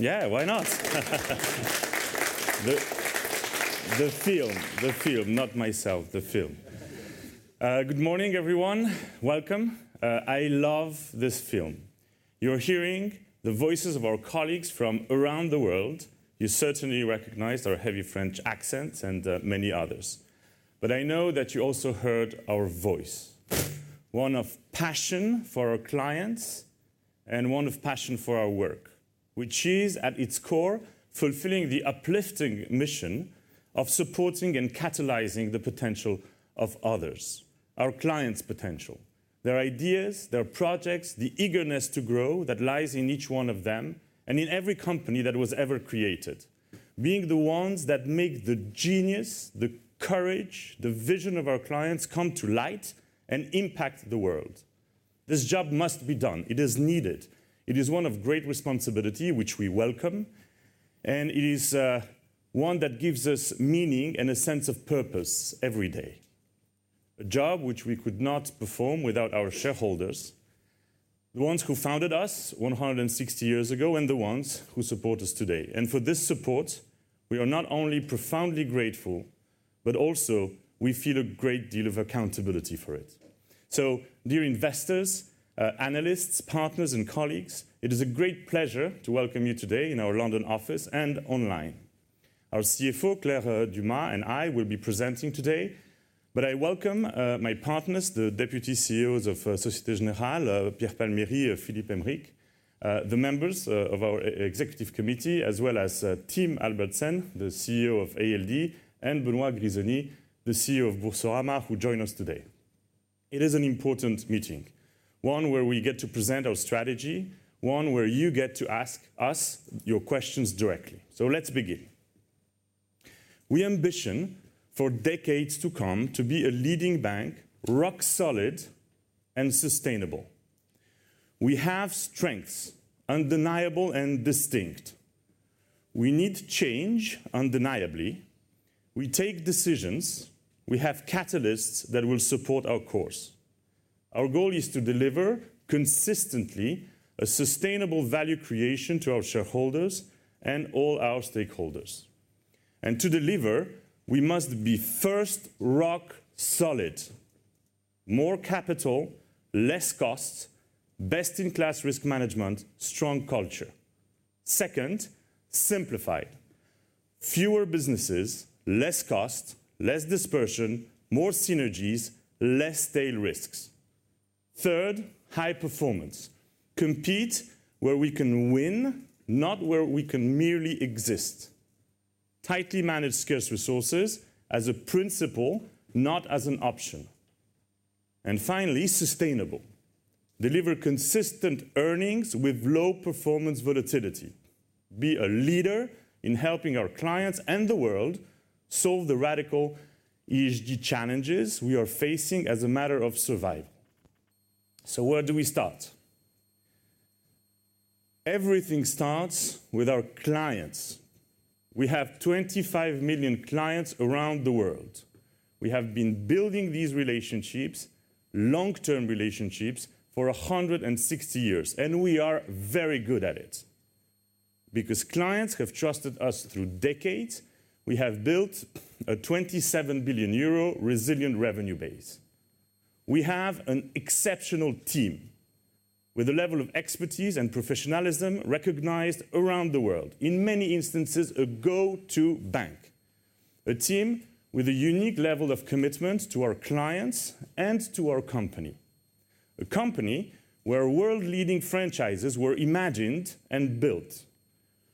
Yeah, why not? The film, not myself, the film. Good morning, everyone. Welcome. I love this film. You're hearing the voices of our colleagues from around the world. You certainly recognize our heavy French accent and many others. But I know that you also heard our voice: one of passion for our clients, and one of passion for our work, which is, at its core, fulfilling the uplifting mission of supporting and catalyzing the potential of others, our clients' potential; their ideas, their projects, the eagerness to grow that lies in each one of them, and in every company that was ever created. Being the ones that make the genius, the courage, the vision of our clients come to light and impact the world. This job must be done. It is needed. It is one of great responsibility, which we welcome, and it is one that gives us meaning and a sense of purpose every day. A job which we could not perform without our shareholders, the ones who founded us 160 years ago, and the ones who support us today. And for this support, we are not only profoundly grateful, but also we feel a great deal of accountability for it. So dear investors, analysts, partners, and colleagues, it is a great pleasure to welcome you today in our London office and online. Our CFO, Claire Dumas, and I will be presenting today, but I welcome my partners, the Deputy CEOs of Société Générale, Pierre Palmieri, Philippe Aymerich, the members of our Executive Committee, as well as Tim Albertsen, the CEO of ALD, and Benoit Grisoni, the CEO of Boursorama, who join us today. It is an important meeting, one where we get to present our strategy, one where you get to ask us your questions directly. So let's begin. We ambition for decades to come to be a leading bank, rock solid and sustainable. We have strengths, undeniable and distinct. We need change, undeniably. We take decisions. We have catalysts that will support our course. Our goal is to deliver consistently a sustainable value creation to our shareholders and all our stakeholders. And to deliver, we must be first rock solid. More capital, less costs, best-in-class risk management, strong culture. Second, simplify. Fewer businesses, less cost, less dispersion, more synergies, less tail risks. Third, high performance. Compete where we can win, not where we can merely exist. Tightly manage scarce resources as a principle, not as an option. And finally, sustainable. Deliver consistent earnings with low performance volatility. Be a leader in helping our clients and the world solve the radical ESG challenges we are facing as a matter of survival. Where do we start? Everything starts with our clients. We have 25 million clients around the world. We have been building these relationships, long-term relationships, for 160 years, and we are very good at it. Because clients have trusted us through decades, we have built a 27 billion euro resilient revenue base. We have an exceptional team, with a level of expertise and professionalism recognized around the world. In many instances, a go-to bank. A team with a unique level of commitment to our clients and to our company. A company where world-leading franchises were imagined and built.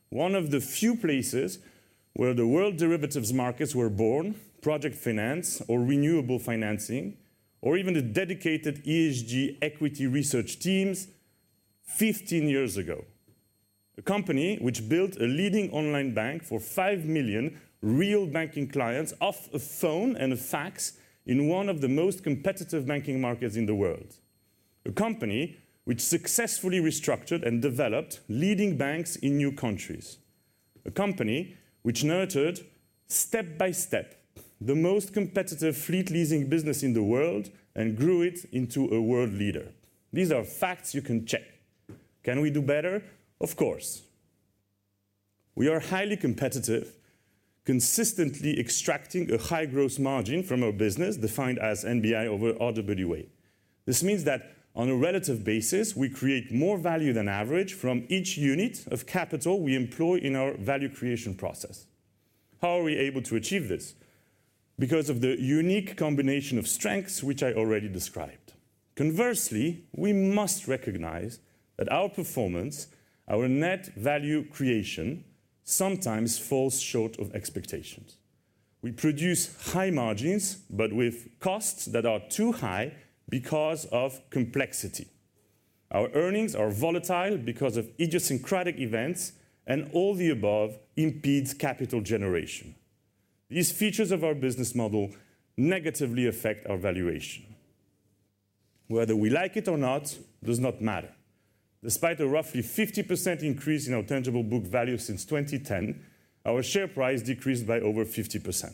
One of the few places where the world derivatives markets were born, project finance or renewable financing, or even the dedicated ESG equity research teams 15 years ago. A company which built a leading online bank for 5 million real banking clients off a phone and a fax in one of the most competitive banking markets in the world. A company which successfully restructured and developed leading banks in new countries. A company which nurtured, step by step, the most competitive fleet leasing business in the world and grew it into a world leader. These are facts you can check. Can we do better? Of course. We are highly competitive, consistently extracting a high gross margin from our business, defined as NBI over RWA. This means that on a relative basis, we create more value than average from each unit of capital we employ in our value creation process. How are we able to achieve this? Because of the unique combination of strengths which I already described. Conversely, we must recognize that our performance, our net value creation, sometimes falls short of expectations. We produce high margins, but with costs that are too high because of complexity. Our earnings are volatile because of idiosyncratic events, and all the above impedes capital generation. These features of our business model negatively affect our valuation. Whether we like it or not does not matter. Despite a roughly 50% increase in our tangible book value since 2010, our share price decreased by over 50%....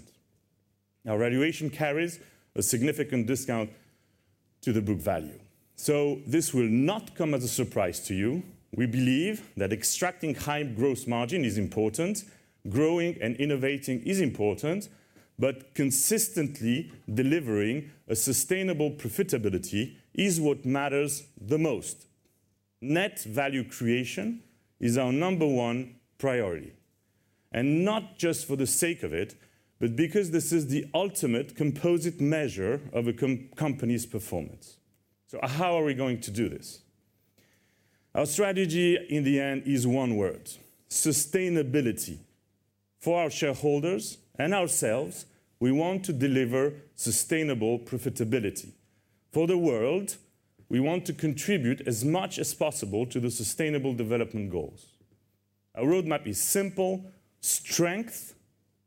Our valuation carries a significant discount to the book value. So this will not come as a surprise to you. We believe that extracting high gross margin is important, growing and innovating is important, but consistently delivering a sustainable profitability is what matters the most. Net value creation is our number one priority, and not just for the sake of it, but because this is the ultimate composite measure of a company's performance. So how are we going to do this? Our strategy, in the end, is one word: sustainability. For our shareholders and ourselves, we want to deliver sustainable profitability. For the world, we want to contribute as much as possible to the sustainable development goals. Our roadmap is simple: strength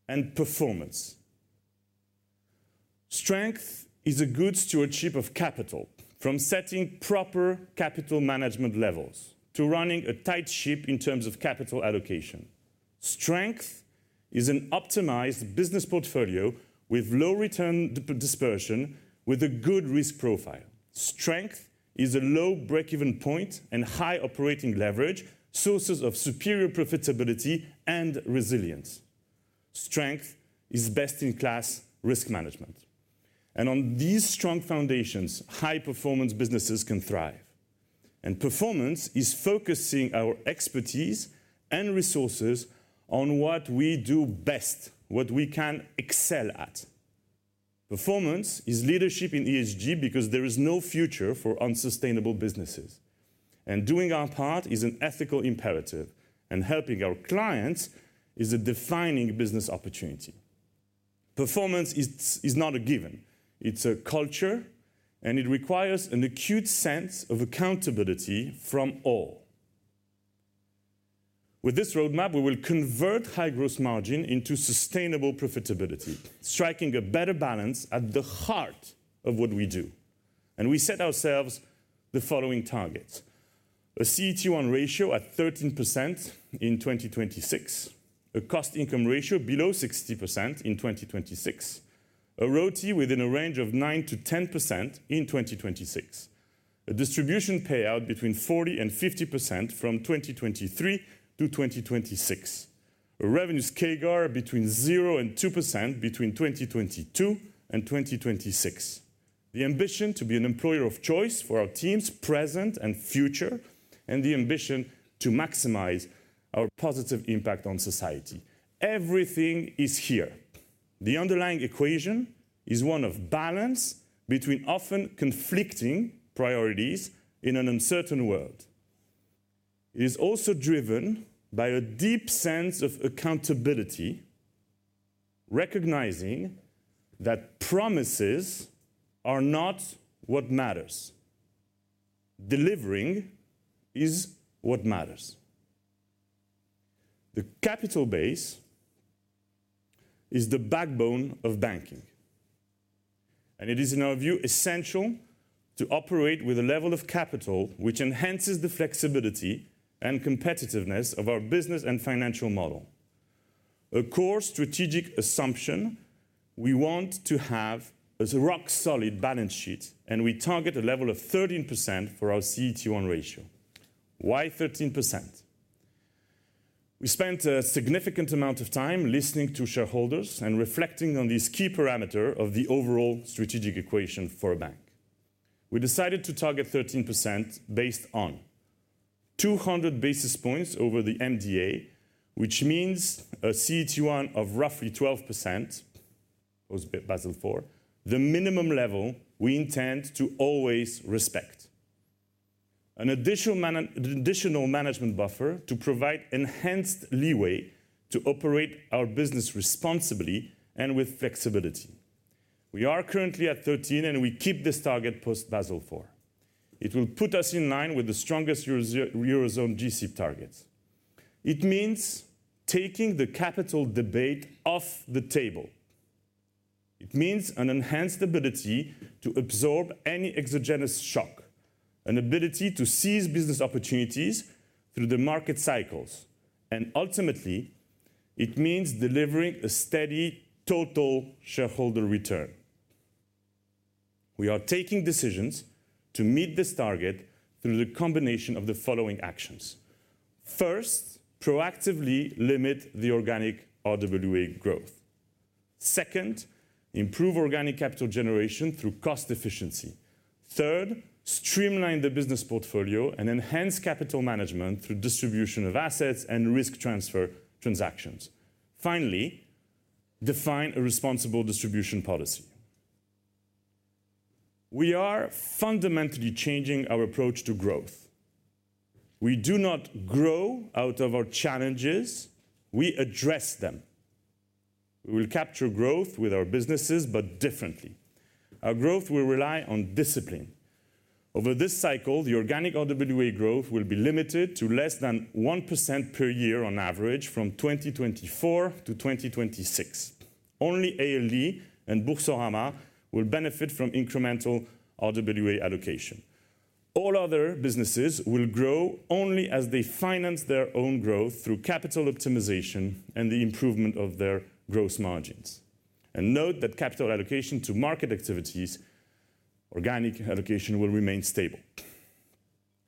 and performance. Strength is a good stewardship of capital, from setting proper capital management levels to running a tight ship in terms of capital allocation. Strength is an optimized business portfolio with low return dispersion, with a good risk profile. Strength is a low breakeven point and high operating leverage, sources of superior profitability and resilience. Strength is best-in-class risk management, and on these strong foundations, high-performance businesses can thrive. Performance is focusing our expertise and resources on what we do best, what we can excel at. Performance is leadership in ESG because there is no future for unsustainable businesses, and doing our part is an ethical imperative, and helping our clients is a defining business opportunity. Performance is not a given. It's a culture, and it requires an acute sense of accountability from all. With this roadmap, we will convert high gross margin into sustainable profitability, striking a better balance at the heart of what we do, and we set ourselves the following targets: a CET1 ratio at 13% in 2026, a cost-income ratio below 60% in 2026, a ROTE within a range of 9%-10% in 2026, a distribution payout between 40%-50% from 2023 to 2026, a revenues CAGR between 0%-2% between 2022 and 2026, the ambition to be an employer of choice for our teams, present and future, and the ambition to maximize our positive impact on society. Everything is here. The underlying equation is one of balance between often conflicting priorities in an uncertain world. It is also driven by a deep sense of accountability, recognizing that promises are not what matters. Delivering is what matters. The capital base is the backbone of banking, and it is, in our view, essential to operate with a level of capital which enhances the flexibility and competitiveness of our business and financial model. A core strategic assumption, we want to have is a rock-solid balance sheet, and we target a level of 13% for our CET1 ratio. Why 13%? We spent a significant amount of time listening to shareholders and reflecting on this key parameter of the overall strategic equation for a bank. We decided to target 13% based on 200 basis points over the MDA, which means a CET1 of roughly 12%, post Basel IV, the minimum level we intend to always respect. An additional management buffer to provide enhanced leeway to operate our business responsibly and with flexibility. We are currently at 13, and we keep this target post Basel IV. It will put us in line with the strongest Eurozone G-SIB targets. It means taking the capital debate off the table. It means an enhanced ability to absorb any exogenous shock, an ability to seize business opportunities through the market cycles, and ultimately, it means delivering a steady total shareholder return. We are taking decisions to meet this target through the combination of the following actions. First, proactively limit the organic RWA growth. Second, improve organic capital generation through cost efficiency. Third, streamline the business portfolio and enhance capital management through distribution of assets and risk transfer transactions. Finally, define a responsible distribution policy. We are fundamentally changing our approach to growth. We do not grow out of our challenges. We address them. We will capture growth with our businesses, but differently. Our growth will rely on discipline. Over this cycle, the organic RWA growth will be limited to less than 1% per year on average from 2024 to 2026. Only ALD and Boursorama will benefit from incremental RWA allocation.... All other businesses will grow only as they finance their own growth through capital optimization and the improvement of their gross margins. Note that capital allocation to market activities, organic allocation, will remain stable.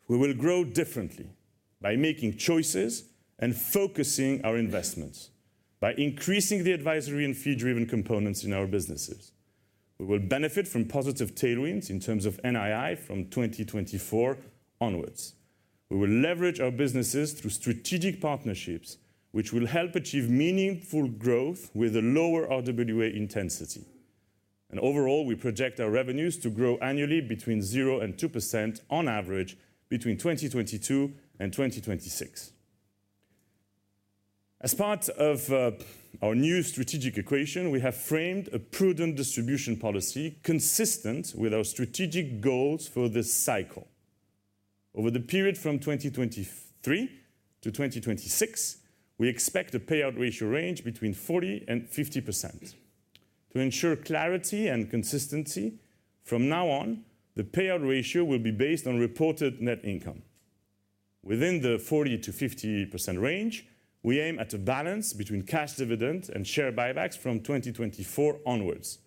We will grow differently by making choices and focusing our investments, by increasing the advisory and fee-driven components in our businesses. We will benefit from positive tailwinds in terms of NII from 2024 onwards. We will leverage our businesses through strategic partnerships, which will help achieve meaningful growth with a lower RWA intensity. Overall, we project our revenues to grow annually between 0% and 2% on average between 2022 and 2026. As part of our new strategic equation, we have framed a prudent distribution policy consistent with our strategic goals for this cycle. Over the period from 2023 to 2026, we expect a payout ratio range between 40% and 50%. To ensure clarity and consistency, from now on, the payout ratio will be based on reported net income. Within the 40%-50% range, we aim at a balance between cash dividend and share buybacks from 2024 onwards.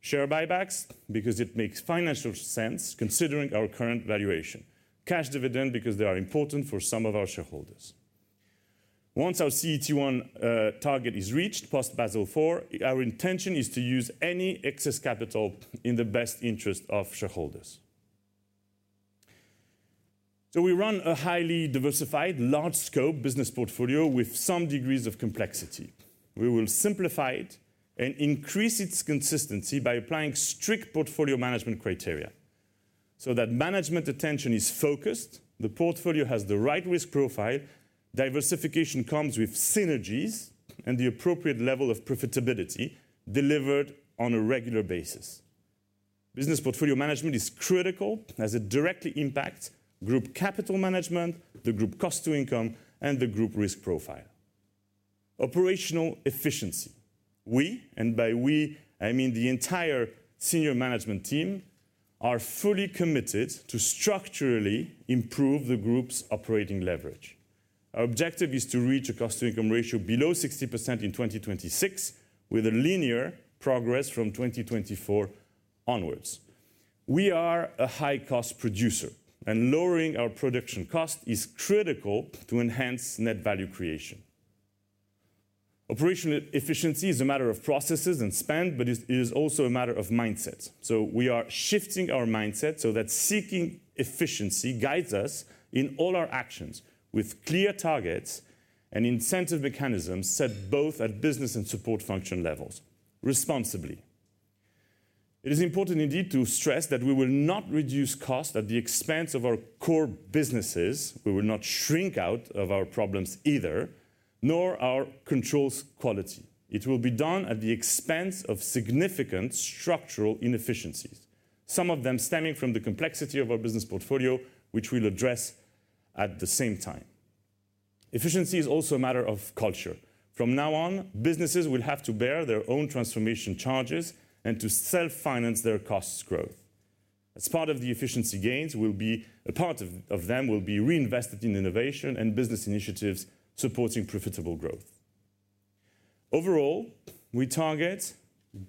Share buybacks, because it makes financial sense considering our current valuation. Cash dividend, because they are important for some of our shareholders. Once our CET1 target is reached, post Basel IV, our intention is to use any excess capital in the best interest of shareholders. So we run a highly diversified, large-scope business portfolio with some degrees of complexity. We will simplify it and increase its consistency by applying strict portfolio management criteria, so that management attention is focused, the portfolio has the right risk profile, diversification comes with synergies, and the appropriate level of profitability delivered on a regular basis. Business portfolio management is critical, as it directly impacts group capital management, the group cost to income, and the group risk profile. Operational efficiency. We, and by we, I mean the entire senior management team, are fully committed to structurally improve the Group's operating leverage. Our objective is to reach a cost-to-income ratio below 60% in 2026, with a linear progress from 2024 onwards. We are a high-cost producer, and lowering our production cost is critical to enhance net value creation. Operational efficiency is a matter of processes and spend, but it is also a matter of mindset. So we are shifting our mindset so that seeking efficiency guides us in all our actions with clear targets and incentive mechanisms set both at business and support function levels, responsibly. It is important indeed, to stress that we will not reduce costs at the expense of our core businesses. We will not shrink out of our problems either, nor our controls quality. It will be done at the expense of significant structural inefficiencies, some of them stemming from the complexity of our business portfolio, which we'll address at the same time. Efficiency is also a matter of culture. From now on, businesses will have to bear their own transformation charges and to self-finance their costs growth. As part of the efficiency gains, part of them will be reinvested in innovation and business initiatives supporting profitable growth. Overall, we target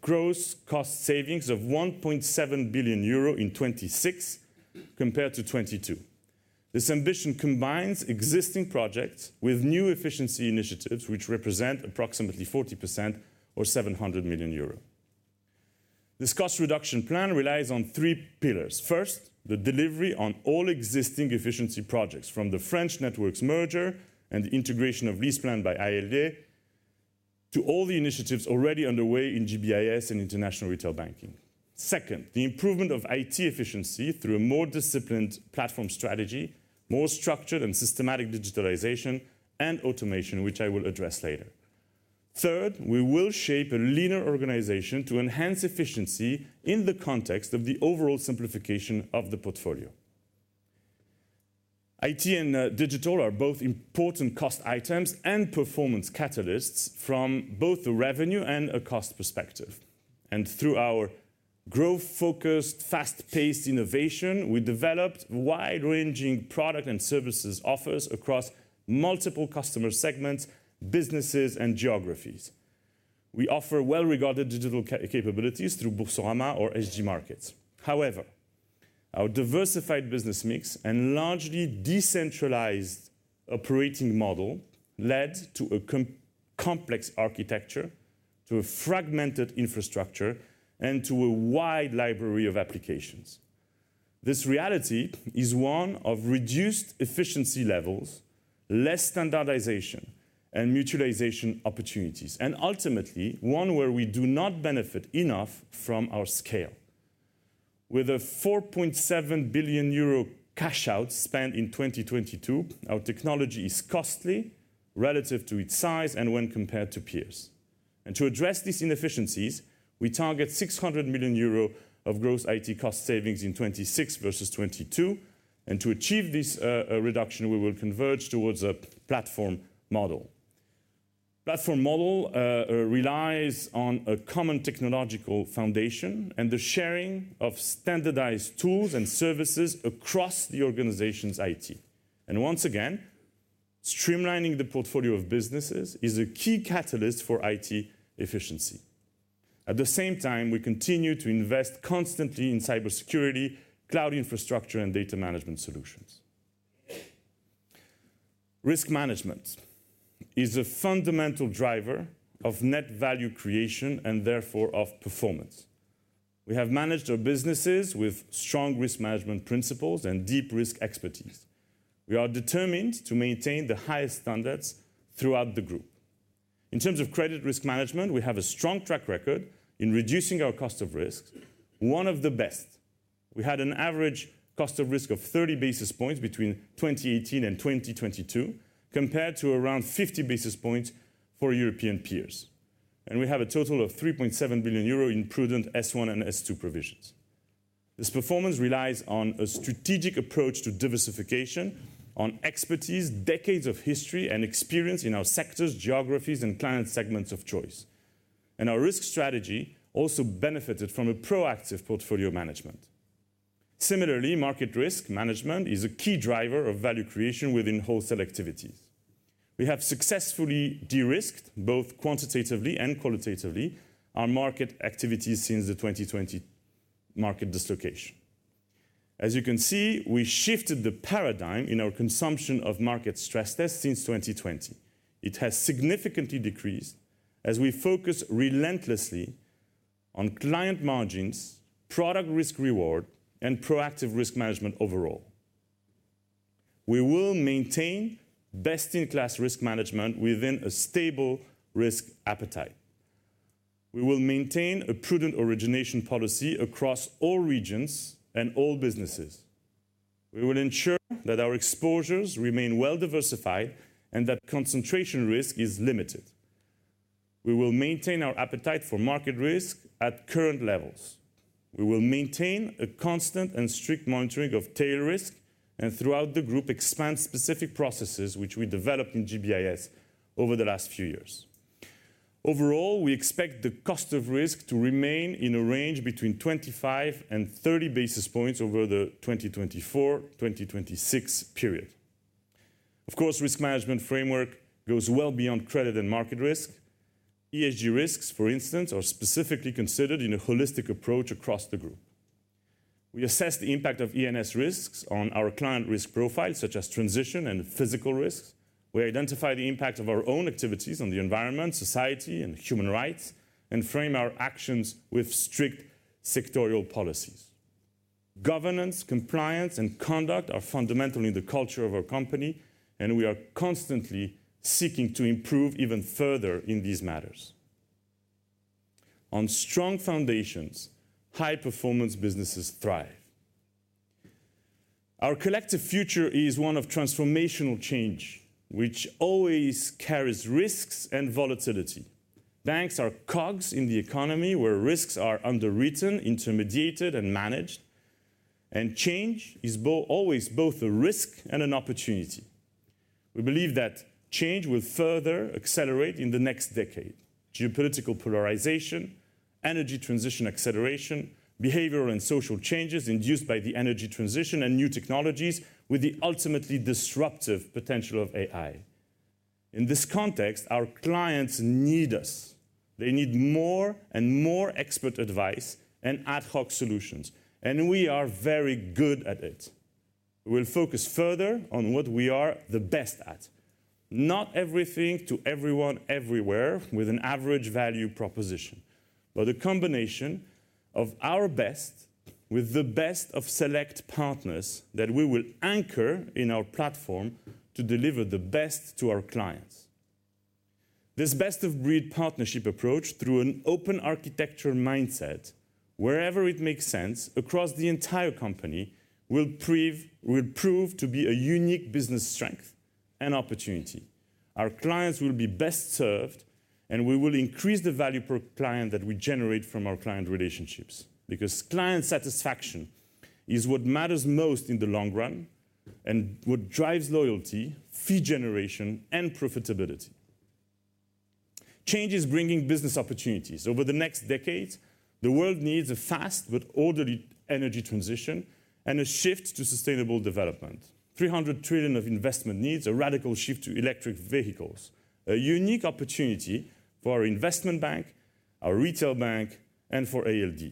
gross cost savings of 1.7 billion euro in 2026 compared to 2022. This ambition combines existing projects with new efficiency initiatives, which represent approximately 40% or 700 million euro. This cost reduction plan relies on three pillars. First, the delivery on all existing efficiency projects, from the French networks merger and the integration of LeasePlan by ALD, to all the initiatives already underway in GBIS and international retail banking. Second, the improvement of IT efficiency through a more disciplined platform strategy, more structured and systematic digitalization, and automation, which I will address later. Third, we will shape a leaner organization to enhance efficiency in the context of the overall simplification of the portfolio. IT and digital are both important cost items and performance catalysts from both a revenue and a cost perspective. Through our growth-focused, fast-paced innovation, we developed wide-ranging product and services offers across multiple customer segments, businesses, and geographies. We offer well-regarded digital capabilities through Boursorama or SG Markets. However, our diversified business mix and largely decentralized operating model led to a complex architecture, to a fragmented infrastructure, and to a wide library of applications. This reality is one of reduced efficiency levels, less standardization and mutualization opportunities, and ultimately, one where we do not benefit enough from our scale. With a 4.7 billion euro cash out spent in 2022, our technology is costly relative to its size and when compared to peers. To address these inefficiencies, we target 600 million euro of gross IT cost savings in 2026 versus 2022, and to achieve this reduction, we will converge towards a platform model. Platform model relies on a common technological foundation and the sharing of standardized tools and services across the organization's IT. And once again, streamlining the portfolio of businesses is a key catalyst for IT efficiency. At the same time, we continue to invest constantly in cybersecurity, cloud infrastructure, and data management solutions. Risk management is a fundamental driver of net value creation and therefore of performance. We have managed our businesses with strong risk management principles and deep risk expertise. We are determined to maintain the highest standards throughout the group. In terms of credit risk management, we have a strong track record in reducing our cost of risk, one of the best. We had an average cost of risk of 30 basis points between 2018 and 2022, compared to around 50 basis points for European peers, and we have a total of 3.7 billion euro in prudent S1 and S2 provisions. This performance relies on a strategic approach to diversification, on expertise, decades of history, and experience in our sectors, geographies, and client segments of choice. And our risk strategy also benefited from a proactive portfolio management. Similarly, market risk management is a key driver of value creation within wholesale activities. We have successfully de-risked, both quantitatively and qualitatively, our market activities since the 2020 market dislocation. As you can see, we shifted the paradigm in our consumption of market stress test since 2020. It has significantly decreased as we focus relentlessly on client margins, product risk reward, and proactive risk management overall. We will maintain best-in-class risk management within a stable risk appetite. We will maintain a prudent origination policy across all regions and all businesses. We will ensure that our exposures remain well-diversified and that concentration risk is limited. We will maintain our appetite for market risk at current levels. We will maintain a constant and strict monitoring of tail risk, and throughout the group, expand specific processes which we developed in GBIS over the last few years. Overall, we expect the cost of risk to remain in a range between 25 and 30 basis points over the 2024-2026 period. Of course, risk management framework goes well beyond credit and market risk. ESG risks, for instance, are specifically considered in a holistic approach across the group. We assess the impact of ESG risks on our client risk profile, such as transition and physical risks. We identify the impact of our own activities on the environment, society, and human rights, and frame our actions with strict sectorial policies. Governance, compliance, and conduct are fundamental in the culture of our company, and we are constantly seeking to improve even further in these matters. On strong foundations, high-performance businesses thrive. Our collective future is one of transformational change, which always carries risks and volatility. Banks are cogs in the economy where risks are underwritten, intermediated, and managed, and change is always both a risk and an opportunity. We believe that change will further accelerate in the next decade. Geopolitical polarization, energy transition acceleration, behavioral and social changes induced by the energy transition and new technologies with the ultimately disruptive potential of AI. In this context, our clients need us. They need more and more expert advice and ad hoc solutions, and we are very good at it. We'll focus further on what we are the best at. Not everything to everyone, everywhere, with an average value proposition, but a combination of our best with the best of select partners that we will anchor in our platform to deliver the best to our clients. This best-of-breed partnership approach, through an open architectural mindset, wherever it makes sense across the entire company, will prove, will prove to be a unique business strength and opportunity. Our clients will be best served, and we will increase the value per client that we generate from our client relationships, because client satisfaction is what matters most in the long run and what drives loyalty, fee generation, and profitability. Change is bringing business opportunities. Over the next decade, the world needs a fast but orderly energy transition and a shift to sustainable development. 300 trillion of investment needs a radical shift to electric vehicles, a unique opportunity for our investment bank, our retail bank, and for ALD.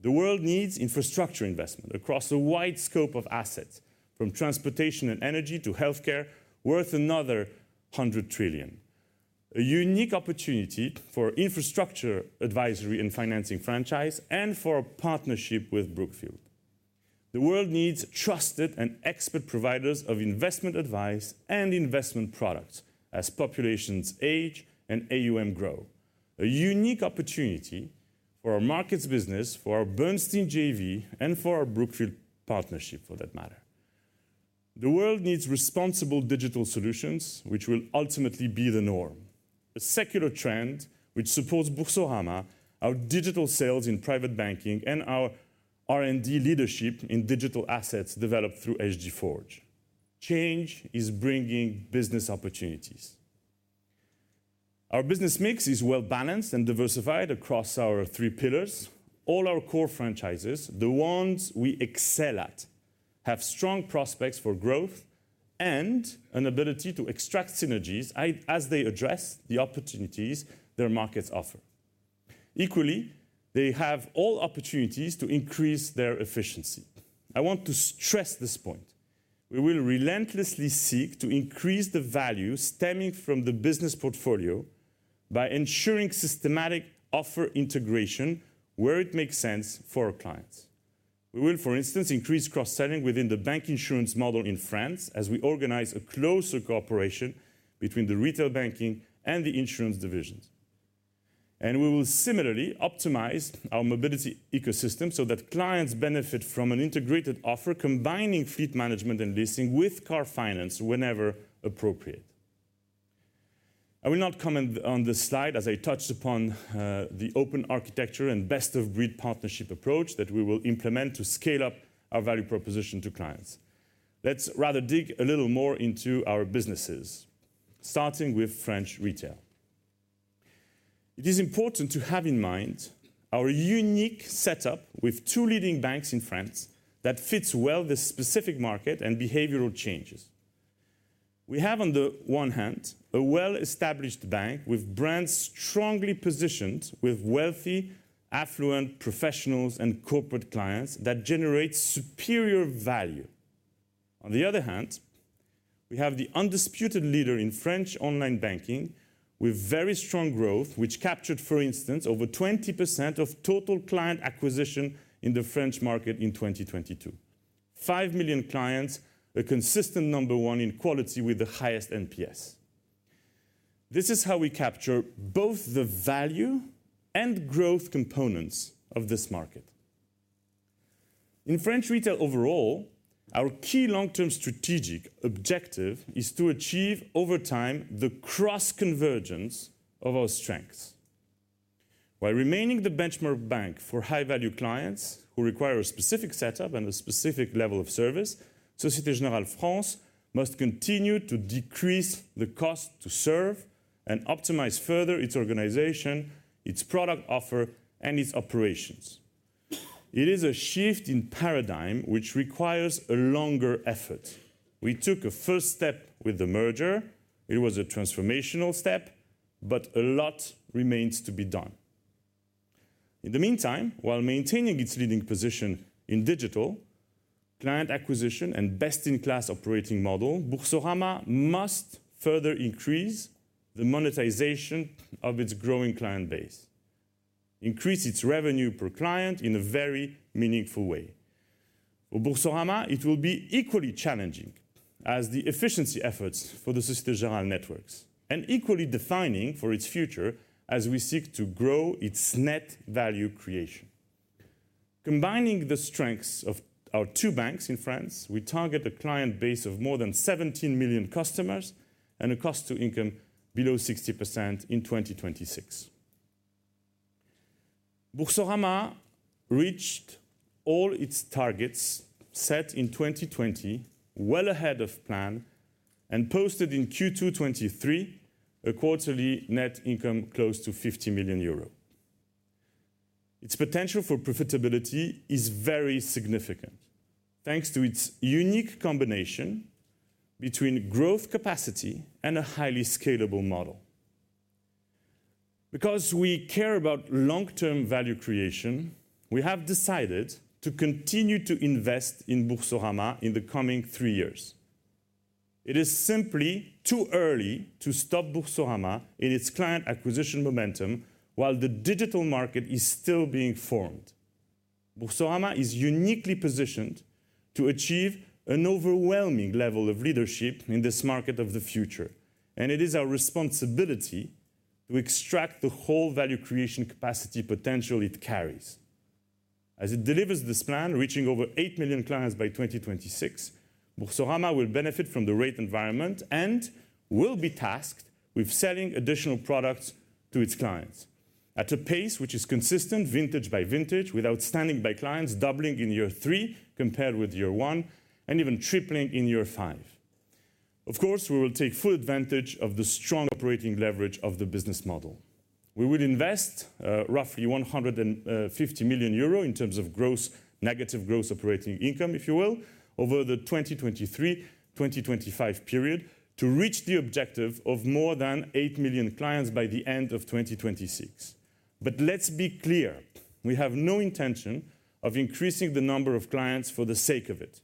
The world needs infrastructure investment across a wide scope of assets, from transportation and energy to healthcare, worth another 100 trillion. A unique opportunity for infrastructure advisory and financing franchise, and for our partnership with Brookfield. The world needs trusted and expert providers of investment advice and investment products as populations age and AUM grow. A unique opportunity for our markets business, for our Bernstein JV, and for our Brookfield partnership, for that matter. The world needs responsible digital solutions, which will ultimately be the norm. A secular trend, which supports Boursorama, our digital sales in private banking, and our-... R&D leadership in digital assets developed through SG Forge. Change is bringing business opportunities. Our business mix is well-balanced and diversified across our three pillars. All our core franchises, the ones we excel at, have strong prospects for growth and an ability to extract synergies as they address the opportunities their markets offer. Equally, they have all opportunities to increase their efficiency. I want to stress this point. We will relentlessly seek to increase the value stemming from the business portfolio by ensuring systematic offer integration where it makes sense for our clients. We will, for instance, increase cross-selling within the bank insurance model in France as we organize a closer cooperation between the retail banking and the insurance divisions. And we will similarly optimize our mobility ecosystem so that clients benefit from an integrated offer, combining fleet management and leasing with car finance whenever appropriate. I will not comment on this slide as I touched upon the open architecture and best-of-breed partnership approach that we will implement to scale up our value proposition to clients. Let's rather dig a little more into our businesses, starting with French Retail. It is important to have in mind our unique setup with two leading banks in France that fits well the specific market and behavioral changes. We have, on the one hand, a well-established bank with brands strongly positioned with wealthy, affluent professionals and corporate clients that generate superior value. On the other hand, we have the undisputed leader in French online banking, with very strong growth, which captured, for instance, over 20% of total client acquisition in the French market in 2022. 5 million clients, a consistent number one in quality with the highest NPS. This is how we capture both the value and growth components of this market. In French Retail overall, our key long-term strategic objective is to achieve, over time, the cross-convergence of our strengths. While remaining the benchmark bank for high-value clients who require a specific setup and a specific level of service, Société Générale France must continue to decrease the cost to serve and optimize further its organization, its product offer, and its operations. It is a shift in paradigm which requires a longer effort. We took a first step with the merger. It was a transformational step, but a lot remains to be done. In the meantime, while maintaining its leading position in digital, client acquisition, and best-in-class operating model, Boursorama must further increase the monetization of its growing client base, increase its revenue per client in a very meaningful way. For Boursorama, it will be equally challenging as the efficiency efforts for the Société Générale networks, and equally defining for its future as we seek to grow its net value creation. Combining the strengths of our two banks in France, we target a client base of more than 17 million customers and a cost to income below 60% in 2026. Boursorama reached all its targets set in 2020, well ahead of plan, and posted in Q2 2023, a quarterly net income close to 50 million euro. Its potential for profitability is very significant, thanks to its unique combination between growth capacity and a highly scalable model. Because we care about long-term value creation, we have decided to continue to invest in Boursorama in the coming three years. It is simply too early to stop Boursorama in its client acquisition momentum while the digital market is still being formed. Boursorama is uniquely positioned to achieve an overwhelming level of leadership in this market of the future, and it is our responsibility to extract the whole value creation capacity potential it carries. As it delivers this plan, reaching over 8 million clients by 2026, Boursorama will benefit from the rate environment and will be tasked with selling additional products to its clients at a pace which is consistent vintage by vintage, with outstanding by clients doubling in year three compared with year one, and even tripling in year five. Of course, we will take full advantage of the strong operating leverage of the business model. We will invest roughly 150 million euro in terms of gross, negative gross operating income, if you will, over the 2023-2025 period to reach the objective of more than 8 million clients by the end of 2026. But let's be clear, we have no intention of increasing the number of clients for the sake of it.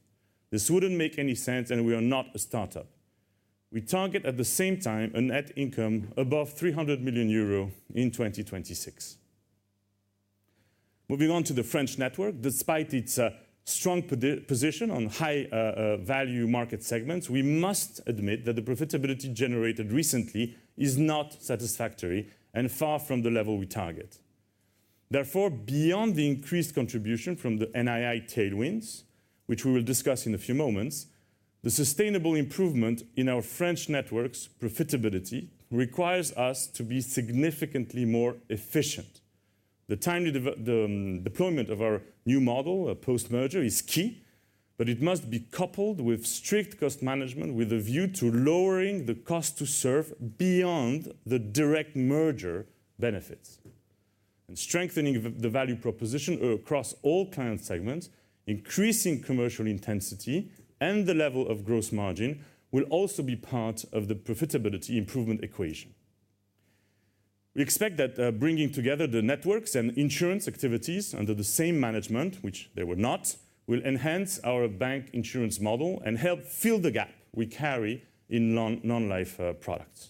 This wouldn't make any sense, and we are not a startup. We target, at the same time, a net income above 300 million euro in 2026. Moving on to the French network, despite its strong position on high value market segments, we must admit that the profitability generated recently is not satisfactory and far from the level we target. Therefore, beyond the increased contribution from the NII tailwinds, which we will discuss in a few moments... The sustainable improvement in our French networks' profitability requires us to be significantly more efficient. The timely deployment of our new model, post-merger is key, but it must be coupled with strict cost management, with a view to lowering the cost to serve beyond the direct merger benefits. And strengthening the value proposition across all client segments, increasing commercial intensity, and the level of gross margin will also be part of the profitability improvement equation. We expect that, bringing together the networks and insurance activities under the same management, which they were not, will enhance our bank insurance model and help fill the gap we carry in non-life products.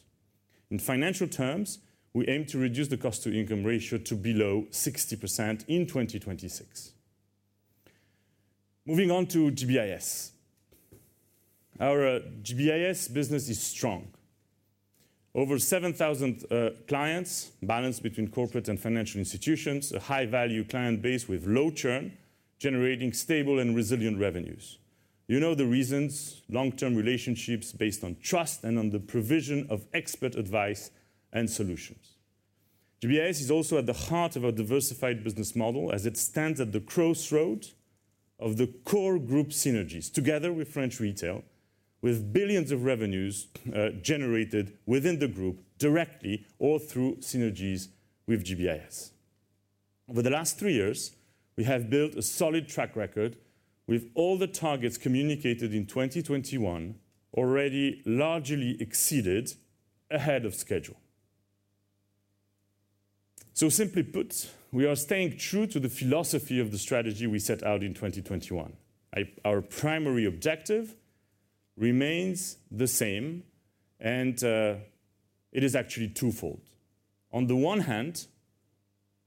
In financial terms, we aim to reduce the cost-to-income ratio to below 60% in 2026. Moving on to GBIS. Our GBIS business is strong. Over 7,000 clients, balanced between corporate and financial institutions, a high-value client base with low churn, generating stable and resilient revenues. You know the reasons, long-term relationships based on trust and on the provision of expert advice and solutions. GBIS is also at the heart of our diversified business model as it stands at the crossroad of the core group synergies, together with French Retail, with billions in revenues generated within the group directly or through synergies with GBIS. Over the last three years, we have built a solid track record, with all the targets communicated in 2021 already largely exceeded ahead of schedule. So simply put, we are staying true to the philosophy of the strategy we set out in 2021. Our primary objective remains the same, and it is actually twofold. On the one hand,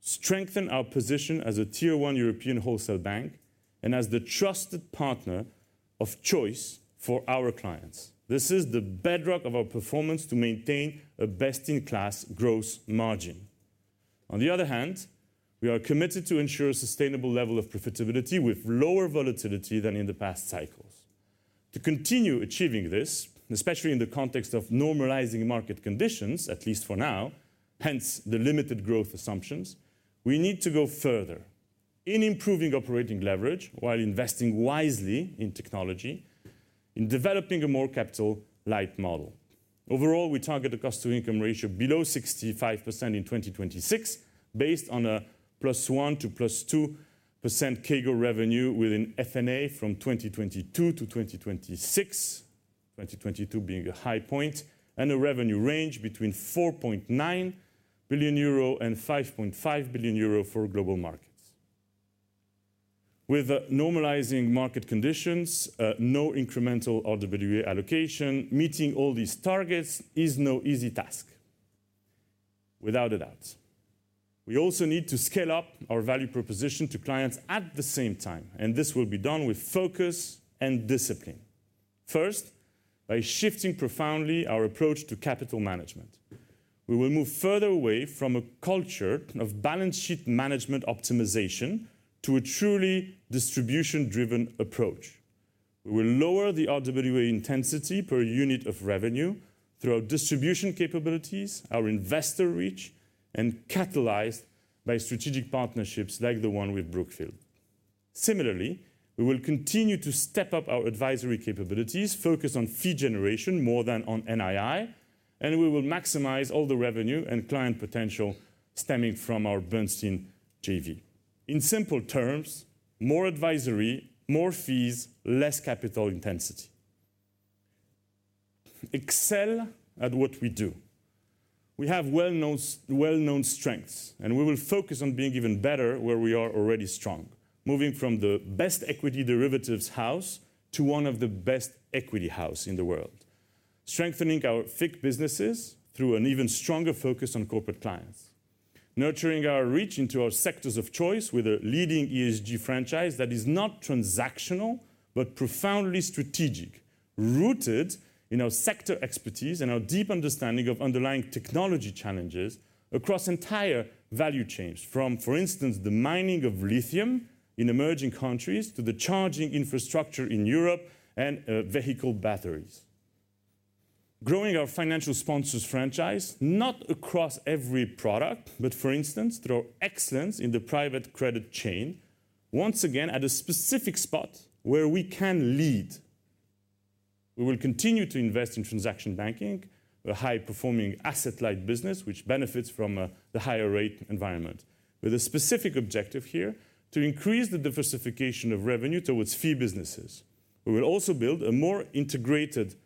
strengthen our position as a Tier 1 European wholesale bank and as the trusted partner of choice for our clients. This is the bedrock of our performance to maintain a best-in-class gross margin. On the other hand, we are committed to ensure a sustainable level of profitability with lower volatility than in the past cycles. To continue achieving this, especially in the context of normalizing market conditions, at least for now, hence the limited growth assumptions, we need to go further in improving operating leverage while investing wisely in technology, in developing a more capital-light model. Overall, we target a cost-to-income ratio below 65% in 2026, based on a +1% to +2% CAGR revenue within F&A from 2022 to 2026, 2022 being a high point, and a revenue range between 4.9 billion euro and 5.5 billion euro for global markets. With normalizing market conditions, no incremental RWA allocation, meeting all these targets is no easy task, without a doubt. We also need to scale up our value proposition to clients at the same time, and this will be done with focus and discipline. First, by shifting profoundly our approach to capital management. We will move further away from a culture of balance sheet management optimization to a truly distribution-driven approach. We will lower the RWA intensity per unit of revenue through our distribution capabilities, our investor reach, and catalyzed by strategic partnerships like the one with Brookfield. Similarly, we will continue to step up our advisory capabilities, focus on fee generation more than on NII, and we will maximize all the revenue and client potential stemming from our Bernstein JV. In simple terms, more advisory, more fees, less capital intensity. Excel at what we do. We have well-known, well-known strengths, and we will focus on being even better where we are already strong. Moving from the best equity derivatives house to one of the best equity house in the world. Strengthening our FICC businesses through an even stronger focus on corporate clients. Nurturing our reach into our sectors of choice with a leading ESG franchise that is not transactional, but profoundly strategic, rooted in our sector expertise and our deep understanding of underlying technology challenges across entire value chains from, for instance, the mining of lithium in emerging countries to the charging infrastructure in Europe and vehicle batteries. Growing our financial sponsors' franchise, not across every product, but for instance, through our excellence in the private credit chain, once again, at a specific spot where we can lead. We will continue to invest in transaction banking, a high-performing asset-light business, which benefits from the higher rate environment, with a specific objective here to increase the diversification of revenue towards fee businesses. We will also build a more integrated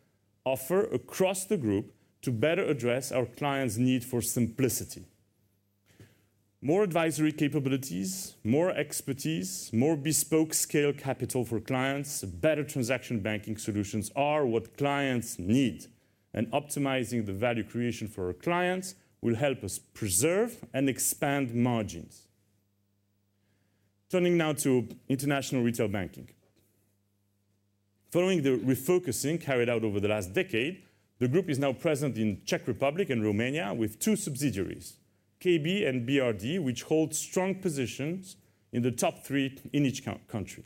offer across the group to better address our clients' need for simplicity. More advisory capabilities, more expertise, more bespoke scale capital for clients, better transaction banking solutions are what clients need, and optimizing the value creation for our clients will help us preserve and expand margins. Turning now to international retail banking. Following the refocusing carried out over the last decade, the group is now present in Czech Republic and Romania with two subsidiaries.... KB and BRD, which hold strong positions in the top three in each country.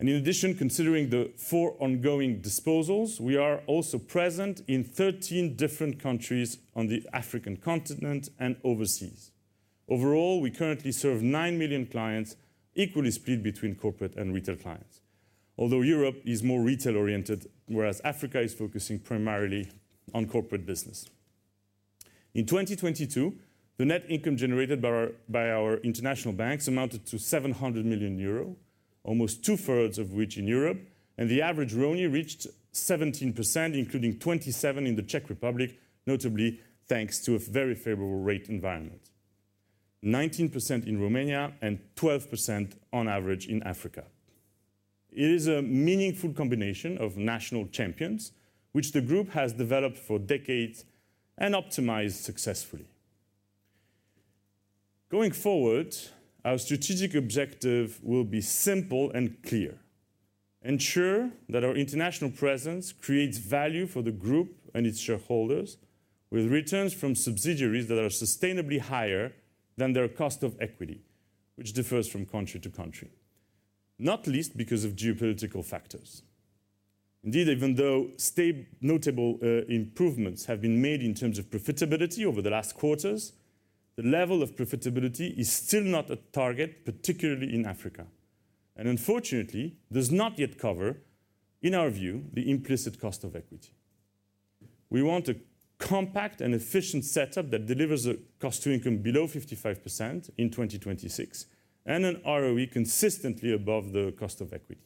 In addition, considering the four ongoing disposals, we are also present in 13 different countries on the African continent and overseas. Overall, we currently serve 9 million clients, equally split between corporate and retail clients, although Europe is more retail-oriented, whereas Africa is focusing primarily on corporate business. In 2022, the net income generated by our international banks amounted to 700 million euro, almost two-thirds of which in Europe, and the average ROE reached 17%, including 27% in the Czech Republic, notably thanks to a very favorable rate environment, 19% in Romania, and 12% on average in Africa. It is a meaningful combination of national champions, which the group has developed for decades and optimized successfully. Going forward, our strategic objective will be simple and clear: ensure that our international presence creates value for the group and its shareholders, with returns from subsidiaries that are sustainably higher than their cost of equity, which differs from country to country, not least because of geopolitical factors. Indeed, even though stable, notable improvements have been made in terms of profitability over the last quarters, the level of profitability is still not at target, particularly in Africa, and unfortunately, does not yet cover, in our view, the implicit cost of equity. We want a compact and efficient setup that delivers a cost-to-income below 55% in 2026 and an ROE consistently above the cost of equity.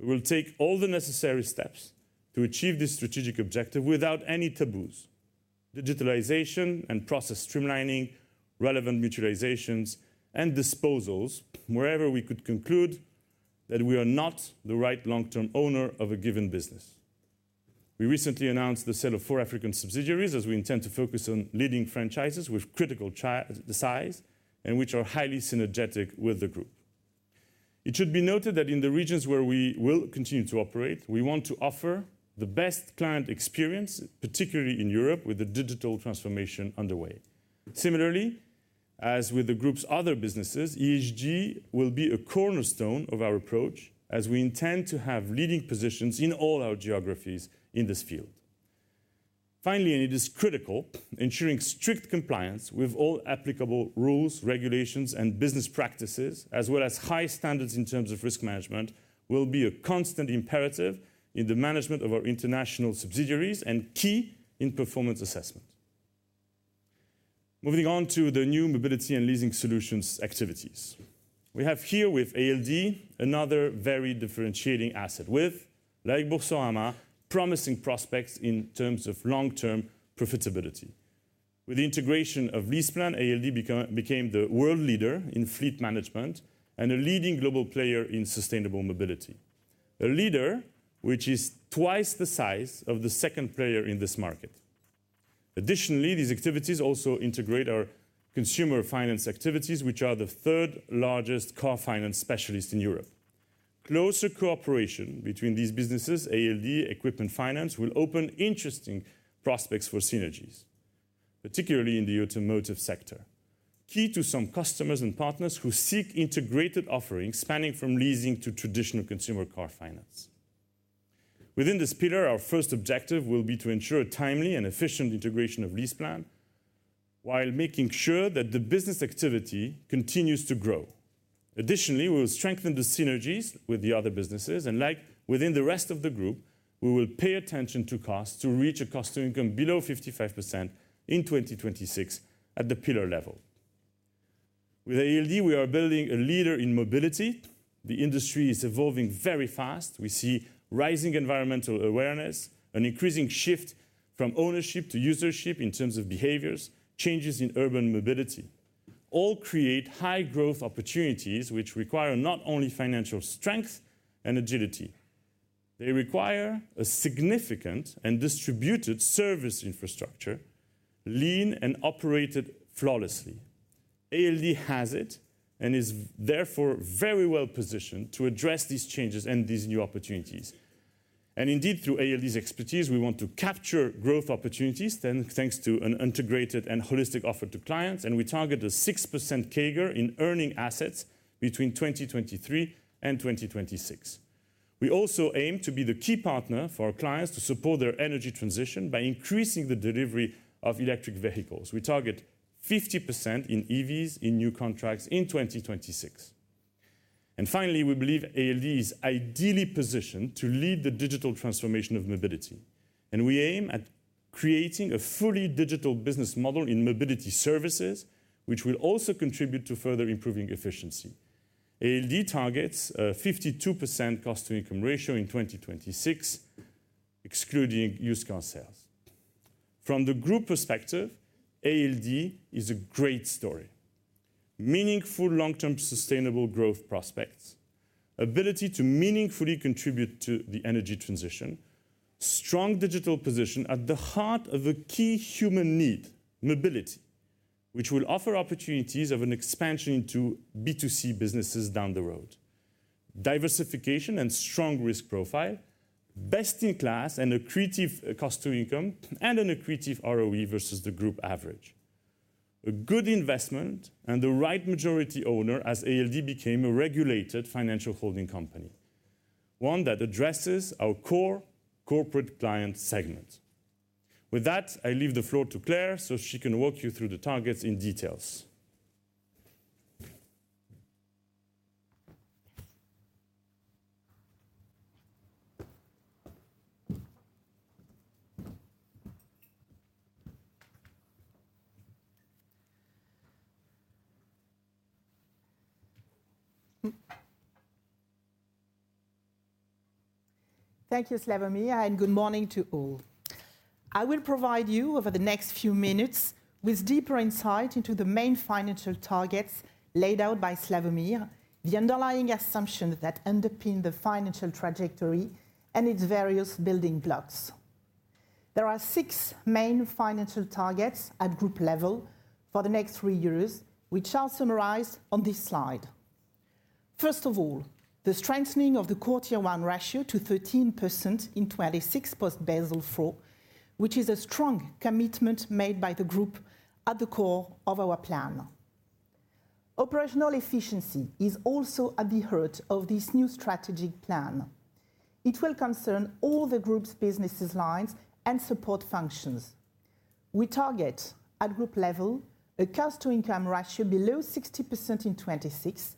We will take all the necessary steps to achieve this strategic objective without any taboos, digitalization and process streamlining, relevant mutualizations, and disposals wherever we could conclude that we are not the right long-term owner of a given business. We recently announced the sale of four African subsidiaries, as we intend to focus on leading franchises with critical size and which are highly synergetic with the group. It should be noted that in the regions where we will continue to operate, we want to offer the best client experience, particularly in Europe, with the digital transformation underway. Similarly, as with the group's other businesses, ESG will be a cornerstone of our approach as we intend to have leading positions in all our geographies in this field. Finally, and it is critical, ensuring strict compliance with all applicable rules, regulations, and business practices, as well as high standards in terms of risk management, will be a constant imperative in the management of our international subsidiaries and key in performance assessment. Moving on to the new mobility and leasing solutions activities. We have here with ALD, another very differentiating asset with, like Boursorama, promising prospects in terms of long-term profitability. With the integration of LeasePlan, ALD became the world leader in fleet management and a leading global player in sustainable mobility. A leader which is twice the size of the second player in this market. Additionally, these activities also integrate our consumer finance activities, which are the third largest car finance specialist in Europe. Closer cooperation between these businesses, ALD, Equipment Finance, will open interesting prospects for synergies, particularly in the automotive sector, key to some customers and partners who seek integrated offerings spanning from leasing to traditional consumer car finance. Within this pillar, our first objective will be to ensure timely and efficient integration of LeasePlan, while making sure that the business activity continues to grow. Additionally, we will strengthen the synergies with the other businesses, and like within the rest of the group, we will pay attention to costs to reach a cost-to-income below 55% in 2026 at the pillar level. With ALD, we are building a leader in mobility. The industry is evolving very fast. We see rising environmental awareness, an increasing shift from ownership to usership in terms of behaviors, changes in urban mobility, all create high growth opportunities which require not only financial strength and agility. They require a significant and distributed service infrastructure, lean and operated flawlessly. ALD has it, and is therefore very well positioned to address these changes and these new opportunities. Indeed, through ALD's expertise, we want to capture growth opportunities, then, thanks to an integrated and holistic offer to clients, and we target a 6% CAGR in earning assets between 2023 and 2026. We also aim to be the key partner for our clients to support their energy transition by increasing the delivery of electric vehicles. We target 50% in EVs in new contracts in 2026. And finally, we believe ALD is ideally positioned to lead the digital transformation of mobility, and we aim at creating a fully digital business model in mobility services, which will also contribute to further improving efficiency. ALD targets 52% cost-to-income ratio in 2026, excluding used car sales. From the group perspective, ALD is a great story. Meaningful, long-term, sustainable growth prospects, ability to meaningfully contribute to the energy transition, strong digital position at the heart of a key human need, mobility, which will offer opportunities of an expansion into B2C businesses down the road, diversification and strong risk profile, best in class and accretive cost to income, and an accretive ROE versus the group average. A good investment and the right majority owner as ALD became a regulated financial holding company, one that addresses our core corporate client segment. With that, I leave the floor to Claire, so she can walk you through the targets in detail. Thank you, Slawomir, and good morning to all. I will provide you, over the next few minutes, with deeper insight into the main financial targets laid out by Slawomir, the underlying assumptions that underpin the financial trajectory and its various building blocks. There are six main financial targets at group level for the next three years, which I'll summarize on this slide. First of all, the strengthening of the CET1 ratio to 13% in 2026 post Basel IV, which is a strong commitment made by the group at the core of our plan. Operational efficiency is also at the heart of this new strategic plan. It will concern all the group's business lines and support functions. We target, at group level, a cost-to-income ratio below 60% in 2026,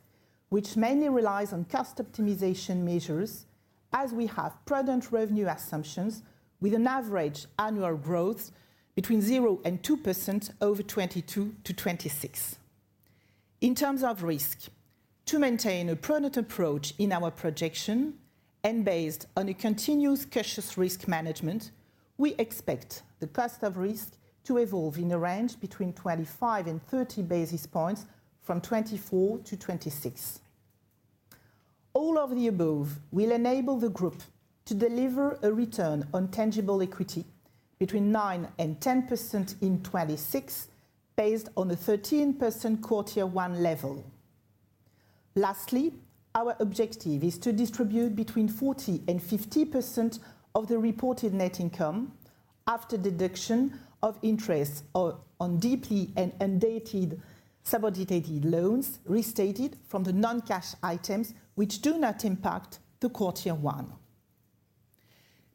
which mainly relies on cost optimization measures, as we have prudent revenue assumptions, with an average annual growth between 0% and 2% over 2022-2026. In terms of risk, to maintain a prudent approach in our projection and based on a continuous cautious risk management, we expect the cost of risk to evolve in a range between 25-30 basis points from 2024-2026. All of the above will enable the group to deliver a return on tangible equity between 9% and 10% in 2026, based on the 13% Core Tier 1 level. Lastly, our objective is to distribute between 40% and 50% of the reported net income after deduction of interest on deeply and undated subordinated loans, restated from the non-cash items, which do not impact the Core Tier 1.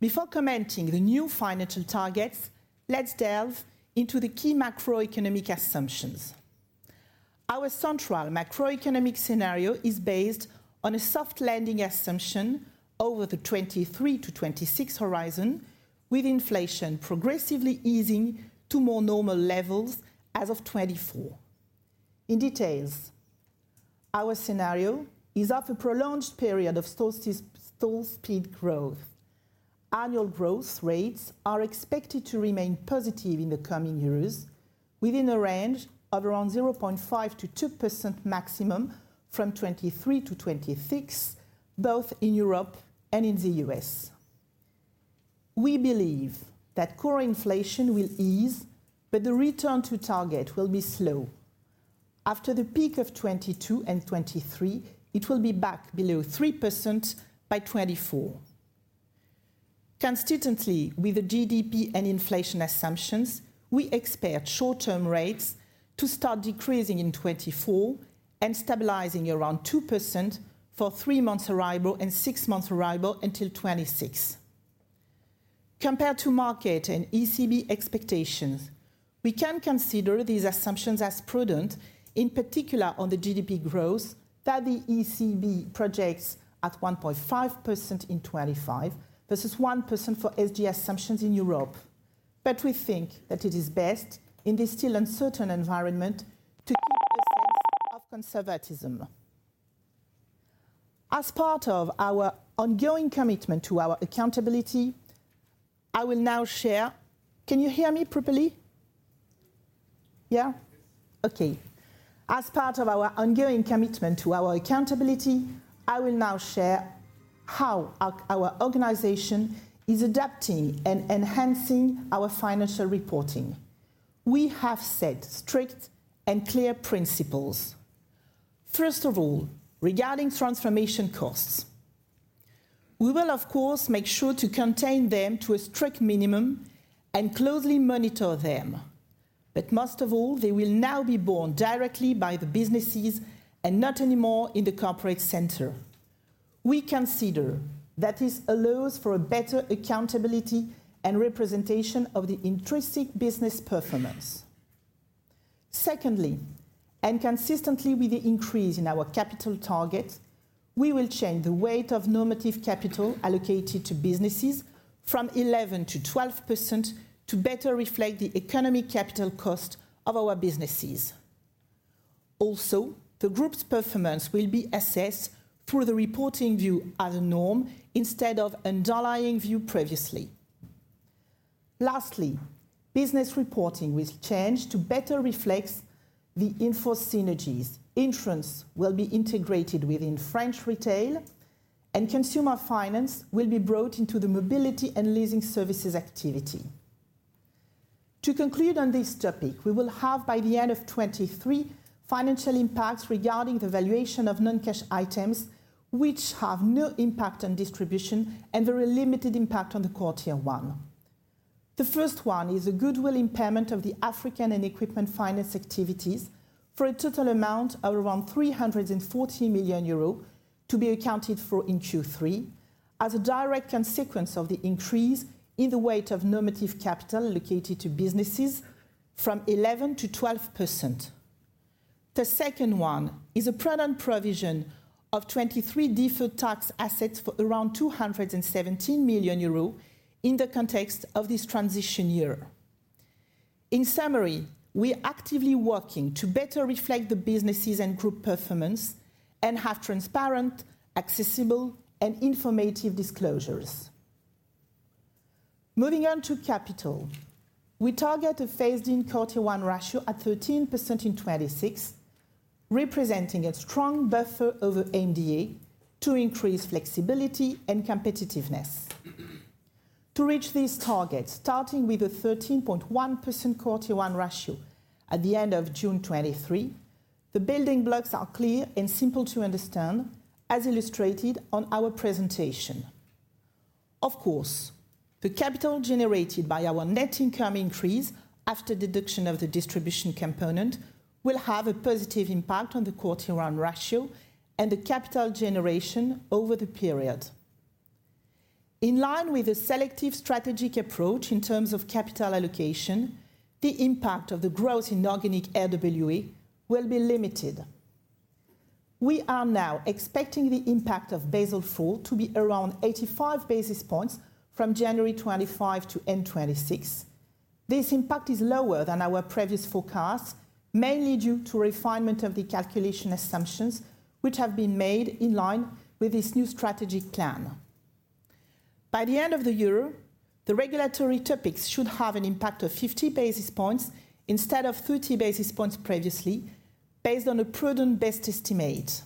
Before commenting the new financial targets, let's delve into the key macroeconomic assumptions. Our central macroeconomic scenario is based on a soft landing assumption over the 2023 to 2026 horizon, with inflation progressively easing to more normal levels as of 2024. In detail, our scenario is after a prolonged period of slow speed growth, annual growth rates are expected to remain positive in the coming years, within a range of around 0.5%-2% maximum from 2023 to 2026, both in Europe and in the US. We believe that core inflation will ease, but the return to target will be slow. After the peak of 2022 and 2023, it will be back below 3% by 2024. Constantly, with the GDP and inflation assumptions, we expect short-term rates to start decreasing in 2024 and stabilizing around 2% for three-month Euribor and six-month Euribor until 2026. Compared to market and ECB expectations, we can consider these assumptions as prudent, in particular on the GDP growth, that the ECB projects at 1.5% in 2025 versus 1% for SG assumptions in Europe. But we think that it is best, in this still uncertain environment, to keep a sense of conservatism. As part of our ongoing commitment to our accountability, I will now share... Can you hear me properly? Yeah? Yes. Okay. As part of our ongoing commitment to our accountability, I will now share how our organization is adapting and enhancing our financial reporting. We have set strict and clear principles. First of all, regarding transformation costs, we will, of course, make sure to contain them to a strict minimum and closely monitor them. But most of all, they will now be borne directly by the businesses and not anymore in the corporate center. We consider that this allows for a better accountability and representation of the intrinsic business performance. Secondly, and consistently with the increase in our capital target, we will change the weight of normative capital allocated to businesses from 11%-12%, to better reflect the economic capital cost of our businesses. Also, the group's performance will be assessed through the reporting view as a norm, instead of underlying view previously. Lastly, business reporting will change to better reflect the info synergies. Insurance will be integrated within French Retail, and Consumer Finance will be brought into the mobility and leasing services activity. To conclude on this topic, we will have, by the end of 2023, financial impacts regarding the valuation of non-cash items, which have no impact on distribution, and there are limited impact on the Core Tier 1. The first one is a goodwill impairment of the African and Equipment Finance activities for a total amount of around 340 million euros, to be accounted for in Q3, as a direct consequence of the increase in the weight of normative capital allocated to businesses from 11%-12%. The second one is a prudent provision of 2023 deferred tax assets for around 217 million euros in the context of this transition year. In summary, we are actively working to better reflect the businesses and group performance and have transparent, accessible, and informative disclosures. Moving on to capital. We target a phased-in Tier 1 ratio at 13% in 2026, representing a strong buffer over MDA to increase flexibility and competitiveness. To reach these targets, starting with a 13.1% Core Tier 1 ratio at the end of June 2023, the building blocks are clear and simple to understand, as illustrated on our presentation. Of course, the capital generated by our net income increase after deduction of the distribution component, will have a positive impact on the Core Tier 1 ratio and the capital generation over the period. In line with a selective strategic approach in terms of capital allocation, the impact of the growth in organic RWA will be limited. We are now expecting the impact of Basel IV to be around 85 basis points from January 2025 to end 2026. This impact is lower than our previous forecast, mainly due to refinement of the calculation assumptions, which have been made in line with this new strategic plan. By the end of the year, the regulatory topics should have an impact of 50 basis points instead of 30 basis points previously, based on a prudent best estimate.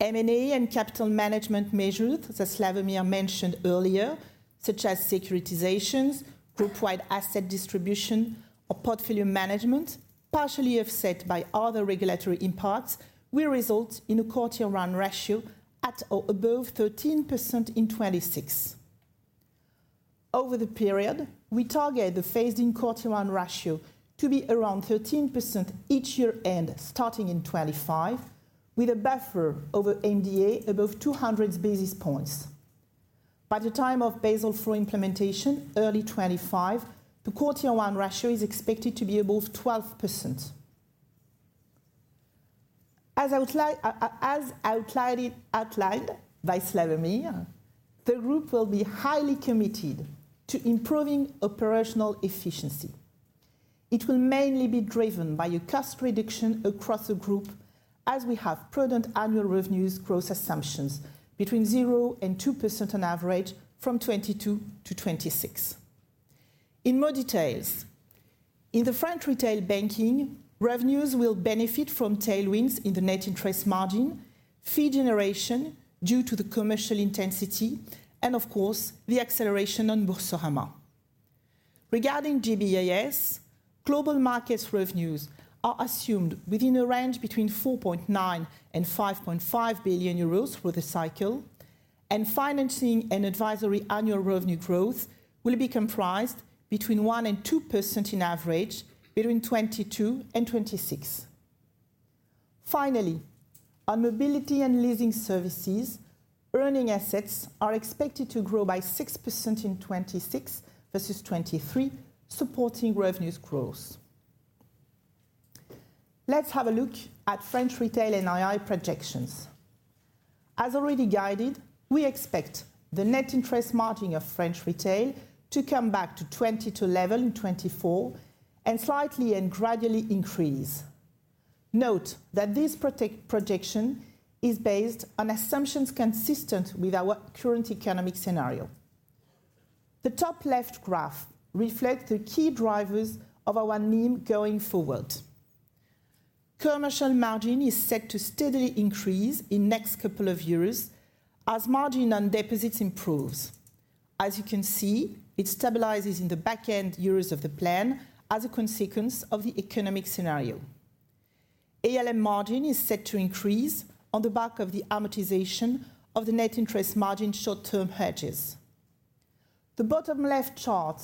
M&A and capital management measures, as Slawomir mentioned earlier, such as securitizations, group-wide asset distribution, or portfolio management, partially offset by other regulatory impacts, will result in a Core Tier 1 ratio at or above 13% in 2026. Over the period, we target the phased-in Core Tier 1 ratio to be around 13% each year-end, starting in 2025, with a buffer over MDA above 200 basis points. By the time of Basel IV implementation, early 2025, the Core Tier 1 ratio is expected to be above 12%. As outlined by Slawomir, the group will be highly committed to improving operational efficiency. It will mainly be driven by a cost reduction across the group, as we have prudent annual revenues growth assumptions between 0% and 2% on average from 2022 to 2026. In more details, in the French retail banking, revenues will benefit from tailwinds in the net interest margin, fee generation due to the commercial intensity, and of course, the acceleration on Boursorama. Regarding GBIS, global markets revenues are assumed within a range between 4.9 billion and 5.5 billion euros for the cycle, and financing and advisory annual revenue growth will be comprised between 1% and 2% in average between 2022 and 2026. Finally, our mobility and leasing services earning assets are expected to grow by 6% in 2026 versus 2023, supporting revenues growth. Let's have a look at French retail NII projections. As already guided, we expect the net interest margin of French retail to come back to 20-11 in 2024, and slightly and gradually increase. Note that this projection is based on assumptions consistent with our current economic scenario. The top left graph reflects the key drivers of our NIM going forward. Commercial margin is set to steadily increase in next couple of years as margin on deposits improves. As you can see, it stabilizes in the back-end years of the plan as a consequence of the economic scenario. ALM margin is set to increase on the back of the amortization of the net interest margin short-term hedges. The bottom left chart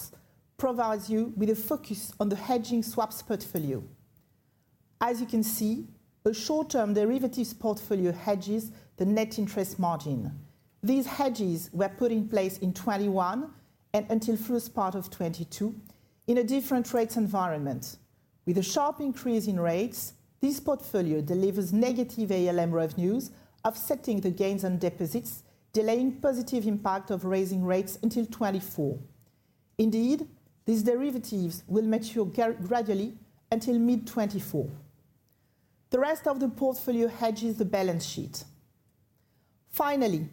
provides you with a focus on the hedging swaps portfolio. As you can see, a short-term derivatives portfolio hedges the net interest margin. These hedges were put in place in 2021 and until first part of 2022 in a different rates environment. With a sharp increase in rates, this portfolio delivers negative ALM revenues, offsetting the gains on deposits, delaying positive impact of raising rates until 2024. Indeed, these derivatives will mature gradually until mid-2024. The rest of the portfolio hedges the balance sheet. Finally,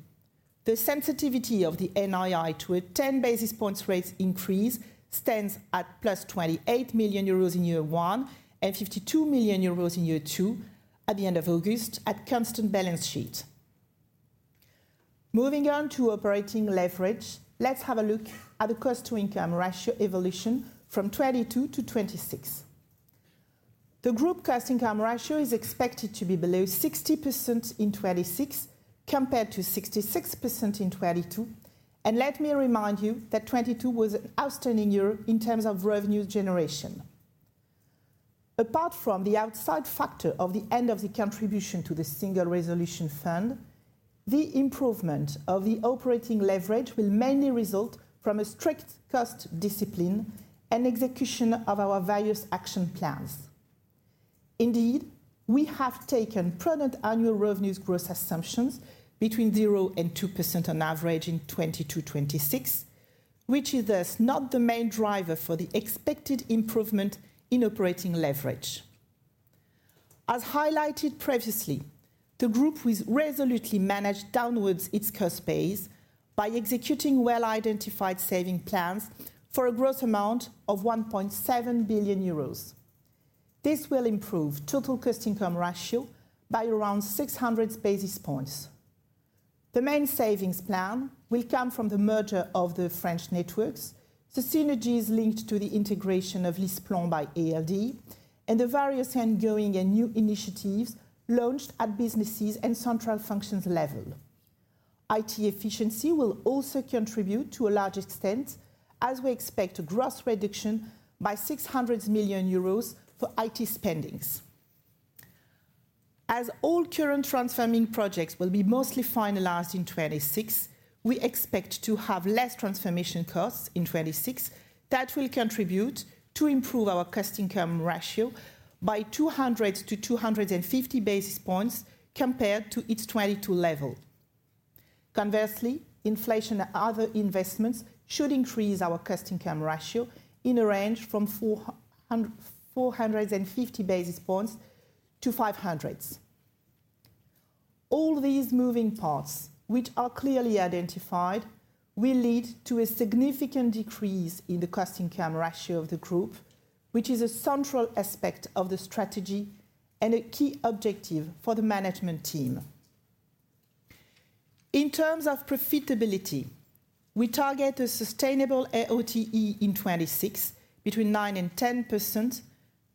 the sensitivity of the NII to a 10 basis points rates increase stands at +28 million euros in year one, and 52 million euros in year two, at the end of August, at constant balance sheet. Moving on to operating leverage, let's have a look at the cost-to-income ratio evolution from 2022 to 2026. The group cost-income ratio is expected to be below 60% in 2026, compared to 66% in 2022. Let me remind you that 2022 was an outstanding year in terms of revenue generation. Apart from the outside factor of the end of the contribution to the single resolution fund, the improvement of the operating leverage will mainly result from a strict cost discipline and execution of our various action plans. Indeed, we have taken prudent annual revenues growth assumptions between 0% and 2% on average in 2022 to 2026, which is thus not the main driver for the expected improvement in operating leverage. As highlighted previously, the group will resolutely manage downwards its cost base by executing well-identified saving plans for a gross amount of 1.7 billion euros. This will improve total cost-income ratio by around 600 basis points. The main savings plan will come from the merger of the French networks, the synergies linked to the integration of LeasePlan by ALD, and the various ongoing and new initiatives launched at businesses and central functions level. IT efficiency will also contribute to a large extent, as we expect a gross reduction by 600 million euros for IT spendings. As all current transforming projects will be mostly finalized in 2026, we expect to have less transformation costs in 2026 that will contribute to improve our cost-income ratio by 200-250 basis points compared to its 2022 level. Conversely, inflation and other investments should increase our cost-income ratio in a range from 450 basis points to 500. All these moving parts, which are clearly identified, will lead to a significant decrease in the cost-income ratio of the group, which is a central aspect of the strategy and a key objective for the management team. In terms of profitability, we target a sustainable ROTE in 2026, between 9% and 10%,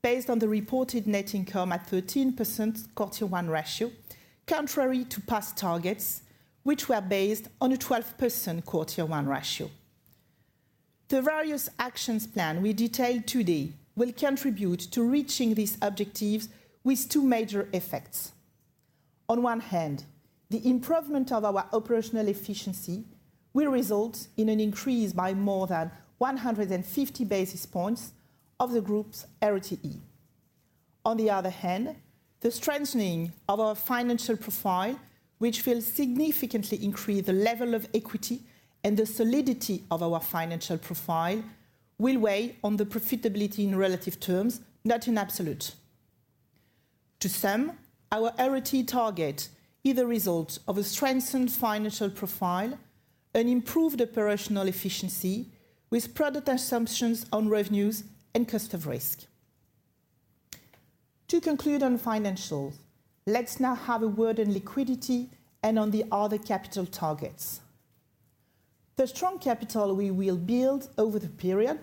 based on the reported net income at 13% Core Tier 1 ratio, contrary to past targets, which were based on a 12% Core Tier 1 ratio. The various actions plan we detailed today will contribute to reaching these objectives with two major effects. On one hand, the improvement of our operational efficiency will result in an increase by more than 150 basis points of the group's ROTE. On the other hand, the strengthening of our financial profile, which will significantly increase the level of equity and the solidity of our financial profile, will weigh on the profitability in relative terms, not in absolute. To sum, our ROTE target is a result of a strengthened financial profile and improved operational efficiency, with product assumptions on revenues and cost of risk. To conclude on financials, let's now have a word on liquidity and on the other capital targets. The strong capital we will build over the period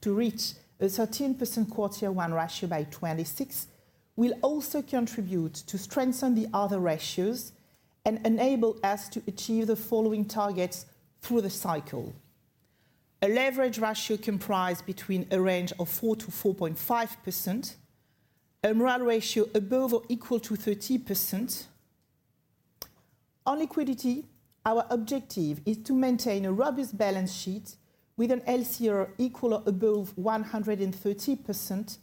to reach a 13% Q1 ratio by 2026, will also contribute to strengthen the other ratios and enable us to achieve the following targets through the cycle: A leverage ratio comprised between a range of 4%-4.5%, an MREL ratio above or equal to 30%. On liquidity, our objective is to maintain a robust balance sheet with an LCR equal or above 130%,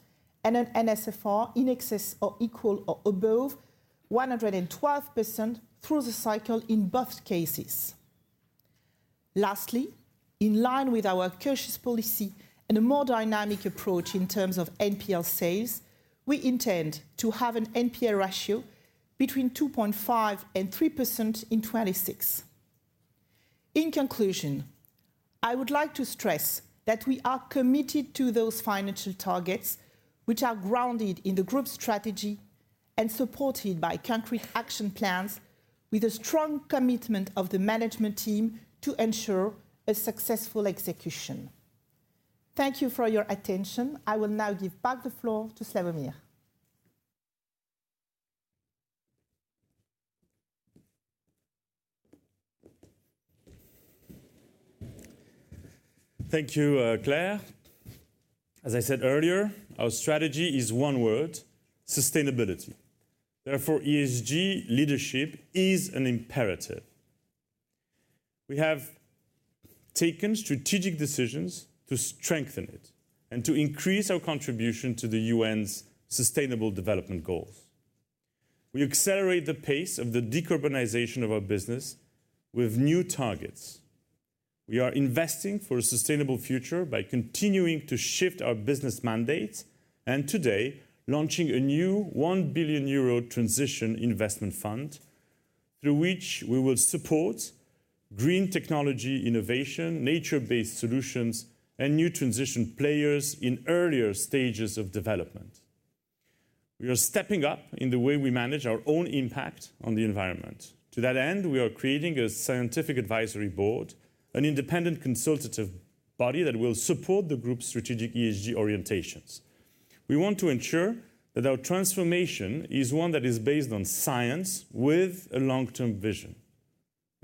and an NSFR in excess or equal or above 112% through the cycle in both cases. Lastly, in line with our cautious policy and a more dynamic approach in terms of NPL sales, we intend to have an NPL ratio between 2.5% and 3% in 2026. In conclusion, I would like to stress that we are committed to those financial targets, which are grounded in the group's strategy and supported by concrete action plans, with a strong commitment of the management team to ensure a successful execution. Thank you for your attention. I will now give back the floor to Slawomir. Thank you, Claire. As I said earlier, our strategy is one word: sustainability. Therefore, ESG leadership is an imperative. We have taken strategic decisions to strengthen it and to increase our contribution to the UN's sustainable development goals. We accelerate the pace of the decarbonization of our business with new targets. We are investing for a sustainable future by continuing to shift our business mandates, and today, launching a new 1 billion euro transition investment fund, through which we will support green technology innovation, nature-based solutions, and new transition players in earlier stages of development. We are stepping up in the way we manage our own impact on the environment. To that end, we are creating a scientific advisory board, an independent consultative body that will support the group's strategic ESG orientations. We want to ensure that our transformation is one that is based on science with a long-term vision.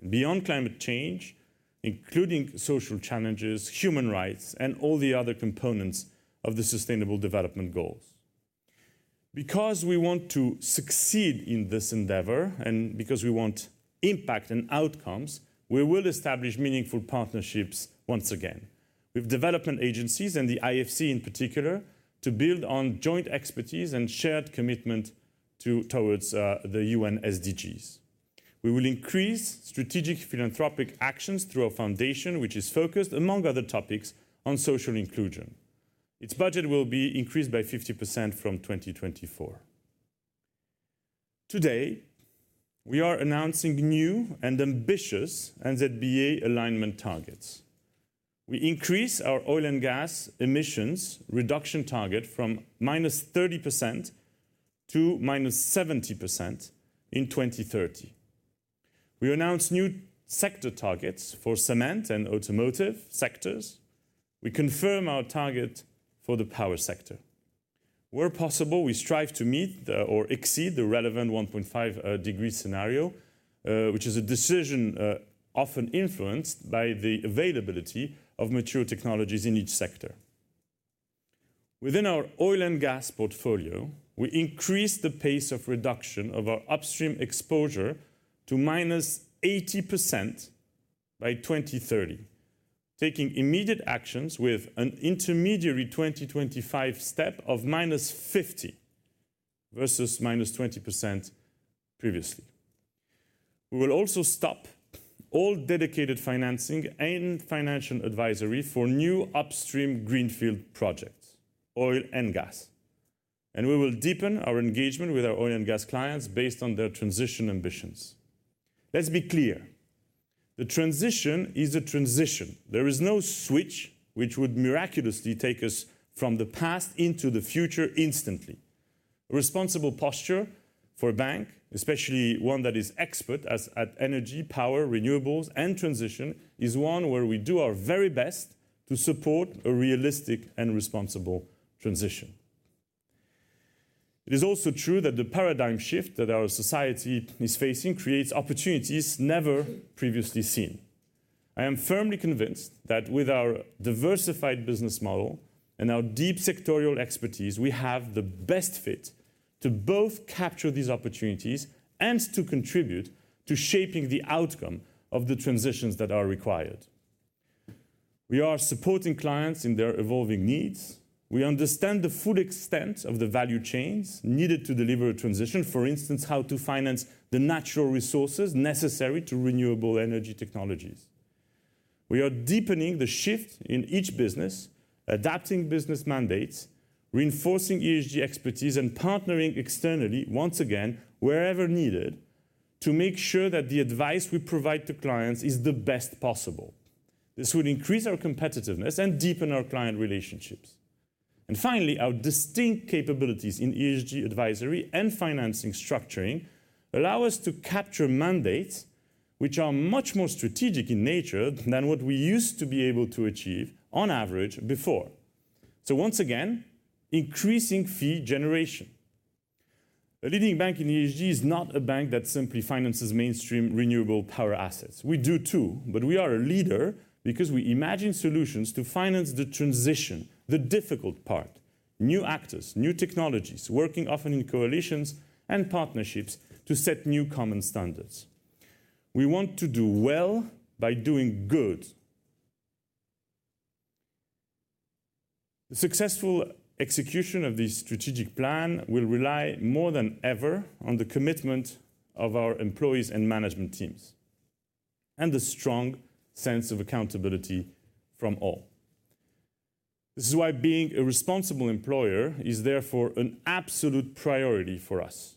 Beyond climate change, including social challenges, human rights, and all the other components of the Sustainable Development Goals. Because we want to succeed in this endeavor and because we want impact and outcomes, we will establish meaningful partnerships once again with development agencies and the IFC in particular, to build on joint expertise and shared commitment to, towards, the UN SDGs. We will increase strategic philanthropic actions through our foundation, which is focused, among other topics, on social inclusion. Its budget will be increased by 50% from 2024. Today, we are announcing new and ambitious NZBA alignment targets. We increase our oil and gas emissions reduction target from -30% to -70% in 2030. We announce new sector targets for cement and automotive sectors. We confirm our target for the power sector. Where possible, we strive to meet the or exceed the relevant 1.5 degree scenario, which is a decision often influenced by the availability of mature technologies in each sector. Within our oil and gas portfolio, we increase the pace of reduction of our upstream exposure to -80% by 2030, taking immediate actions with an intermediary 2025 step of -50 versus -20% previously. We will also stop all dedicated financing and financial advisory for new upstream greenfield projects, oil and gas, and we will deepen our engagement with our oil and gas clients based on their transition ambitions. Let's be clear, the transition is a transition. There is no switch which would miraculously take us from the past into the future instantly. A responsible posture for a bank, especially one that is expert at energy, power, renewables, and transition, is one where we do our very best to support a realistic and responsible transition. It is also true that the paradigm shift that our society is facing creates opportunities never previously seen. I am firmly convinced that with our diversified business model and our deep sectoral expertise, we have the best fit to both capture these opportunities and to contribute to shaping the outcome of the transitions that are required. We are supporting clients in their evolving needs. We understand the full extent of the value chains needed to deliver a transition, for instance, how to finance the natural resources necessary to renewable energy technologies. We are deepening the shift in each business, adapting business mandates, reinforcing ESG expertise, and partnering externally, once again, wherever needed, to make sure that the advice we provide to clients is the best possible. This will increase our competitiveness and deepen our client relationships. And finally, our distinct capabilities in ESG advisory and financing structuring allow us to capture mandates which are much more strategic in nature than what we used to be able to achieve on average before. So once again, increasing fee generation. A leading bank in ESG is not a bank that simply finances mainstream renewable power assets. We do, too, but we are a leader because we imagine solutions to finance the transition, the difficult part, new actors, new technologies, working often in coalitions and partnerships to set new common standards. We want to do well by doing good. The successful execution of this strategic plan will rely more than ever on the commitment of our employees and management teams, and a strong sense of accountability from all. This is why being a responsible employer is therefore an absolute priority for us.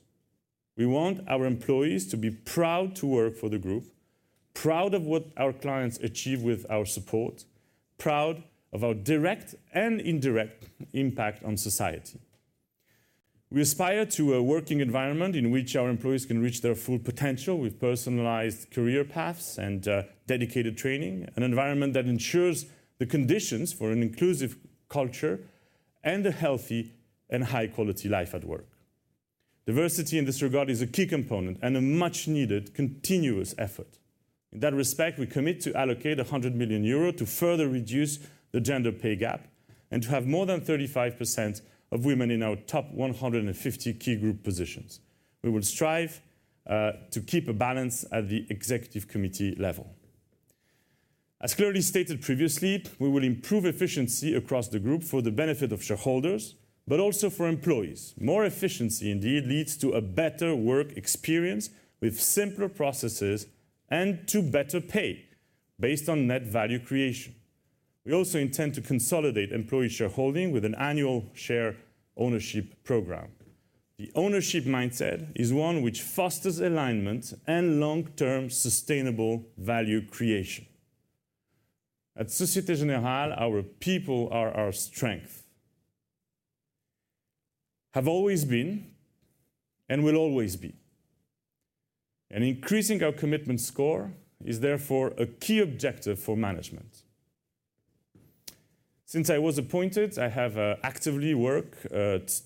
We want our employees to be proud to work for the group, proud of what our clients achieve with our support, proud of our direct and indirect impact on society. We aspire to a working environment in which our employees can reach their full potential with personalized career paths and dedicated training, an environment that ensures the conditions for an inclusive culture and a healthy and high-quality life at work. Diversity in this regard is a key component and a much-needed continuous effort. In that respect, we commit to allocate 100 million euros to further reduce the gender pay gap and to have more than 35% of women in our top 150 key group positions. We will strive to keep a balance at the executive committee level. As clearly stated previously, we will improve efficiency across the group for the benefit of shareholders, but also for employees. More efficiency, indeed, leads to a better work experience with simpler processes and to better pay based on net value creation. We also intend to consolidate employee shareholding with an annual share ownership program. The ownership mindset is one which fosters alignment and long-term sustainable value creation.... At Société Générale, our people are our strength. Have always been, and will always be. And increasing our commitment score is therefore a key objective for management. Since I was appointed, I have actively worked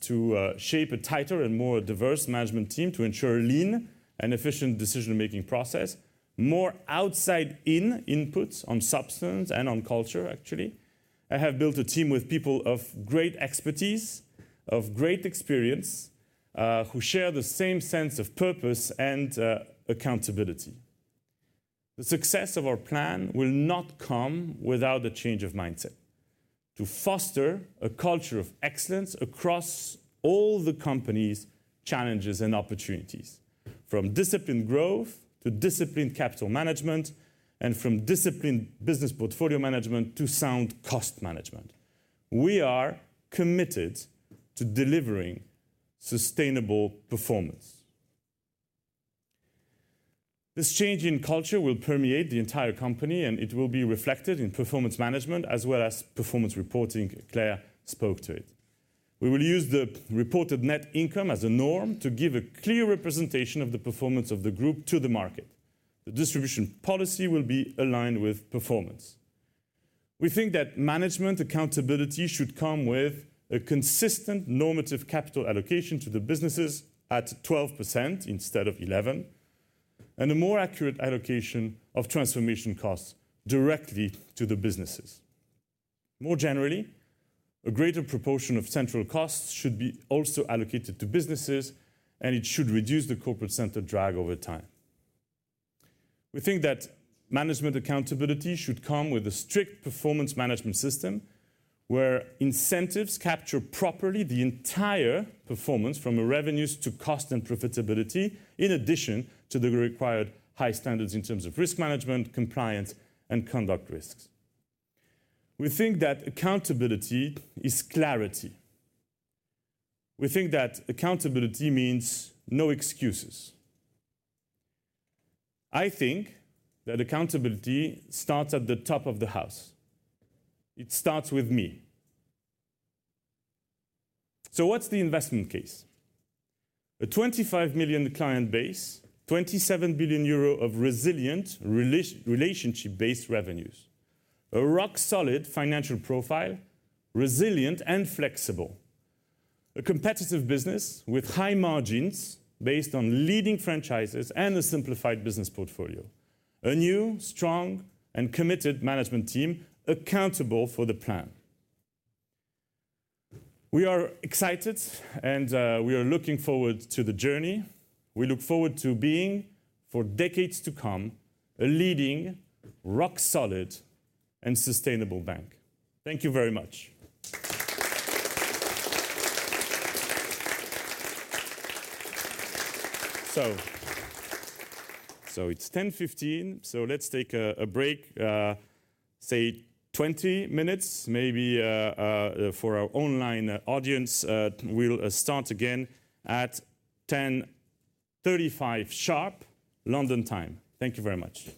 to shape a tighter and more diverse management team to ensure lean and efficient decision-making process, more outside-in inputs on substance and on culture, actually. I have built a team with people of great expertise, of great experience, who share the same sense of purpose and accountability. The success of our plan will not come without a change of mindset, to foster a culture of excellence across all the company's challenges and opportunities, from disciplined growth to disciplined capital management, and from disciplined business portfolio management to sound cost management. We are committed to delivering sustainable performance. This change in culture will permeate the entire company, and it will be reflected in performance management as well as performance reporting. Claire spoke to it. We will use the reported net income as a norm to give a clear representation of the performance of the group to the market. The distribution policy will be aligned with performance. We think that management accountability should come with a consistent normative capital allocation to the businesses at 12% instead of 11%, and a more accurate allocation of transformation costs directly to the businesses. More generally, a greater proportion of central costs should be also allocated to businesses, and it should reduce the corporate center drag over time. We think that management accountability should come with a strict performance management system, where incentives capture properly the entire performance, from revenues to cost and profitability, in addition to the required high standards in terms of risk management, compliance, and conduct risks. We think that accountability is clarity. We think that accountability means no excuses. I think that accountability starts at the top of the house. It starts with me. So what's the investment case? A 25 million client base, 27 billion euro of resilient relationship-based revenues, a rock-solid financial profile, resilient and flexible, a competitive business with high margins based on leading franchises and a simplified business portfolio, a new, strong, and committed management team accountable for the plan. We are excited, and we are looking forward to the journey. We look forward to being, for decades to come, a leading rock-solid and sustainable bank. Thank you very much. It's 10:15 A.M., so let's take a break, say, 20 minutes, maybe, for our online audience, we'll start again at 10:35 A.M. sharp, London time. Thank you very much.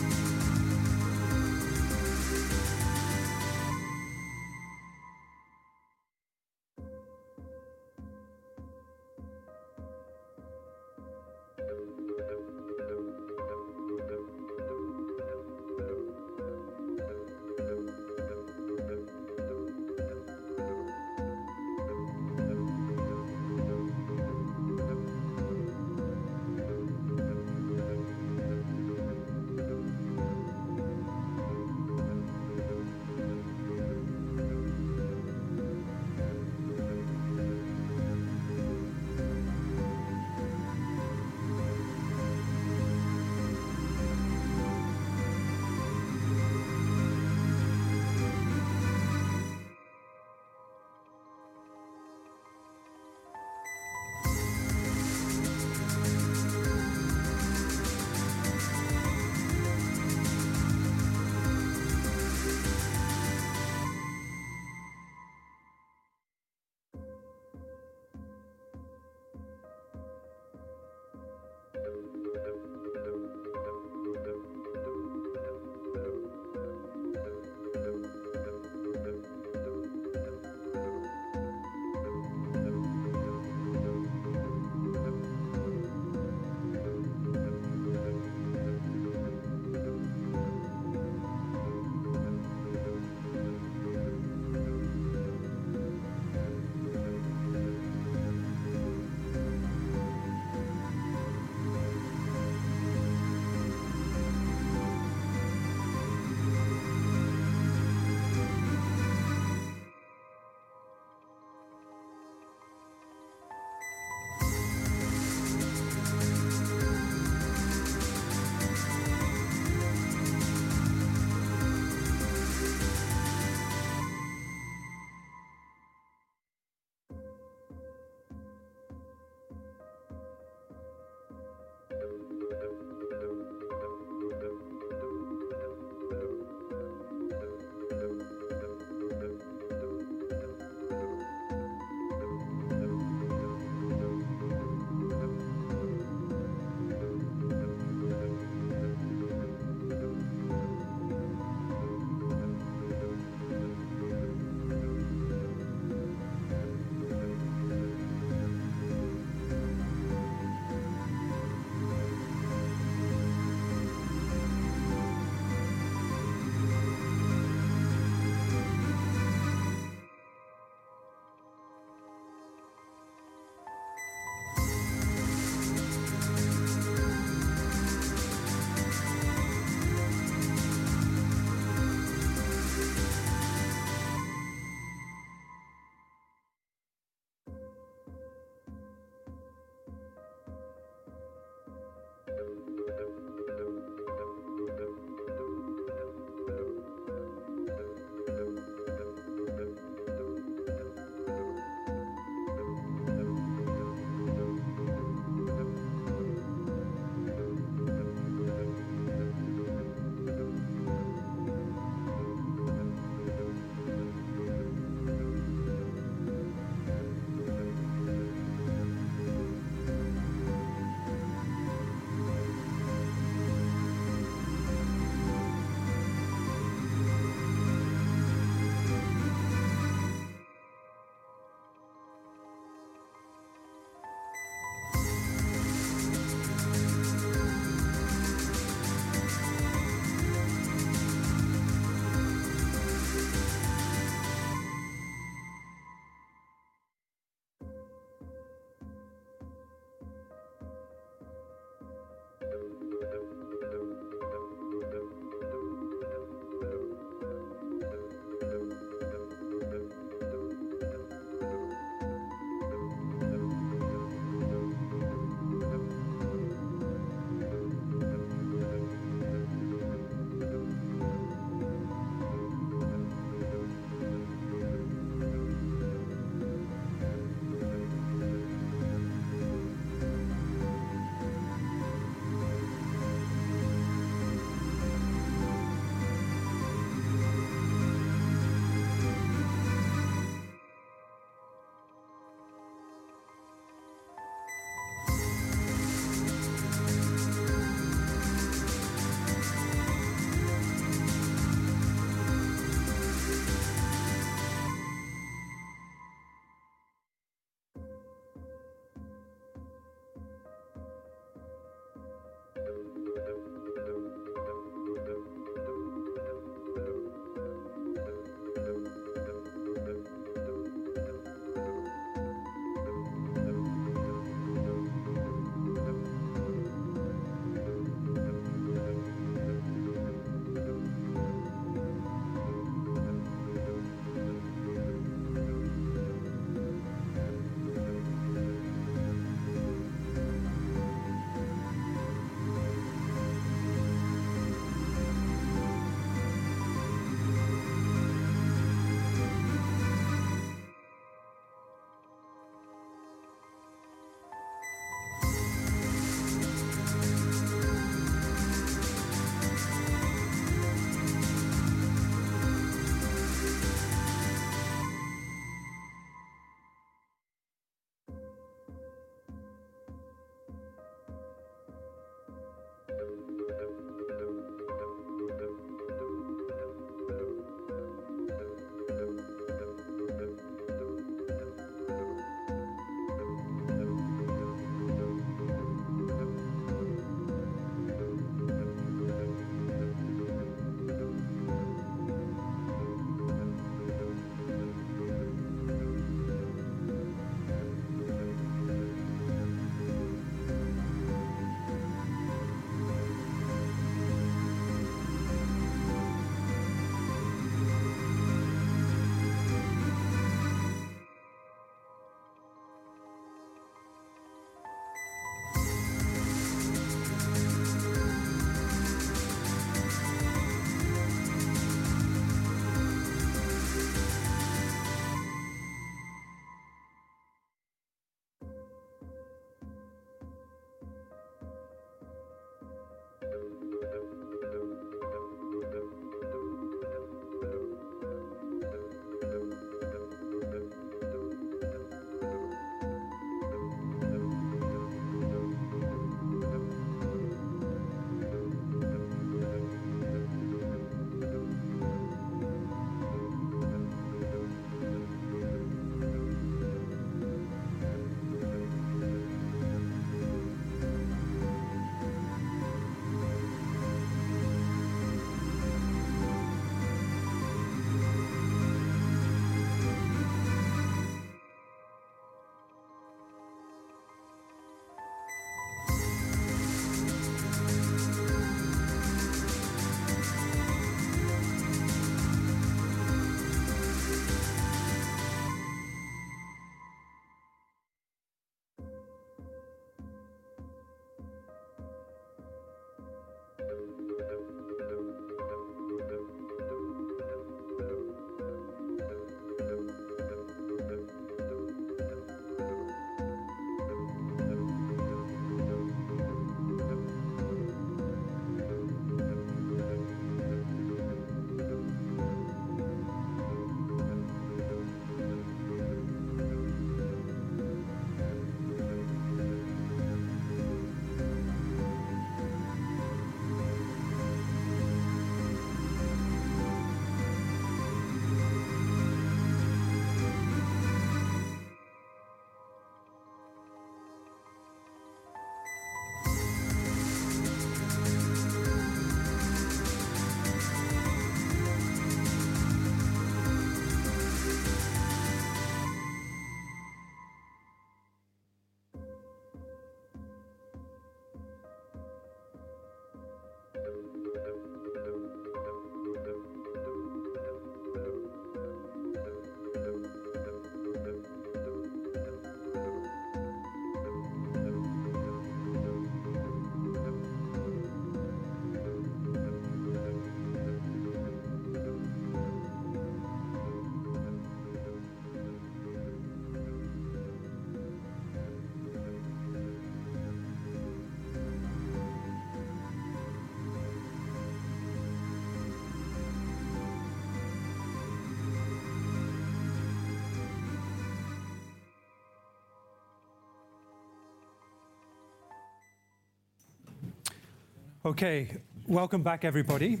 Okay, welcome back, everybody.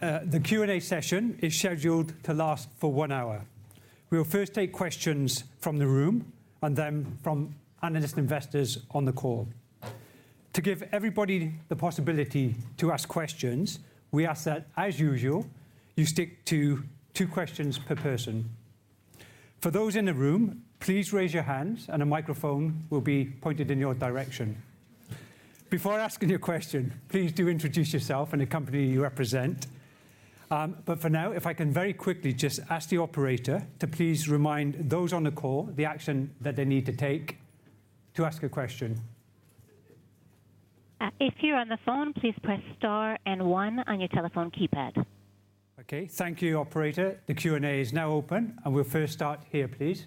The Q&A session is scheduled to last for one hour. We will first take questions from the room and then from analyst investors on the call. To give everybody the possibility to ask questions, we ask that, as usual, you stick to two questions per person. For those in the room, please raise your hands, and a microphone will be pointed in your direction. Before asking your question, please do introduce yourself and the company you represent. But for now, if I can very quickly just ask the operator to please remind those on the call the action that they need to take to ask a question. If you're on the phone, please press star and one on your telephone keypad. Okay, thank you, operator. The Q&A is now open, and we'll first start here, please.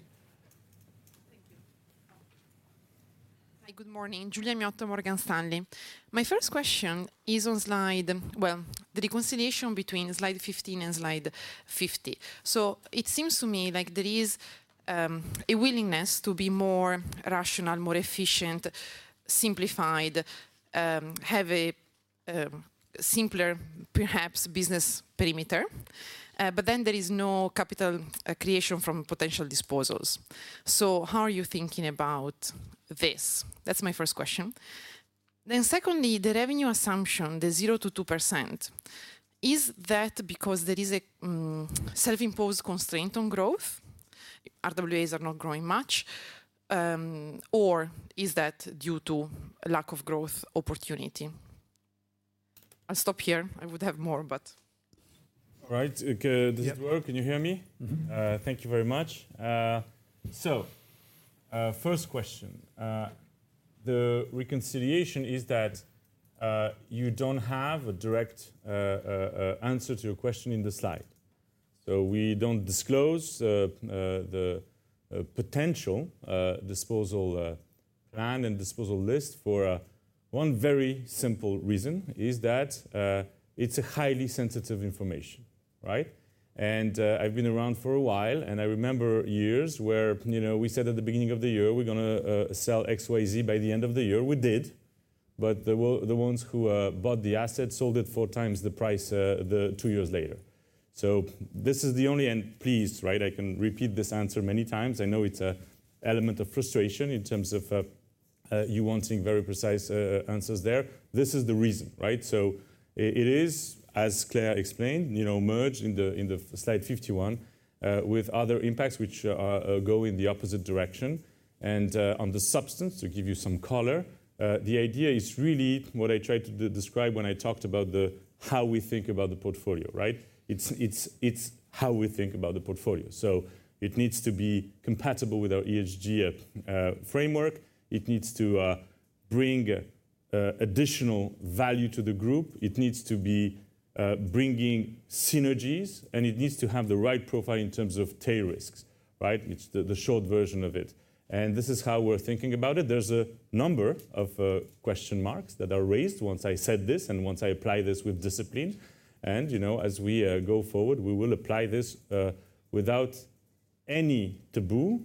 Thank you. Hi, good morning, Giulia Miotto, Morgan Stanley. My first question is on slide... Well, the reconciliation between slide 15 and slide 50. So it seems to me like there is a willingness to be more rational, more efficient, simplified, have a simpler, perhaps business perimeter, but then there is no capital creation from potential disposals. So how are you thinking about this? That's my first question. Then secondly, the revenue assumption, the 0%-2%, is that because there is a self-imposed constraint on growth, RWAs are not growing much, or is that due to a lack of growth opportunity? I'll stop here. I would have more, but- All right. Does it work? Yep. Can you hear me? Mm-hmm. Thank you very much. So, first question, the reconciliation is that you don't have a direct an answer to your question in the slide. So we don't disclose the potential disposal plan and disposal list for one very simple reason, is that it is highly sensitive information, right? And I've been around for a while, and I remember years where, you know, we said at the beginning of the year, we're gonna sell XYZ by the end of the year. We did, but the ones who bought the asset sold it 4x the price the two years later. So this is the only... And please, right, I can repeat this answer many times. I know it's an element of frustration in terms of you wanting very precise answers there. This is the reason, right? So it is, as Claire explained, you know, merged in the, in the Slide 51, with other impacts which are go in the opposite direction. And, on the substance, to give you some color, the idea is really what I tried to describe when I talked about the, how we think about the portfolio, right? It's, it's, it's how we think about the portfolio. So it needs to be compatible with our ESG framework. It needs to bring additional value to the group. It needs to be bringing synergies, and it needs to have the right profile in terms of tail risks, right? It's the short version of it, and this is how we're thinking about it. There's a number of question marks that are raised once I said this and once I apply this with discipline, and, you know, as we go forward, we will apply this without any taboo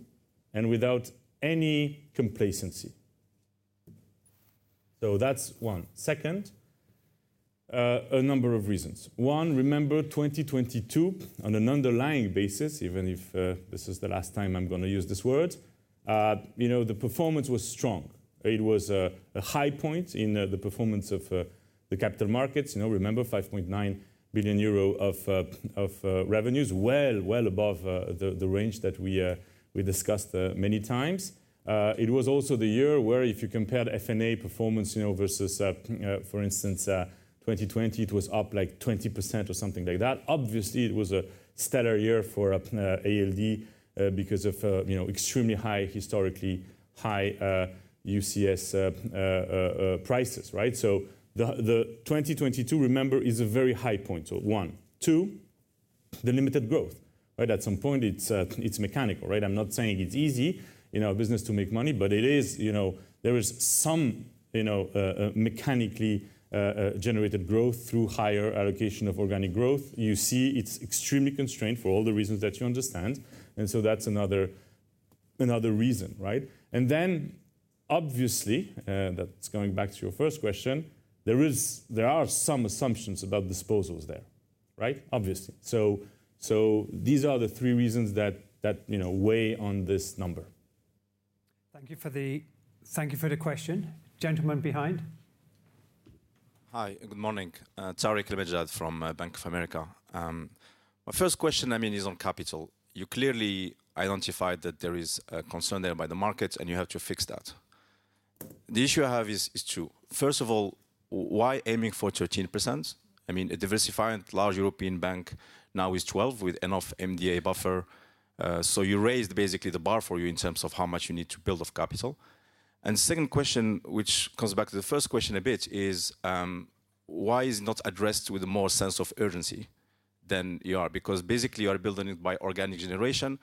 and without any complacency. So that's one. Second, a number of reasons. One, remember, 2022, on an underlying basis, even if this is the last time I'm gonna use this word, you know, the performance was strong. It was a high point in the performance of the capital markets. You know, remember, 5.9 billion euro of revenues, well above the range that we discussed many times. It was also the year where if you compared F&A performance, you know, versus, for instance, 2020, it was up, like, 20% or something like that. Obviously, it was a stellar year for ALD, because of, you know, extremely high, historically high, UCS prices, right? So the 2022, remember, is a very high point, so one. Two, the limited growth, right? At some point, it's mechanical, right? I'm not saying it's easy in our business to make money, but it is, you know, there is some, you know, mechanically generated growth through higher allocation of organic growth. You see it's extremely constrained for all the reasons that you understand, and so that's another reason, right? And then, obviously, that's going back to your first question, there is- there are some assumptions about disposals there, right? Obviously. So, so these are the three reasons that, that, you know, weigh on this number. Thank you for the question. Gentleman behind. Hi, good morning. Tarik El Mejjad from Bank of America. My first question, I mean, is on capital. You clearly identified that there is a concern there by the market, and you have to fix that. The issue I have is two. First of all, why aiming for 13%? I mean, a diversified large European bank now is 12% with enough MDA buffer, so you raised basically the bar for you in terms of how much you need to build of capital. And second question, which comes back to the first question a bit, is why is it not addressed with more sense of urgency than you are? Because basically, you are building it by organic generation.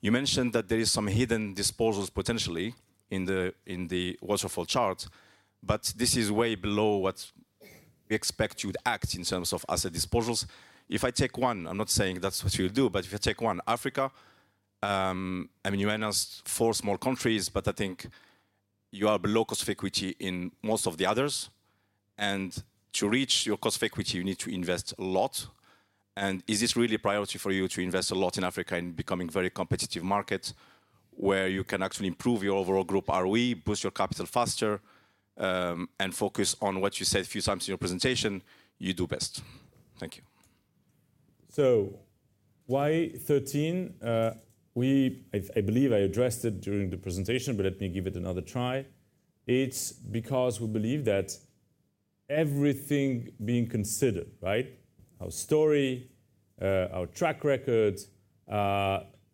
You mentioned that there is some hidden disposals potentially in the waterfall chart, but this is way below what we expect you to act in terms of asset disposals. If I take one, I'm not saying that's what you'll do, but if I take one, Africa. I mean, you announced four small countries, but I think you are below cost of equity in most of the others. And to reach your cost of equity, you need to invest a lot. And is this really a priority for you, to invest a lot in Africa and becoming very competitive market, where you can actually improve your overall group ROE, boost your capital faster, and focus on what you said a few times in your presentation, you do best? Thank you. So why 13? I believe I addressed it during the presentation, but let me give it another try. It's because we believe that everything being considered, right? Our story, our track record,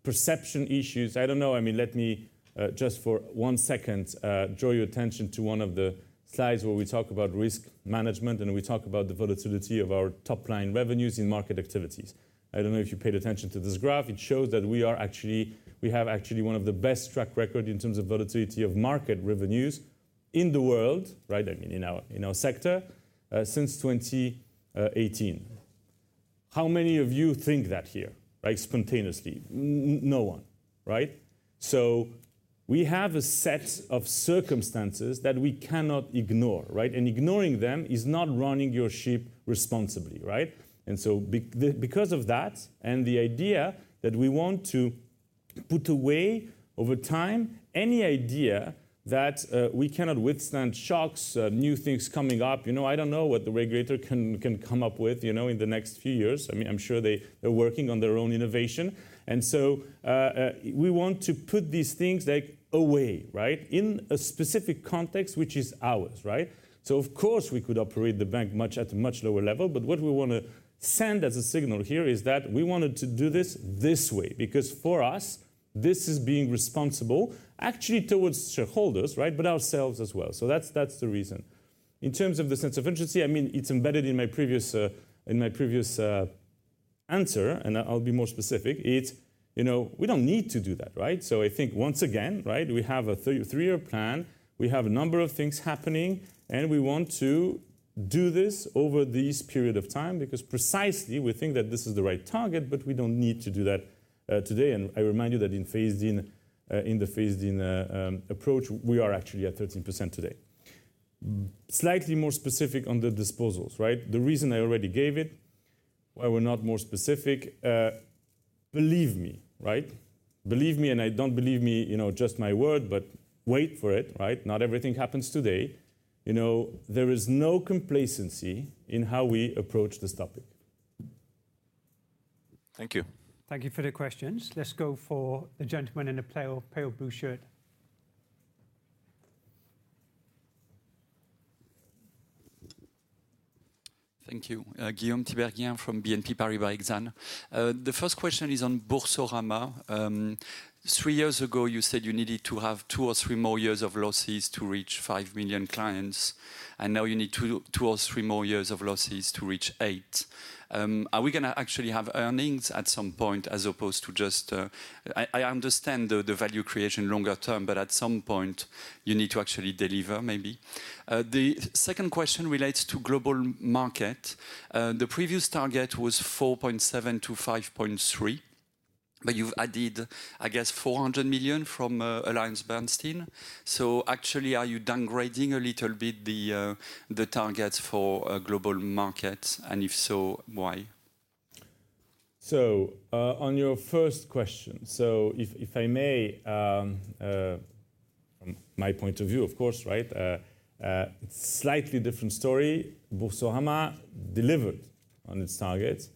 perception issues, I don't know, I mean, let me just for one second, draw your attention to one of the slides where we talk about risk management, and we talk about the volatility of our top-line revenues in market activities. I don't know if you paid attention to this graph. It shows that we actually have one of the best track record in terms of volatility of market revenues in the world, right, I mean, in our, in our sector, since 2018.... How many of you think that here, right? Spontaneously. No one, right? So we have a set of circumstances that we cannot ignore, right? And ignoring them is not running your ship responsibly, right? And so because of that, and the idea that we want to put away over time, any idea that we cannot withstand shocks, new things coming up, you know, I don't know what the regulator can come up with, you know, in the next few years. I mean, I'm sure they are working on their own innovation. And so we want to put these things, like, away, right? In a specific context, which is ours, right? So of course, we could operate the bank much at a much lower level, but what we want to send as a signal here is that we wanted to do this, this way, because for us, this is being responsible, actually, towards shareholders, right? But ourselves as well. So that's, that's the reason. In terms of the sense of urgency, I mean, it's embedded in my previous, in my previous answer, and I'll be more specific. It's, you know, we don't need to do that, right? So I think once again, right, we have a three-year plan, we have a number of things happening, and we want to do this over this period of time, because precisely, we think that this is the right target, but we don't need to do that today. And I remind you that in phased in, in the phased in approach, we are actually at 13% today. Slightly more specific on the disposals, right? The reason I already gave it, why we're not more specific, believe me, right? Believe me, and I don't believe me, you know, just my word, but wait for it, right? Not everything happens today. You know, there is no complacency in how we approach this topic. Thank you. Thank you for the questions. Let's go for the gentleman in the pale, pale blue shirt. Thank you. Guillaume Tiberghien from BNP Paribas Exane. The first question is on Boursorama. Three years ago, you said you needed to have two or three more years of losses to reach 5 million clients, and now you need two or three more years of losses to reach eight. Are we gonna actually have earnings at some point, as opposed to just... I understand the value creation longer term, but at some point, you need to actually deliver, maybe. The second question relates to global market. The previous target was 4.7-5.3, but you've added, I guess, 400 million from AllianceBernstein. So actually, are you downgrading a little bit the targets for global markets? And if so, why? So, on your first question, so if, if I may, from my point of view, of course, right, slightly different story. Boursorama delivered on its targets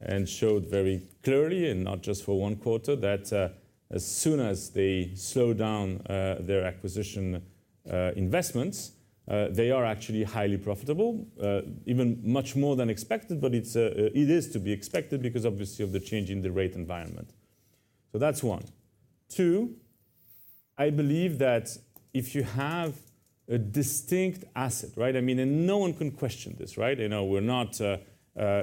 and showed very clearly, and not just for one quarter, that, as soon as they slow down, their acquisition investments, they are actually highly profitable, even much more than expected. But it is to be expected because obviously of the change in the rate environment. So that's one. Two, I believe that if you have a distinct asset, right? I mean, and no one can question this, right? You know, we're not,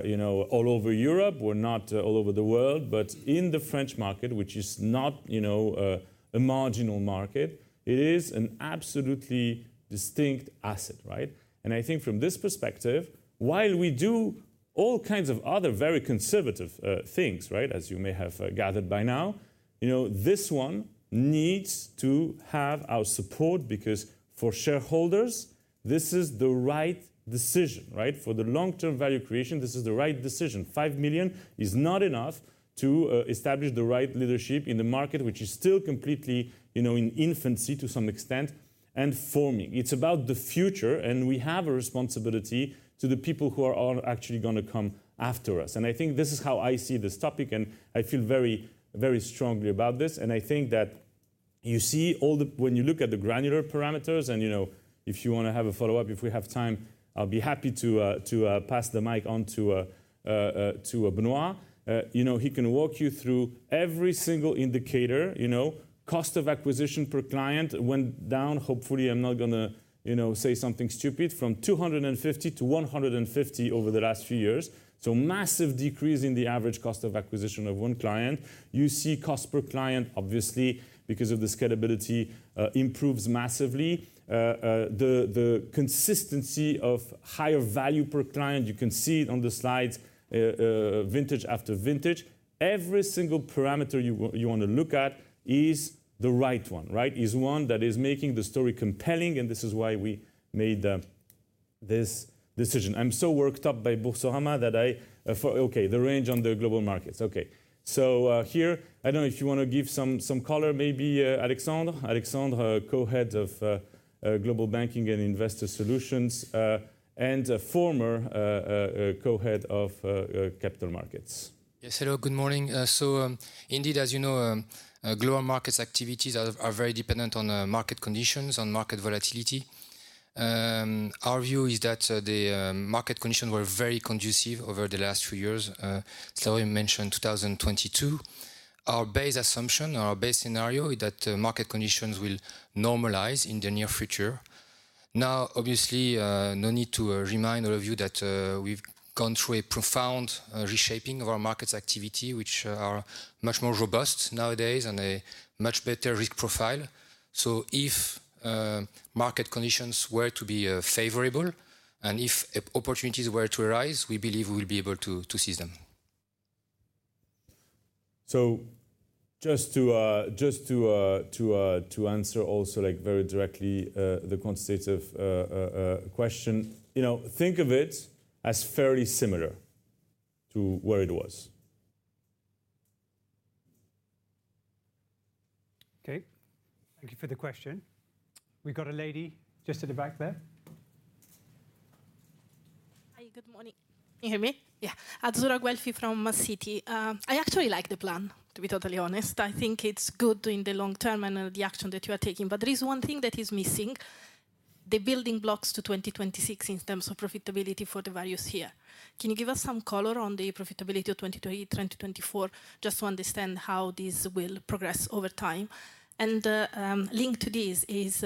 you know, all over Europe, we're not all over the world, but in the French market, which is not, you know, a marginal market, it is an absolutely distinct asset, right? I think from this perspective, while we do all kinds of other very conservative things, right, as you may have gathered by now, you know, this one needs to have our support, because for shareholders, this is the right decision, right? For the long-term value creation, this is the right decision. 5 million is not enough to establish the right leadership in the market, which is still completely, you know, in infancy to some extent, and forming. It's about the future, and we have a responsibility to the people who are all actually going to come after us. And I think this is how I see this topic, and I feel very, very strongly about this. And I think that you see all the when you look at the granular parameters, and, you know, if you want to have a follow-up, if we have time, I'll be happy to pass the mic on to Benoit. You know, he can walk you through every single indicator, you know, cost of acquisition per client went down. Hopefully, I'm not gonna, you know, say something stupid, from 250 to 150 over the last few years. So massive decrease in the average cost of acquisition of one client. You see cost per client, obviously, because of the scalability, improves massively. The consistency of higher value per client, you can see it on the slides, vintage after vintage. Every single parameter you want to look at is the right one, right? Is one that is making the story compelling, and this is why we made this decision. I'm so worked up by Boursorama that I... Okay, the range on the global markets. Okay. So, here, I don't know if you want to give some color, maybe, Alexandre? Alexandre, co-head of Global Banking and Investor Solutions, and a former co-head of Capital Markets. Yes, hello, good morning. Global markets activities are very dependent on market conditions, on market volatility. Our view is that market conditions were very conducive over the last few years. You mentioned 2022. Our base assumption or our base scenario is that market conditions will normalize in the near future. No need to remind all of you that we've gone through a profound reshaping of our markets activity, which are much more robust nowadays and a much better risk profile. If market conditions were to be favorable and if opportunities were to arise, we believe we will be able to seize them. So just to answer also, like, very directly, the quantitative question, you know, think of it as fairly similar to where it was. Okay. Thank you for the question. We've got a lady just at the back there. Hi, good morning. Can you hear me? Yeah. Azzurra Guelfi from Citi. I actually like the plan, to be totally honest. I think it's good in the long term and the action that you are taking. But there is one thing that is missing: the building blocks to 2026 in terms of profitability for the values here. Can you give us some color on the profitability of 2020 to 2024, just to understand how this will progress over time? And linked to this is,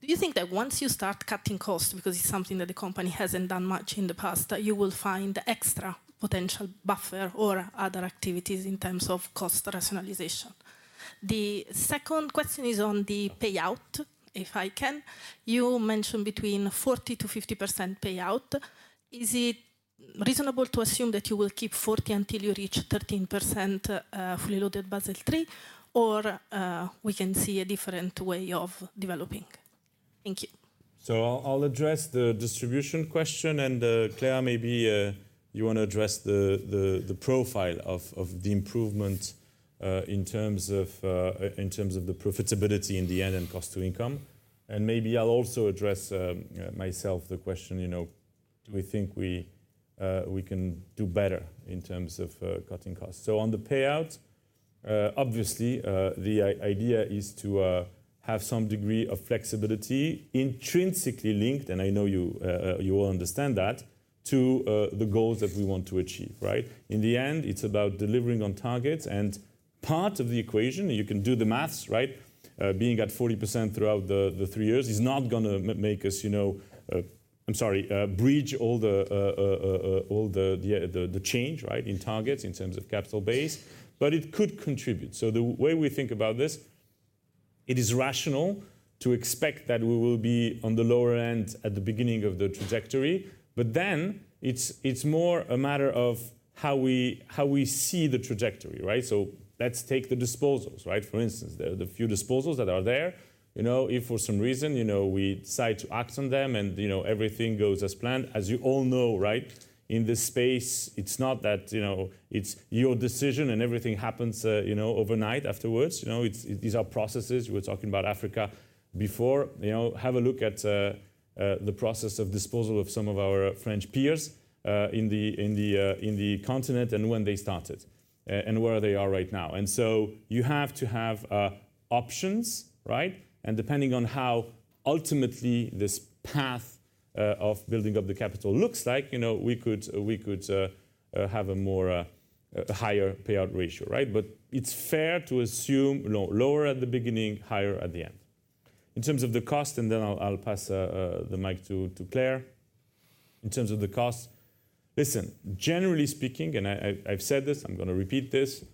do you think that once you start cutting costs, because it's something that the company hasn't done much in the past, that you will find extra potential buffer or other activities in terms of cost rationalization? The second question is on the payout, if I can. You mentioned between 40%-50% payout. Is it reasonable to assume that you will keep 40 until you reach 13%, fully loaded Basel III, or we can see a different way of developing? Thank you. So I'll address the distribution question, and Claire, maybe you want to address the profile of the improvement in terms of the profitability in the end and cost to income. And maybe I'll also address myself the question, you know, do we think we can do better in terms of cutting costs? So on the payout, obviously, the idea is to have some degree of flexibility intrinsically linked, and I know you all understand that, to the goals that we want to achieve, right? In the end, it's about delivering on targets, and part of the equation, you can do the math, right? Being at 40% throughout the three years is not gonna make us, you know... I'm sorry, bridge all the, all the, the change, right, in targets in terms of capital base, but it could contribute. So the way we think about this, it is rational to expect that we will be on the lower end at the beginning of the trajectory, but then it's, it's more a matter of how we, how we see the trajectory, right? So let's take the disposals, right? For instance, the few disposals that are there, you know, if for some reason, you know, we decide to act on them and, you know, everything goes as planned, as you all know, right, in this space, it's not that, you know, it's your decision and everything happens, you know, overnight afterwards. You know, it's these are processes. We were talking about Africa before. You know, have a look at the process of disposal of some of our French peers in the continent and when they started and where they are right now. So you have to have options, right? And depending on how ultimately this path of building up the capital looks like, you know, we could, we could have a more higher payout ratio, right? But it's fair to assume, you know, lower at the beginning, higher at the end. In terms of the cost, and then I'll pass the mic to Claire. In terms of the cost, listen, generally speaking, I've said this, I'm gonna repeat this,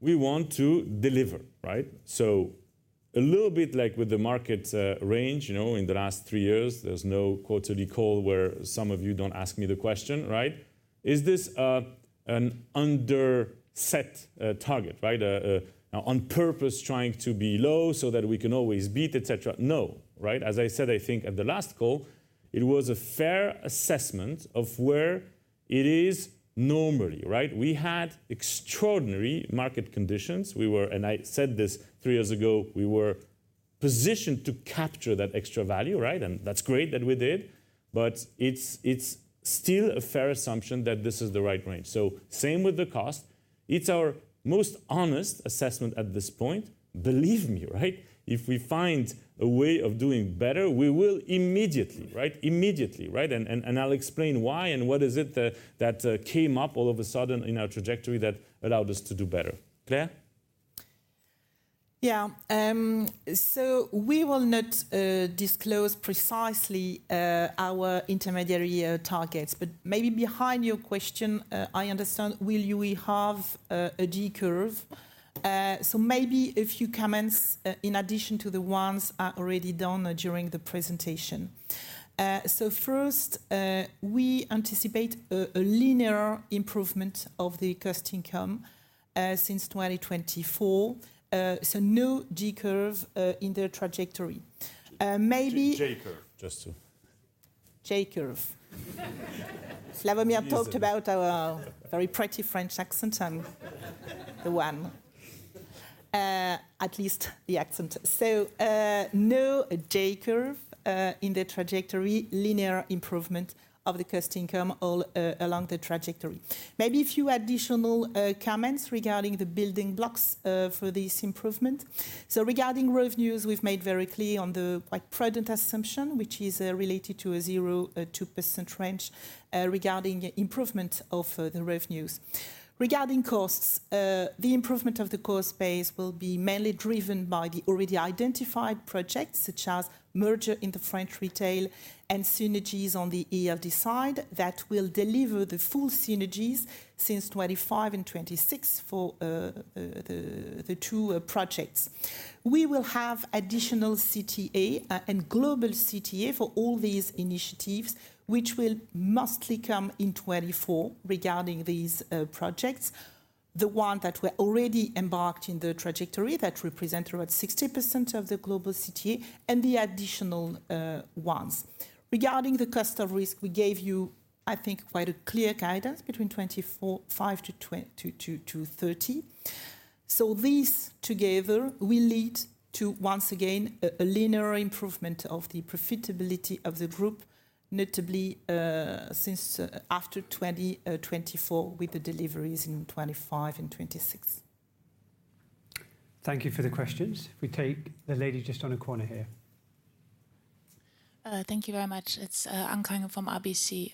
we want to deliver, right? So a little bit like with the market, range, you know, in the last three years, there's no quarterly call where some of you don't ask me the question, right? Is this, an underset, target, right? On purpose trying to be low so that we can always beat, et cetera. No, right? As I said, I think at the last call, it was a fair assessment of where it is normally, right? We had extraordinary market conditions. We were, and I said this three years ago, we were positioned to capture that extra value, right? And that's great that we did, but it's, it's still a fair assumption that this is the right range. So same with the cost. It's our most honest assessment at this point. Believe me, right? If we find a way of doing better, we will immediately, right? Immediately, right? And I'll explain why and what is it that came up all of a sudden in our trajectory that allowed us to do better. Claire? Yeah. So we will not disclose precisely our intermediary targets, but maybe behind your question, I understand, will you have a J-curve? So maybe a few comments in addition to the ones already done during the presentation. So first, we anticipate a linear improvement of the cost income since 2024, so no J-curve in the trajectory. Maybe- J-curve, just to- J-curve. Slawomir talked about our very pretty French accent. I'm the one. At least the accent. So, no J-curve in the trajectory, linear improvement of the cost/income ratio all along the trajectory. Maybe a few additional comments regarding the building blocks for this improvement. So regarding revenues, we've made very clear on the, like, prudent assumption, which is related to a 0-2% range regarding improvement of the revenues. Regarding costs, the improvement of the cost base will be mainly driven by the already identified projects, such as merger in the French retail and synergies on the ALD side, that will deliver the full synergies since 2025 and 2026 for the two projects. We will have additional CTA and global CTA for all these initiatives, which will mostly come in 2024 regarding these projects. The ones that were already embarked in the trajectory, that represent around 60% of the global CTA, and the additional ones. Regarding the cost of risk, we gave you, I think, quite a clear guidance between 24.5 to 30. So these together will lead to, once again, a linear improvement of the profitability of the group, notably, since after 2024, with the deliveries in 2025 and 2026. Thank you for the questions. We take the lady just on the corner here. Thank you very much. It's Anke Reingen from RBC.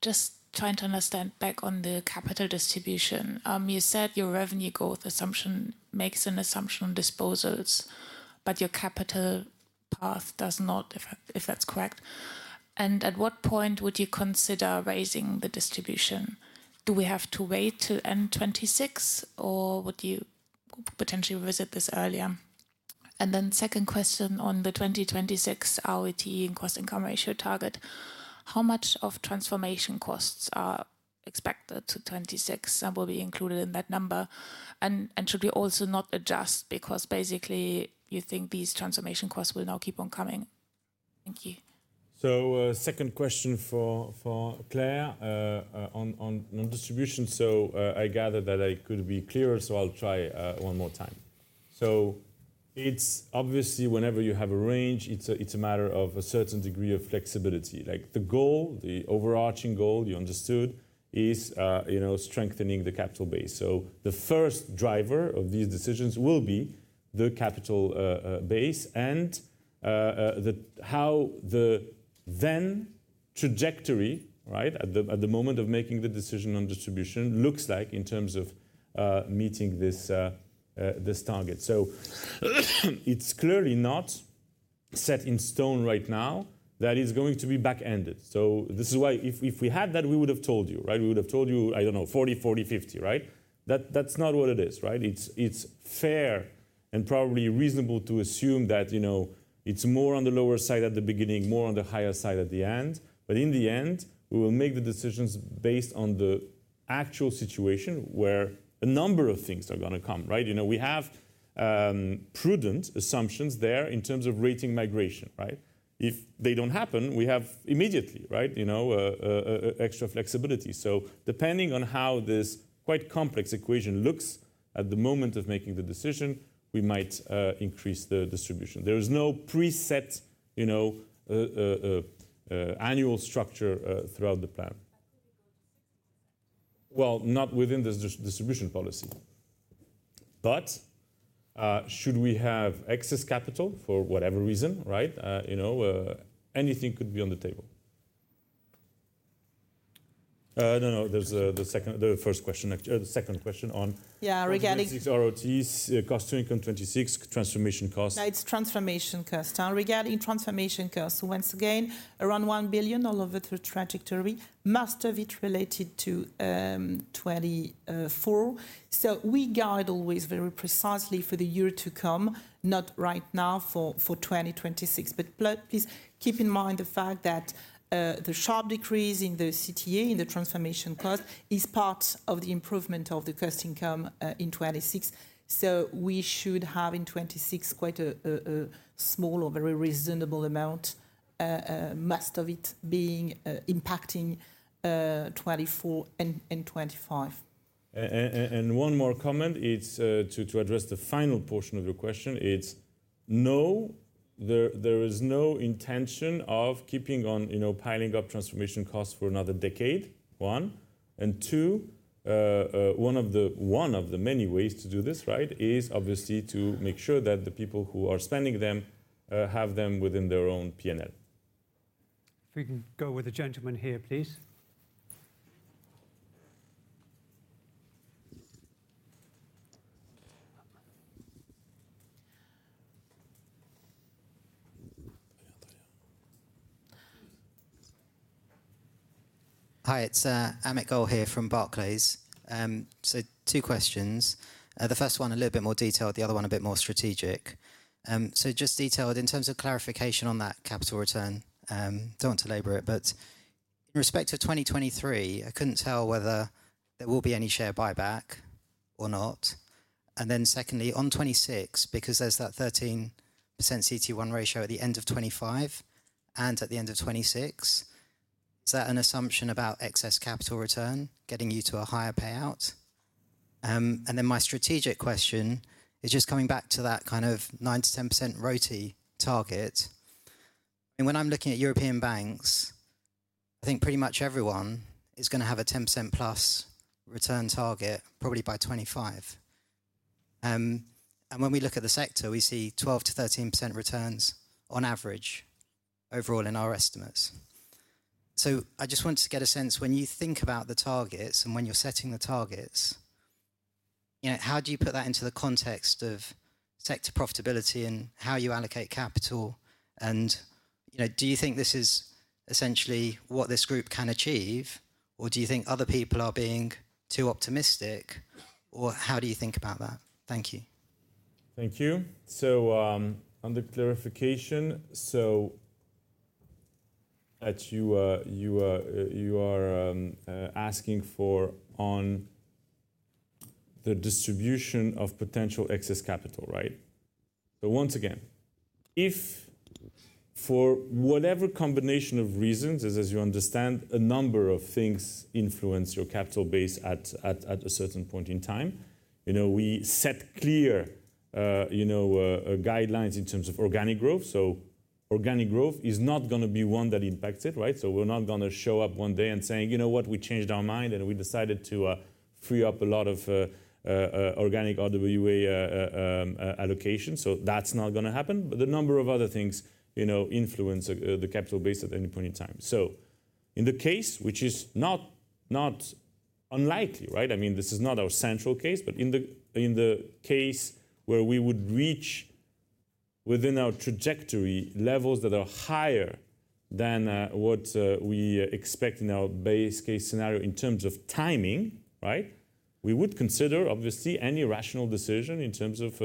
Just trying to understand, back on the capital distribution, you said your revenue growth assumption makes an assumption on disposals, but your capital path does not, if that's correct. And at what point would you consider raising the distribution? Do we have to wait till end 2026, or would you potentially visit this earlier? And then second question on the 2026 ROE and cost income ratio target, how much of transformation costs are expected to 2026 and will be included in that number? And should we also not adjust because basically you think these transformation costs will now keep on coming? Thank you. So, second question for Claire, on distribution. So, I gather that I could be clearer, so I'll try one more time. So it's obviously whenever you have a range, it's a matter of a certain degree of flexibility. Like, the goal, the overarching goal, you understood, is, you know, strengthening the capital base. So the first driver of these decisions will be the capital base and then how the trajectory, right, at the moment of making the decision on distribution, looks like in terms of meeting this target. So, it's clearly not set in stone right now. That is going to be back-ended. So this is why if we had that, we would've told you, right? We would've told you, I don't know, 40, 40, 50, right? That, that's not what it is, right? It's, it's fair and probably reasonable to assume that, you know, it's more on the lower side at the beginning, more on the higher side at the end. But in the end, we will make the decisions based on the actual situation, where a number of things are gonna come, right? You know, we have prudent assumptions there in terms of rating migration, right? If they don't happen, we have immediately, right, you know, extra flexibility. So depending on how this quite complex equation looks at the moment of making the decision, we might increase the distribution. There is no preset, you know, annual structure throughout the plan Well, not within the distribution policy. But should we have excess capital for whatever reason, right? You know, anything could be on the table. No, no, there's the second... The first question, actually, the second question on- Yeah, regarding- 2026 ROTE, cost-to-income 26, transformation costs. Yeah, it's transformation cost. Regarding transformation costs, once again, around 1 billion all over the trajectory, most of it related to 2024. So we guide always very precisely for the year to come, not right now for 2026. But please keep in mind the fact that the sharp decrease in the CTA, in the transformation cost, is part of the improvement of the cost income in 2026. So we should have, in 2026, quite a small or very reasonable amount, most of it being impacting 2024 and 2025. And one more comment, it's to address the final portion of your question. It's no, there is no intention of keeping on, you know, piling up transformation costs for another decade, one. And two, one of the many ways to do this, right, is obviously to make sure that the people who are spending them have them within their own P&L. If we can go with the gentleman here, please. Hi, it's Amit Goel here from Barclays. So two questions. The first one a little bit more detailed, the other one a bit more strategic. So just detailed, in terms of clarification on that capital return, don't want to labor it, but in respect to 2023, I couldn't tell whether there will be any share buyback or not. And then secondly, on 2026, because there's that 13% CET1 ratio at the end of 2025 and at the end of 2026, is that an assumption about excess capital return getting you to a higher payout? And then my strategic question is just coming back to that kind of 9%-10% ROTE target. I mean, when I'm looking at European banks, I think pretty much everyone is gonna have a 10%+ return target, probably by 2025. And when we look at the sector, we see 12%-13% returns on average overall in our estimates. So I just wanted to get a sense, when you think about the targets and when you're setting the targets, you know, how do you put that into the context of sector profitability and how you allocate capital? And, you know, do you think this is essentially what this group can achieve, or do you think other people are being too optimistic, or how do you think about that? Thank you. Thank you. So, on the clarification, that you are asking for on the distribution of potential excess capital, right? But once again, if for whatever combination of reasons, as you understand, a number of things influence your capital base at a certain point in time, you know, we set clear, you know, guidelines in terms of organic growth. So organic growth is not going to be one that impacts it, right? So we're not going to show up one day and saying: "You know what? We changed our mind, and we decided to free up a lot of organic RWA allocation." So that's not going to happen. But the number of other things, you know, influence the capital base at any point in time. So in the case, which is not unlikely, right? I mean, this is not our central case, but in the case where we would reach within our trajectory levels that are higher than what we expect in our base case scenario in terms of timing, right? We would consider, obviously, any rational decision in terms of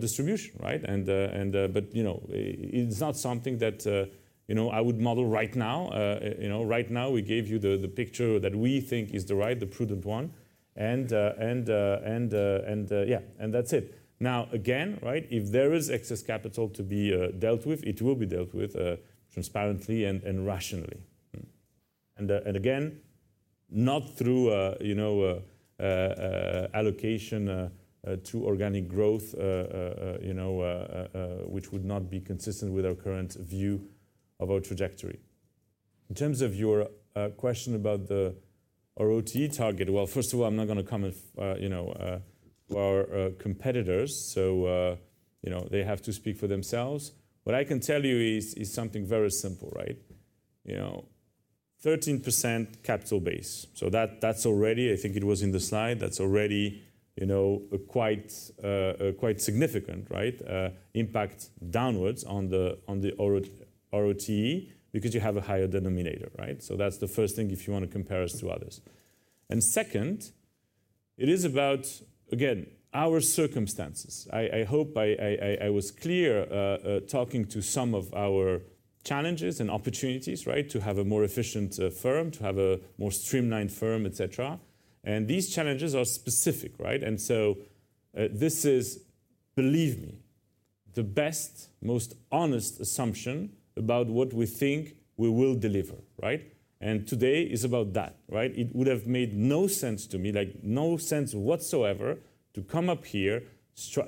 distribution, right? But, you know, it's not something that, you know, I would model right now. You know, right now, we gave you the picture that we think is the right, the prudent one, and yeah, and that's it. Now, again, right, if there is excess capital to be dealt with, it will be dealt with transparently and rationally. Again, not through you know allocation to organic growth you know which would not be consistent with our current view of our trajectory. In terms of your question about our ROTE target, well, first of all, I'm not going to comment you know our competitors. So you know they have to speak for themselves. What I can tell you is something very simple, right? You know, 13% capital base. So that that's already... I think it was in the slide, that's already you know a quite quite significant right impact downwards on the on the ROTE because you have a higher denominator right? So that's the first thing if you want to compare us to others. And second, it is about again our circumstances. I hope I was clear talking to some of our challenges and opportunities, right? To have a more efficient firm, to have a more streamlined firm, et cetera. And these challenges are specific, right? And so, this is, believe me, the best, most honest assumption about what we think we will deliver, right? And today is about that, right? It would have made no sense to me, like, no sense whatsoever, to come up here,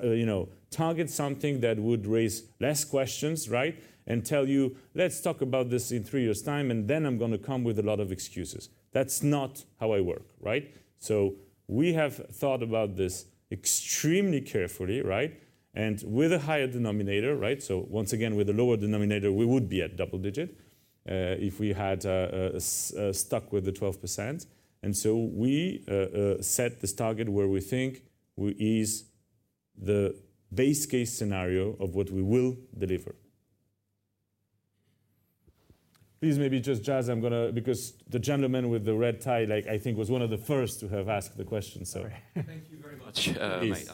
you know, target something that would raise less questions, right? And tell you, "Let's talk about this in three years' time, and then I'm going to come with a lot of excuses." That's not how I work, right? So we have thought about this extremely carefully, right? And with a higher denominator, right? So once again, with a lower denominator, we would be at double digit, if we had stuck with the 12%. And so we set this target where we think is the base case scenario of what we will deliver. Please, maybe just Jazz, I'm going to—because the gentleman with the red tie, like, I think was one of the first to have asked the question, so Thank you very much. Please.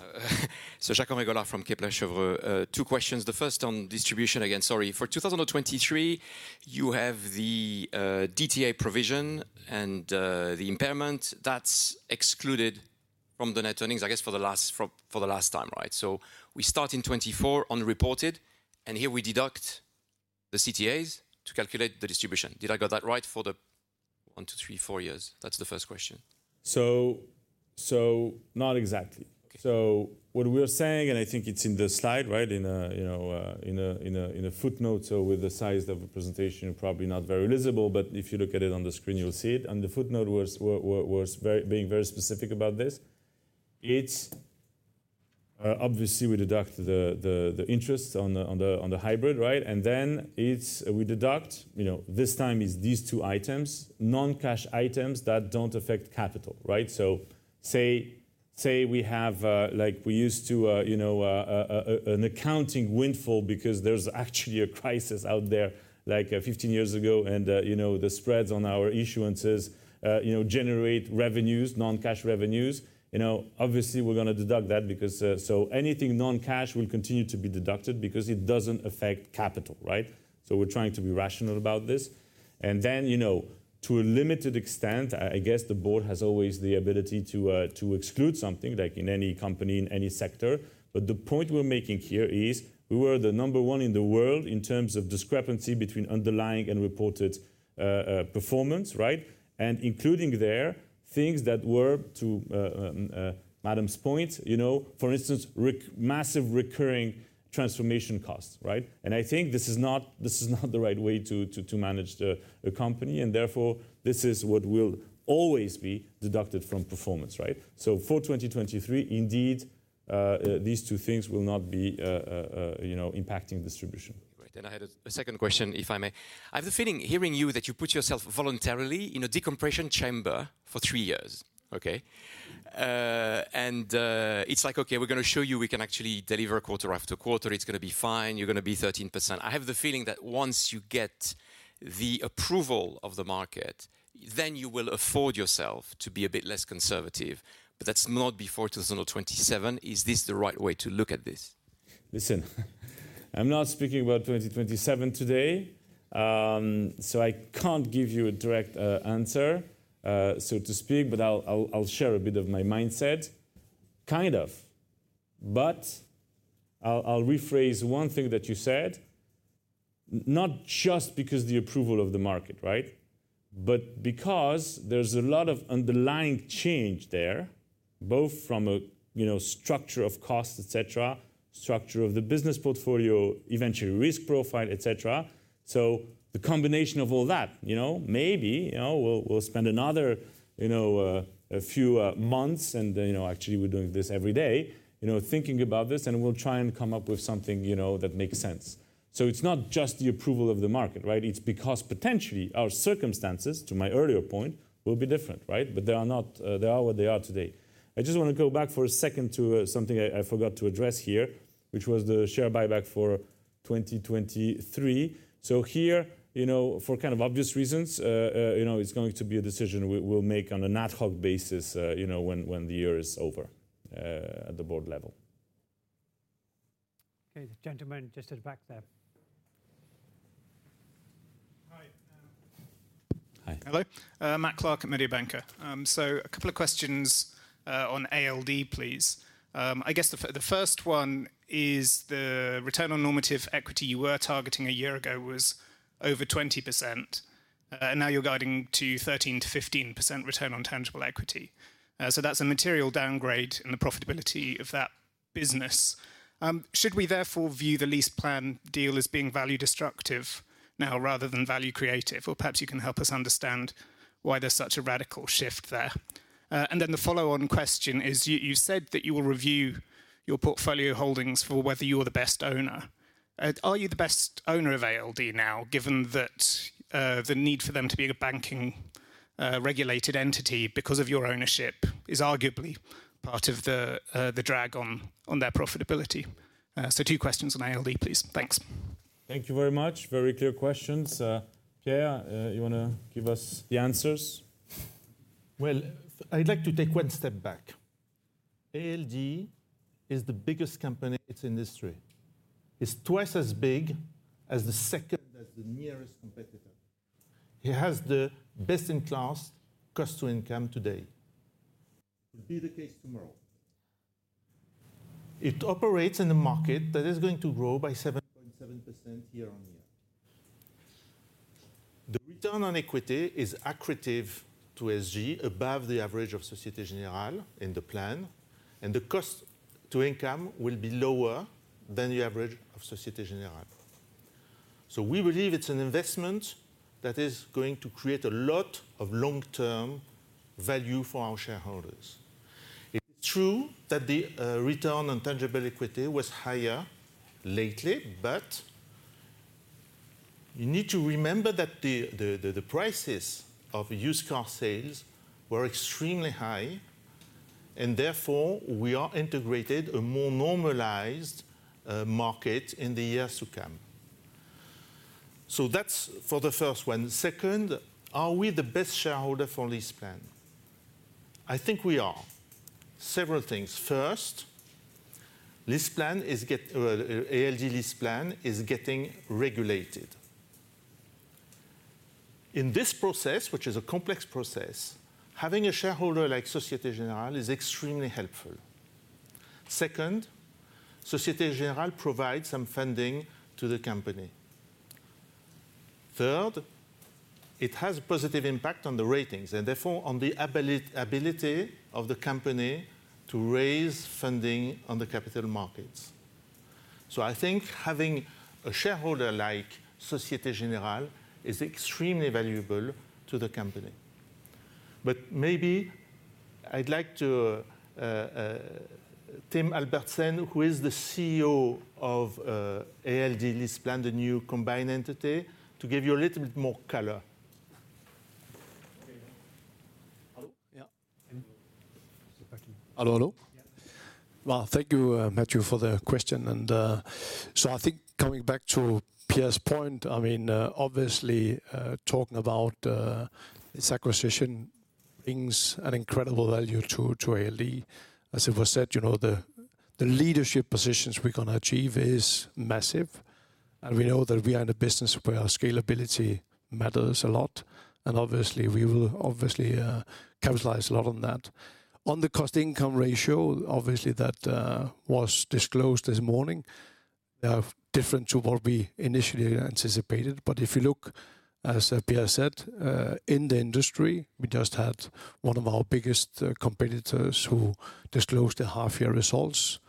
So Jacques-Henri Gaulard from Kepler Cheuvreux. Two questions. The first on distribution, again, sorry. For 2023, you have the DTA provision and the impairment that's excluded from the net earnings, I guess, for the last time, right? So we start in 2024 on reported, and here we deduct the DTAs to calculate the distribution. Did I get that right for the one, two, three, four years? That's the first question. So, not exactly. Okay. So what we are saying, and I think it's in the slide, right, in a, you know, in a footnote, so with the size of a presentation, probably not very visible. But if you look at it on the screen, you'll see it. And the footnote was very, being very specific about this. It's obviously, we deduct the interest on the hybrid, right? And then it's, we deduct, you know, this time it's these two items, non-cash items that don't affect capital, right? So, say we have, like we used to, you know, an accounting windfall because there's actually a crisis out there, like, 15 years ago, and, you know, the spreads on our issuances, you know, generate revenues, non-cash revenues. You know, obviously, we're going to deduct that because... So anything non-cash will continue to be deducted because it doesn't affect capital, right? So we're trying to be rational about this. And then, you know, to a limited extent, I guess the board has always the ability to exclude something, like in any company, in any sector. But the point we're making here is, we were the number one in the world in terms of discrepancy between underlying and reported performance, right? And including there, things that were to madam's point, you know, for instance, massive recurring transformation costs, right? And I think this is not the right way to manage a company, and therefore, this is what will always be deducted from performance, right? For 2023, indeed, these two things will not be, you know, impacting distribution. Great. And I had a second question, if I may. I have the feeling, hearing you, that you put yourself voluntarily in a decompression chamber for three years, okay? And it's like, okay, we're going to show you, we can actually deliver quarter after quarter. It's going to be fine. You're going to be 13%. I have the feeling that once you get the approval of the market, then you will afford yourself to be a bit less conservative, but that's not before 2027. Is this the right way to look at this?... Listen, I'm not speaking about 2027 today, so I can't give you a direct answer, so to speak, but I'll share a bit of my mindset, kind of. But I'll rephrase one thing that you said, not just because the approval of the market, right? But because there's a lot of underlying change there, both from a structure of cost, et cetera, structure of the business portfolio, eventually risk profile, et cetera. So the combination of all that, you know, maybe we'll spend another few months, and actually we're doing this every day, thinking about this, and we'll try and come up with something that makes sense. So it's not just the approval of the market, right? It's because potentially our circumstances, to my earlier point, will be different, right? But they are not, they are what they are today. I just wanna go back for a second to, something I forgot to address here, which was the share buyback for 2023. So here, you know, for kind of obvious reasons, you know, it's going to be a decision we'll make on an ad hoc basis, you know, when the year is over, at the board level. Okay, the gentleman just at the back there. Hi, um- Hi. Hello. Matt Clark, Mediobanca. So a couple of questions on ALD, please. I guess the first one is the return on tangible equity you were targeting a year ago was over 20%, and now you're guiding to 13%-15% return on tangible equity. So that's a material downgrade in the profitability of that business. Should we therefore view the LeasePlan deal as being value destructive now, rather than value creative? Or perhaps you can help us understand why there's such a radical shift there. And then the follow-on question is, you said that you will review your portfolio holdings for whether you are the best owner. Are you the best owner of ALD now, given that the need for them to be a banking regulated entity because of your ownership is arguably part of the drag on their profitability? So two questions on ALD, please. Thanks. Thank you very much. Very clear questions. Pierre, you wanna give us the answers? Well, I'd like to take one step back. ALD is the biggest company in its industry. It's twice as big as the second, as the nearest competitor. It has the best-in-class cost to income today. It will be the case tomorrow. It operates in a market that is going to grow by 7.7% year-on-year. The return on equity is accretive to SG, above the average of Société Générale in the plan, and the cost to income will be lower than the average of Société Générale. So we believe it's an investment that is going to create a lot of long-term value for our shareholders. It's true that the return on tangible equity was higher lately, but you need to remember that the prices of used car sales were extremely high, and therefore, we are integrated a more normalized market in the years to come. So that's for the first one. Second, are we the best shareholder for LeasePlan? I think we are. Several things. First, ALD LeasePlan is getting regulated. In this process, which is a complex process, having a shareholder like Société Générale is extremely helpful. Second, Société Générale provides some funding to the company. Third, it has a positive impact on the ratings, and therefore, on the ability of the company to raise funding on the capital markets. So I think having a shareholder like Société Générale is extremely valuable to the company. But maybe I'd like to Tim Albertsen, who is the CEO of ALD LeasePlan, the new combined entity, to give you a little bit more color. Okay. Hello? Yeah. It's a question. Hello, hello. Yeah. Well, thank you, Matthew, for the question. So I think coming back to Pierre's point, I mean, obviously, talking about this acquisition brings an incredible value to, to ALD. As it was said, you know, the, the leadership positions we're gonna achieve is massive, and we know that we are in a business where our scalability matters a lot, and obviously, we will obviously, capitalize a lot on that. On the cost income ratio, obviously, that was disclosed this morning, different to what we initially anticipated. But if you look, as Pierre said, in the industry, we just had one of our biggest competitors who disclosed their half-year results,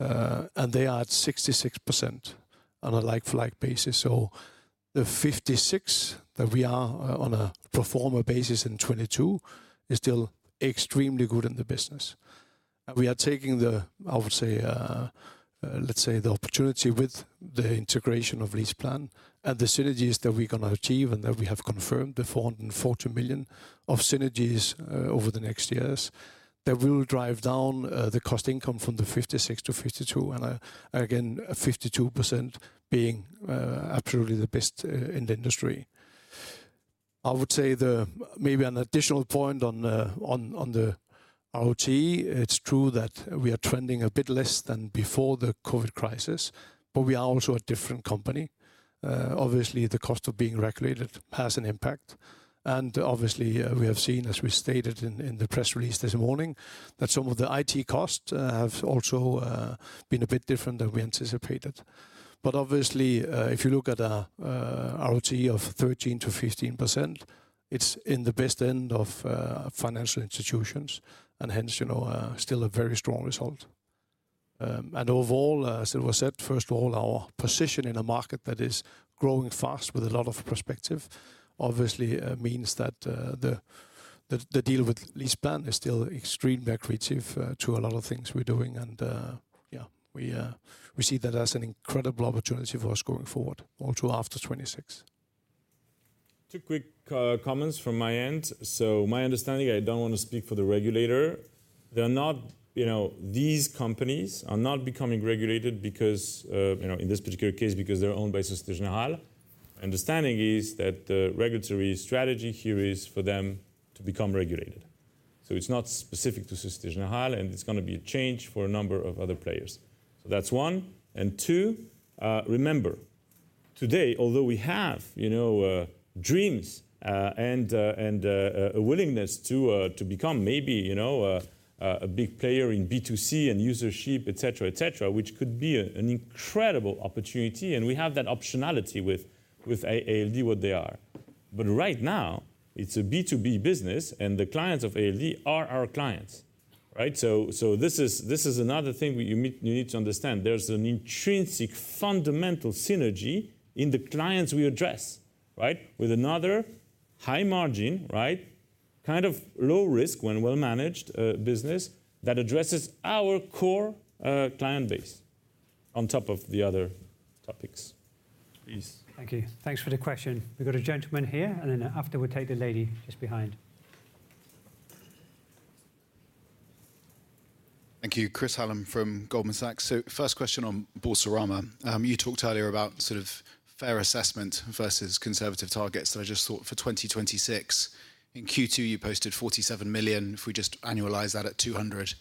and they are at 66% on a like-for-like basis. So the 56 that we are on a pro forma basis in 2022 is still extremely good in the business. And we are taking the, I would say, let's say, the opportunity with the integration of LeasePlan and the synergies that we're gonna achieve and that we have confirmed, the 440 million of synergies over the next years, that will drive down the cost income from the 56 to 52, and again, 52% being absolutely the best in the industry. I would say the, maybe an additional point on the ROT. It's true that we are trending a bit less than before the COVID crisis, but we are also a different company. Obviously, the cost of being regulated has an impact. And obviously, we have seen, as we stated in the press release this morning, that some of the IT costs have also been a bit different than we anticipated. But obviously, if you look at a ROTE of 13%-15%, it's in the best end of financial institutions, and hence, you know, still a very strong result. And overall, as it was said, first of all, our position in a market that is growing fast with a lot of perspective, obviously means that the deal with LeasePlan is still extremely accretive to a lot of things we're doing. And yeah, we see that as an incredible opportunity for us going forward, also after 2026. Two quick comments from my end. So my understanding, I don't want to speak for the regulator. They're not, you know, these companies are not becoming regulated because, you know, in this particular case, because they're owned by Société Générale. Understanding is that the regulatory strategy here is for them to become regulated. So it's not specific to Société Générale, and it's gonna be a change for a number of other players. So that's one, and two, remember, today, although we have, you know, dreams, and, and, a willingness to to become maybe, you know, a, a big player in B2C and usership, et cetera, et cetera, which could be an incredible opportunity, and we have that optionality with, with ALD, what they are. But right now, it's a B2B business, and the clients of ALD are our clients, right? So, this is another thing that you need to understand. There's an intrinsic, fundamental synergy in the clients we address, right? With another high margin, right, kind of low risk when well managed, business that addresses our core client base on top of the other topics. Please. Thank you. Thanks for the question. We've got a gentleman here, and then after, we'll take the lady just behind. Thank you. Chris Hallam from Goldman Sachs. So first question on Boursorama. You talked earlier about sort of fair assessment versus conservative targets, and I just thought for 2026, in Q2, you posted 47 million. If we just annualize that at 200 million,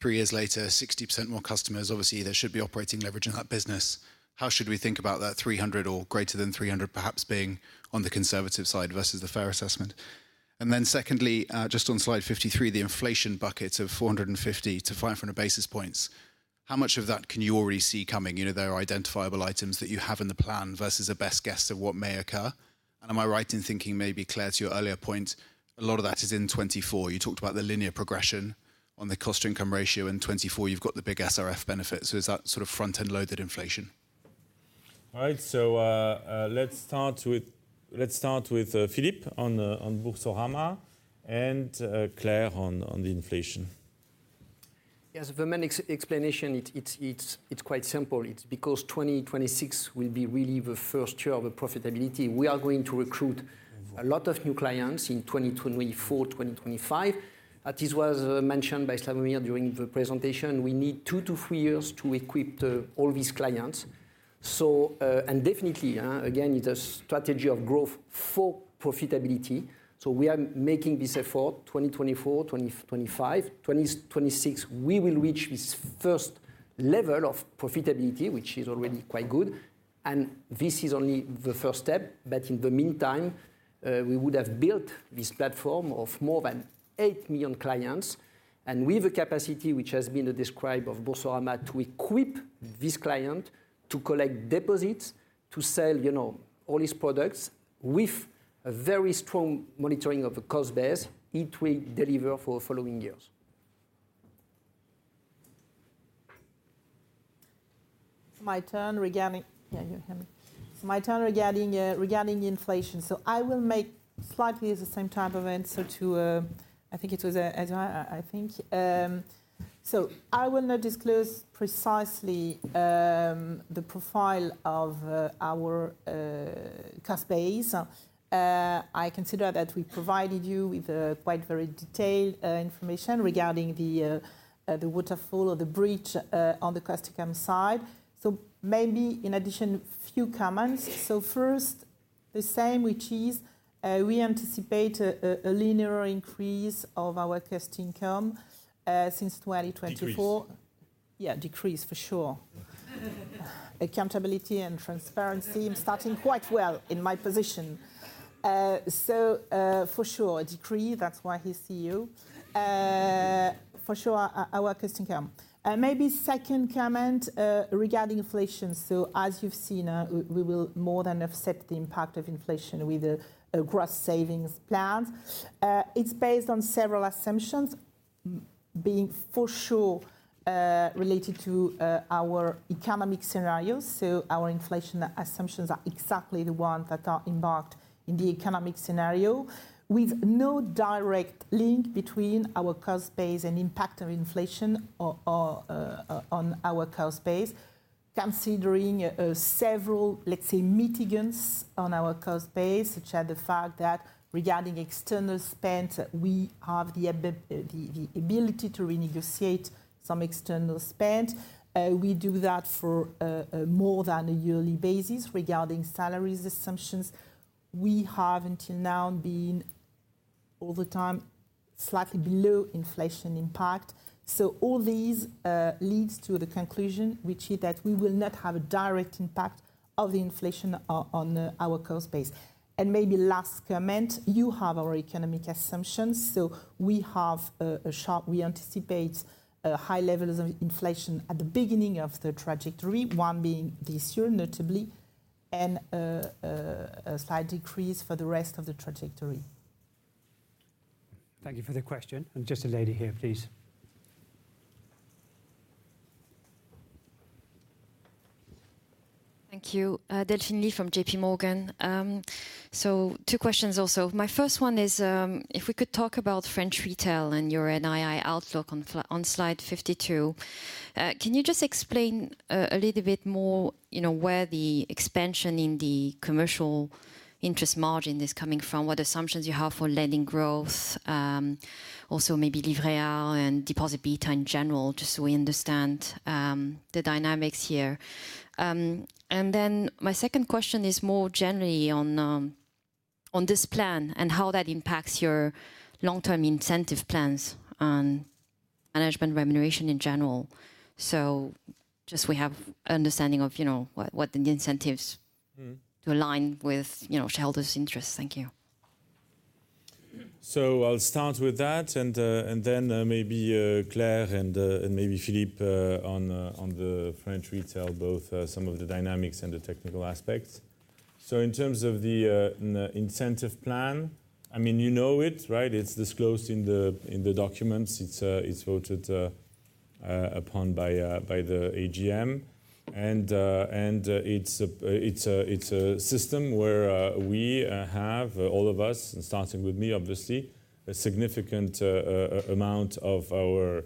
three years later, 60% more customers, obviously, there should be operating leverage in that business. How should we think about that 300 million or greater than 300 million, perhaps being on the conservative side versus the fair assessment? And then secondly, just on slide 53, the inflation bucket of 450-500 basis points, how much of that can you already see coming? You know, there are identifiable items that you have in the plan versus a best guess of what may occur. And am I right in thinking maybe, Claire, to your earlier point, a lot of that is in 2024. You talked about the linear progression on the cost-to-income ratio, in 2024, you've got the big SRF benefit, so is that sort of front-end-loaded inflation? All right. So, let's start with Philippe on Boursorama and Claire on the inflation. Yes, the main explanation, it's quite simple. It's because 2026 will be really the first year of profitability. We are going to recruit a lot of new clients in 2024, 2025. This was mentioned by Slawomir during the presentation. We need two to three years to equip all these clients. And definitely, again, it's a strategy of growth for profitability. So we are making this effort, 2024, 2025. 2026, we will reach this first level of profitability, which is already quite good, and this is only the first step. In the meantime, we would have built this platform of more than 8 million clients, and we have a capacity, which has been described of Boursorama, to equip this client, to collect deposits, to sell, you know, all these products with a very strong monitoring of the cost base. It will deliver for following years. My turn regarding... Yeah, you hear me? My turn regarding inflation. So I will make slightly the same type of answer to, I think it was, Edward, I think. So I will not disclose precisely the profile of our cost base. I consider that we provided you with quite very detailed information regarding the waterfall or the bridge on the cost income side. So maybe in addition, a few comments. So first, the same, which is, we anticipate a linear increase of our cost income since 2024. Decrease. Yeah, decrease, for sure. Accountability and transparency, I'm starting quite well in my position. For sure, a decrease, that's why he's CEO. For sure, our cost income. Maybe second comment regarding inflation. So as you've seen, we will more than offset the impact of inflation with a gross savings plans. It's based on several assumptions, being for sure related to our economic scenarios. So our inflation assumptions are exactly the ones that are embarked in the economic scenario, with no direct link between our cost base and impact of inflation or on our cost base. Considering several, let's say, mitigants on our cost base, such as the fact that regarding external spend, we have the ability to renegotiate some external spend. We do that for more than a yearly basis. Regarding salaries assumptions, we have until now been all the time, slightly below inflation impact. So all these leads to the conclusion, which is that we will not have a direct impact of the inflation on our cost base. And maybe last comment, you have our economic assumptions, so we have we anticipate a high level of inflation at the beginning of the trajectory, one being this year, notably, and a slight decrease for the rest of the trajectory. Thank you for the question. Just the lady here, please. Thank you. Delphine Lee from JPMorgan. So two questions also. My first one is, if we could talk about French retail and your NII outlook on slide 52. Can you just explain, a little bit more, you know, where the expansion in the commercial interest margin is coming from? What assumptions you have for lending growth, also maybe Livret A and deposit beta in general, just so we understand, the dynamics here. And then my second question is more generally on, on this plan and how that impacts your long-term incentive plans on management remuneration in general. So just we have understanding of, you know, what, what the incentives- Mm-hmm. To align with, you know, shareholders' interests. Thank you. So I'll start with that, and then maybe Claire and maybe Philippe on the French retail, both some of the dynamics and the technical aspects. So in terms of the incentive plan, I mean, you know it, right? It's disclosed in the documents. It's voted upon by the AGM. And it's a system where we have, all of us, and starting with me, obviously, a significant amount of our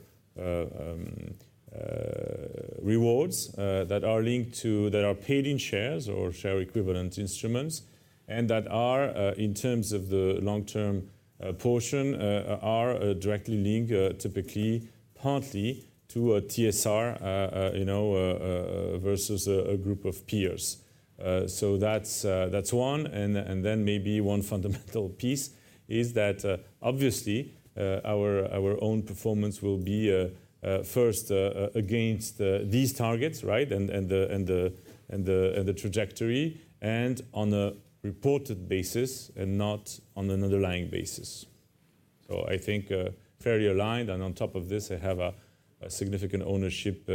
rewards that are linked to... That are paid in shares or share equivalent instruments, and that are, in terms of the long-term, portion, are, directly linked, typically, partly to a TSR, you know, versus a group of peers. So that's, that's one. And then maybe one fundamental piece is that, obviously, our own performance will be, first, against, these targets, right? And the trajectory, and on a reported basis, and not on an underlying basis. So I think, fairly aligned, and on top of this, I have a significant ownership,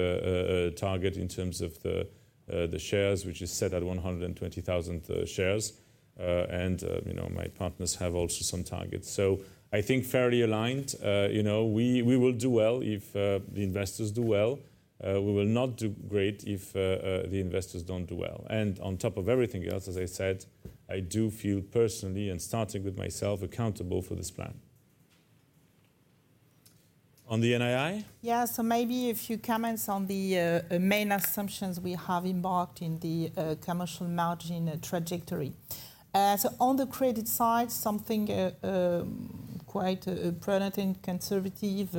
target in terms of the, the shares, which is set at 120,000 shares. And, you know, my partners have also some targets. So I think fairly aligned. You know, we will do well if the investors do well. We will not do great if the investors don't do well. And on top of everything else, as I said, I do feel personally, and starting with myself, accountable for this plan. On the NII? Yeah, so maybe a few comments on the main assumptions we have embarked in the commercial margin trajectory. So on the credit side, something quite prudent and conservative,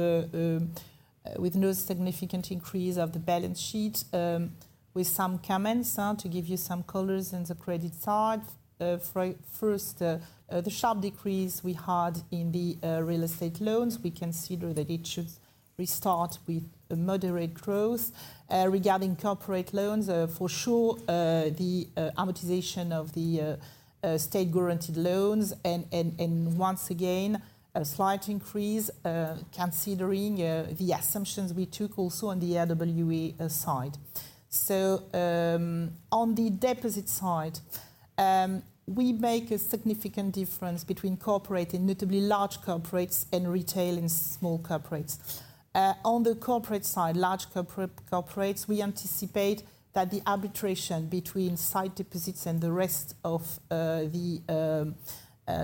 with no significant increase of the balance sheet, with some comments to give you some colors on the credit side. First, the sharp decrease we had in the real estate loans, we consider that it should restart with a moderate growth. Regarding corporate loans, for sure, the amortization of the state-guaranteed loans and once again, a slight increase, considering the assumptions we took also on the LWE side. So on the deposit side, we make a significant difference between corporate, and notably large corporates and retail and small corporates. On the corporate side, large corporates, we anticipate that the arbitration between sight deposits and the rest of, the,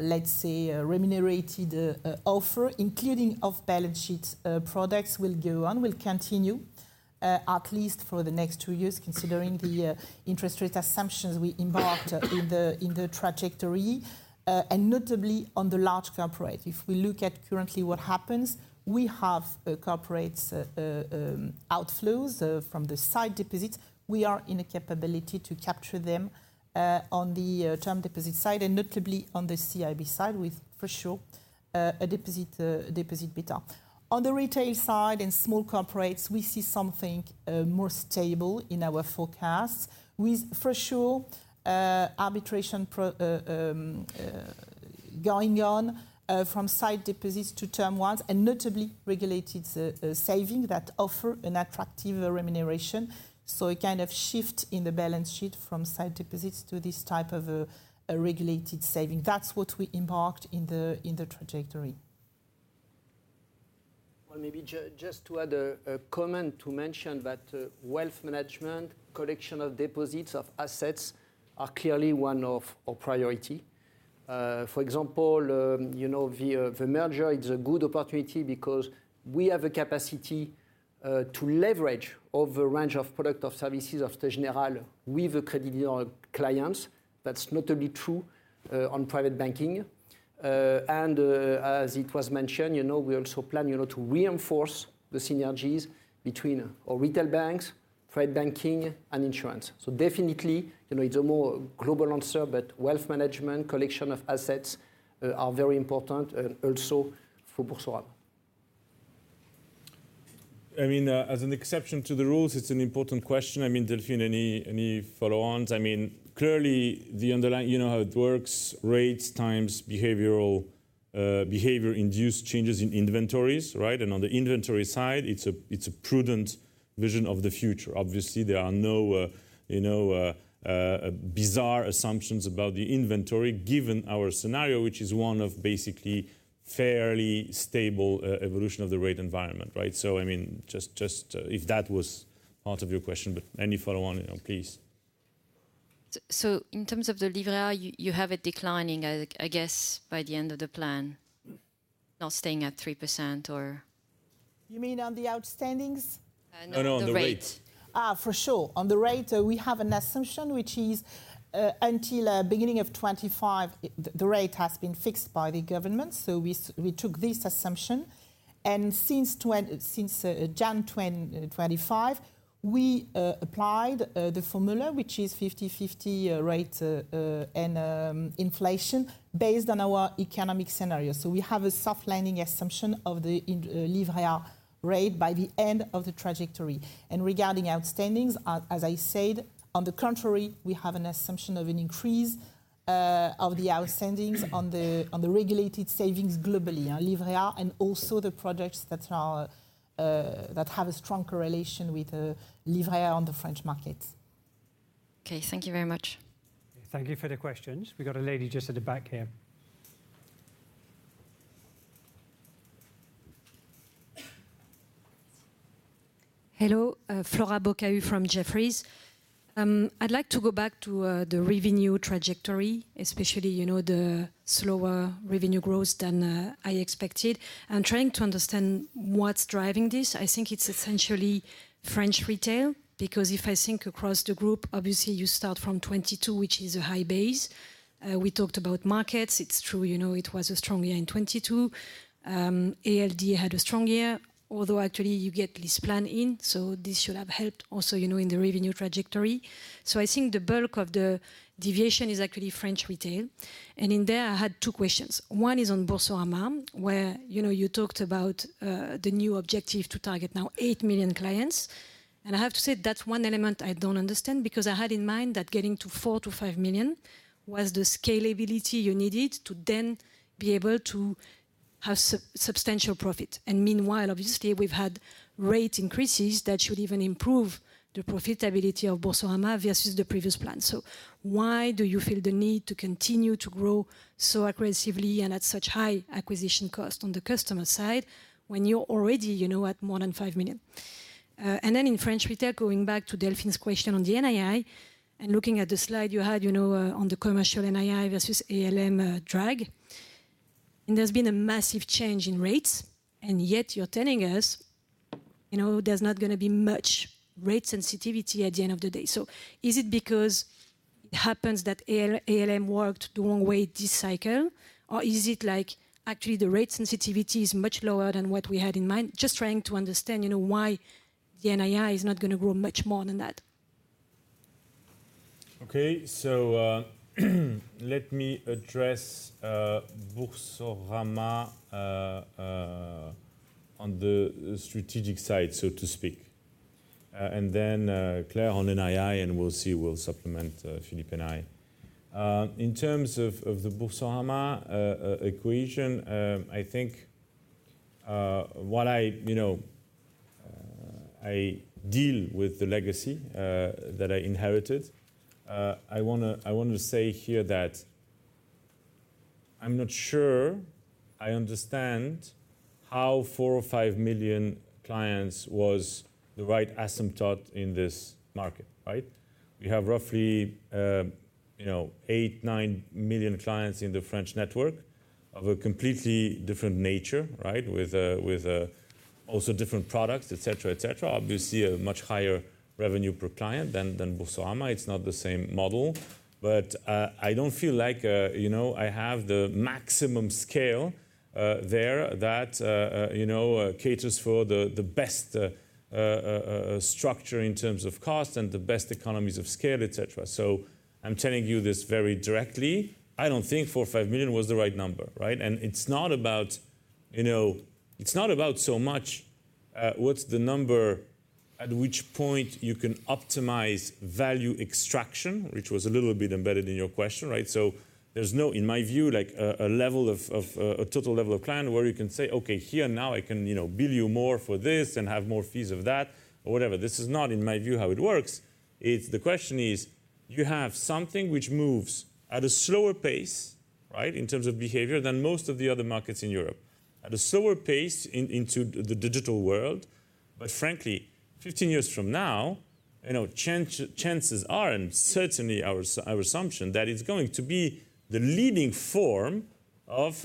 let's say, remunerated offer, including off-balance sheet products, will go on, will continue at least for the next two years, considering the interest rate assumptions we embarked in the trajectory, and notably on the large corporate. If we look at currently what happens, we have corporates outflows from the sight deposits. We are in a capability to capture them on the term deposit side, and notably on the CIB side, with for sure a deposit deposit beta. On the retail side and small corporates, we see something more stable in our forecast, with for sure arbitrage going on from sight deposits to term ones, and notably regulated savings that offer an attractive remuneration. So a kind of shift in the balance sheet from sight deposits to this type of a regulated savings. That's what we embedded in the trajectory. Well, maybe just to add a comment to mention that, wealth management, collection of deposits, of assets, are clearly one of our priority. For example, you know, the merger is a good opportunity because we have a capacity to leverage over a range of products and services of Société Générale with accredited clients. That's notably true on private banking. And, as it was mentioned, you know, we also plan, you know, to reinforce the synergies between our retail banks, private banking, and insurance. So definitely, you know, it's a more global answer, but wealth management, collection of assets, are very important, and also for Boursorama. ... I mean, as an exception to the rules, it's an important question. I mean, Delphine, any, any follow-ons? I mean, clearly, the underlying, you know how it works, rates, times, behavioral, behavior-induced changes in inventories, right? And on the inventory side, it's a, it's a prudent vision of the future. Obviously, there are no, you know, bizarre assumptions about the inventory, given our scenario, which is one of basically fairly stable, evolution of the rate environment, right? So, I mean, just, just, if that was part of your question, but any follow-on, you know, please. So in terms of the Livret A, you have it declining, I guess, by the end of the plan, not staying at 3% or- You mean on the outstandings? On the rate. No, no, on the rates. Ah, for sure. On the rate, we have an assumption, which is, until beginning of 25, the rate has been fixed by the government, so we took this assumption. And since January 20, 2025, we applied the formula, which is 50/50 rate and inflation, based on our economic scenario. So we have a soft landing assumption of the Livret A rate by the end of the trajectory. And regarding outstandings, as I said, on the contrary, we have an assumption of an increase of the outstandings on the regulated savings globally, on Livret A, and also the products that are that have a strong correlation with Livret A on the French market. Okay, thank you very much. Thank you for the questions. We've got a lady just at the back here. Hello, Flora Bocahut from Jefferies. I'd like to go back to the revenue trajectory, especially, you know, the slower revenue growth than I expected. I'm trying to understand what's driving this. I think it's essentially French retail, because if I think across the group, obviously, you start from 2022, which is a high base. We talked about markets. It's true, you know, it was a strong year in 2022. ALD had a strong year, although actually you get LeasePlan in, so this should have helped also, you know, in the revenue trajectory. So I think the bulk of the deviation is actually French retail. And in there, I had two questions. One is on Boursorama, where, you know, you talked about the new objective to target now 8 million clients. I have to say, that's one element I don't understand, because I had in mind that getting to 4-5 million was the scalability you needed to then be able to have substantial profit. Meanwhile, obviously, we've had rate increases that should even improve the profitability of Boursorama versus the previous plan. So why do you feel the need to continue to grow so aggressively and at such high acquisition cost on the customer side when you're already, you know, at more than 5 million? And then in French retail, going back to Delphine's question on the NII, and looking at the slide you had, you know, on the commercial NII versus ALM drag, and there's been a massive change in rates, and yet you're telling us, you know, there's not gonna be much rate sensitivity at the end of the day. So is it because it happens that ALM worked the wrong way this cycle, or is it like, actually, the rate sensitivity is much lower than what we had in mind? Just trying to understand, you know, why the NII is not gonna grow much more than that. Okay, so, let me address, Boursorama, on the, the strategic side, so to speak. And then, Claire, on NII, and we'll see, we'll supplement, Philippe and I. In terms of, of the Boursorama, equation, I think, what I, you know, I deal with the legacy, that I inherited. I wanna, I want to say here that I'm not sure I understand how 4 or 5 million clients was the right asymptote in this market, right? We have roughly, you know, 8-9 million clients in the French network of a completely different nature, right? With a, with, also different products, et cetera, et cetera. Obviously, a much higher revenue per client than, than Boursorama. It's not the same model, but I don't feel like, you know, I have the maximum scale there that you know caters for the best structure in terms of cost and the best economies of scale, et cetera. So I'm telling you this very directly, I don't think 4 or 5 million was the right number, right? And it's not about, you know, it's not about so much what's the number at which point you can optimize value extraction, which was a little bit embedded in your question, right? So there's no, in my view, like, a level of a total level of client where you can say, "Okay, here, now I can, you know, bill you more for this and have more fees of that," or whatever. This is not, in my view, how it works. It's the question is, you have something which moves at a slower pace, right, in terms of behavior, than most of the other markets in Europe. At a slower pace into the digital world, but frankly, 15 years from now, you know, chances are, and certainly our assumption, that it's going to be the leading form of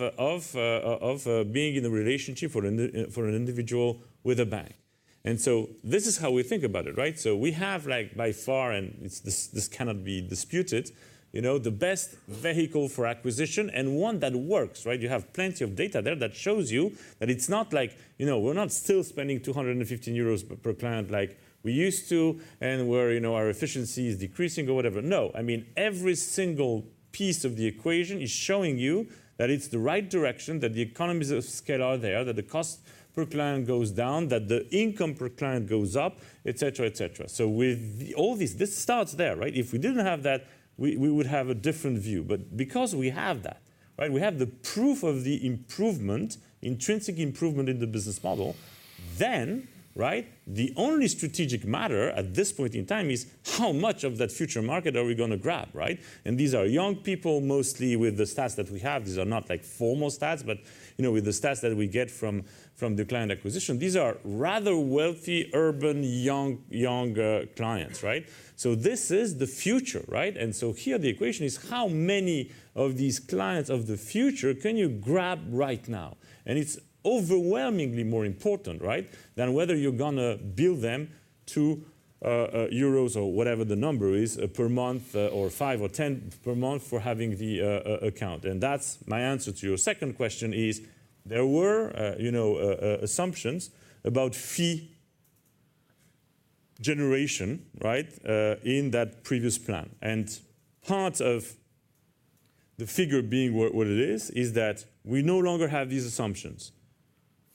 being in a relationship for an individual with a bank. And so this is how we think about it, right? So we have, like, by far, and it's this, this cannot be disputed, you know, the best vehicle for acquisition and one that works, right? You have plenty of data there that shows you that it's not like, you know, we're not still spending 215 euros per client like we used to, and we're, you know, our efficiency is decreasing or whatever. No, I mean, every single piece of the equation is showing you that it's the right direction, that the economies of scale are there, that the cost per client goes down, that the income per client goes up, et cetera, et cetera. So with all this, this starts there, right? If we didn't have that, we, we would have a different view. But because we have that, right, we have the proof of the improvement, intrinsic improvement in the business model... then, right, the only strategic matter at this point in time is how much of that future market are we gonna grab, right? These are young people, mostly with the stats that we have. These are not, like, formal stats, but, you know, with the stats that we get from the client acquisition, these are rather wealthy, urban, young, younger clients, right? So this is the future, right? So here, the equation is, how many of these clients of the future can you grab right now? And it's overwhelmingly more important, right, than whether you're gonna bill them EUR 2 or whatever the number is per month or 5 or 10 per month for having the account. And that's my answer to you. Second question is, there were, you know, assumptions about fee generation, right in that previous plan. And part of the figure being what, what it is, is that we no longer have these assumptions.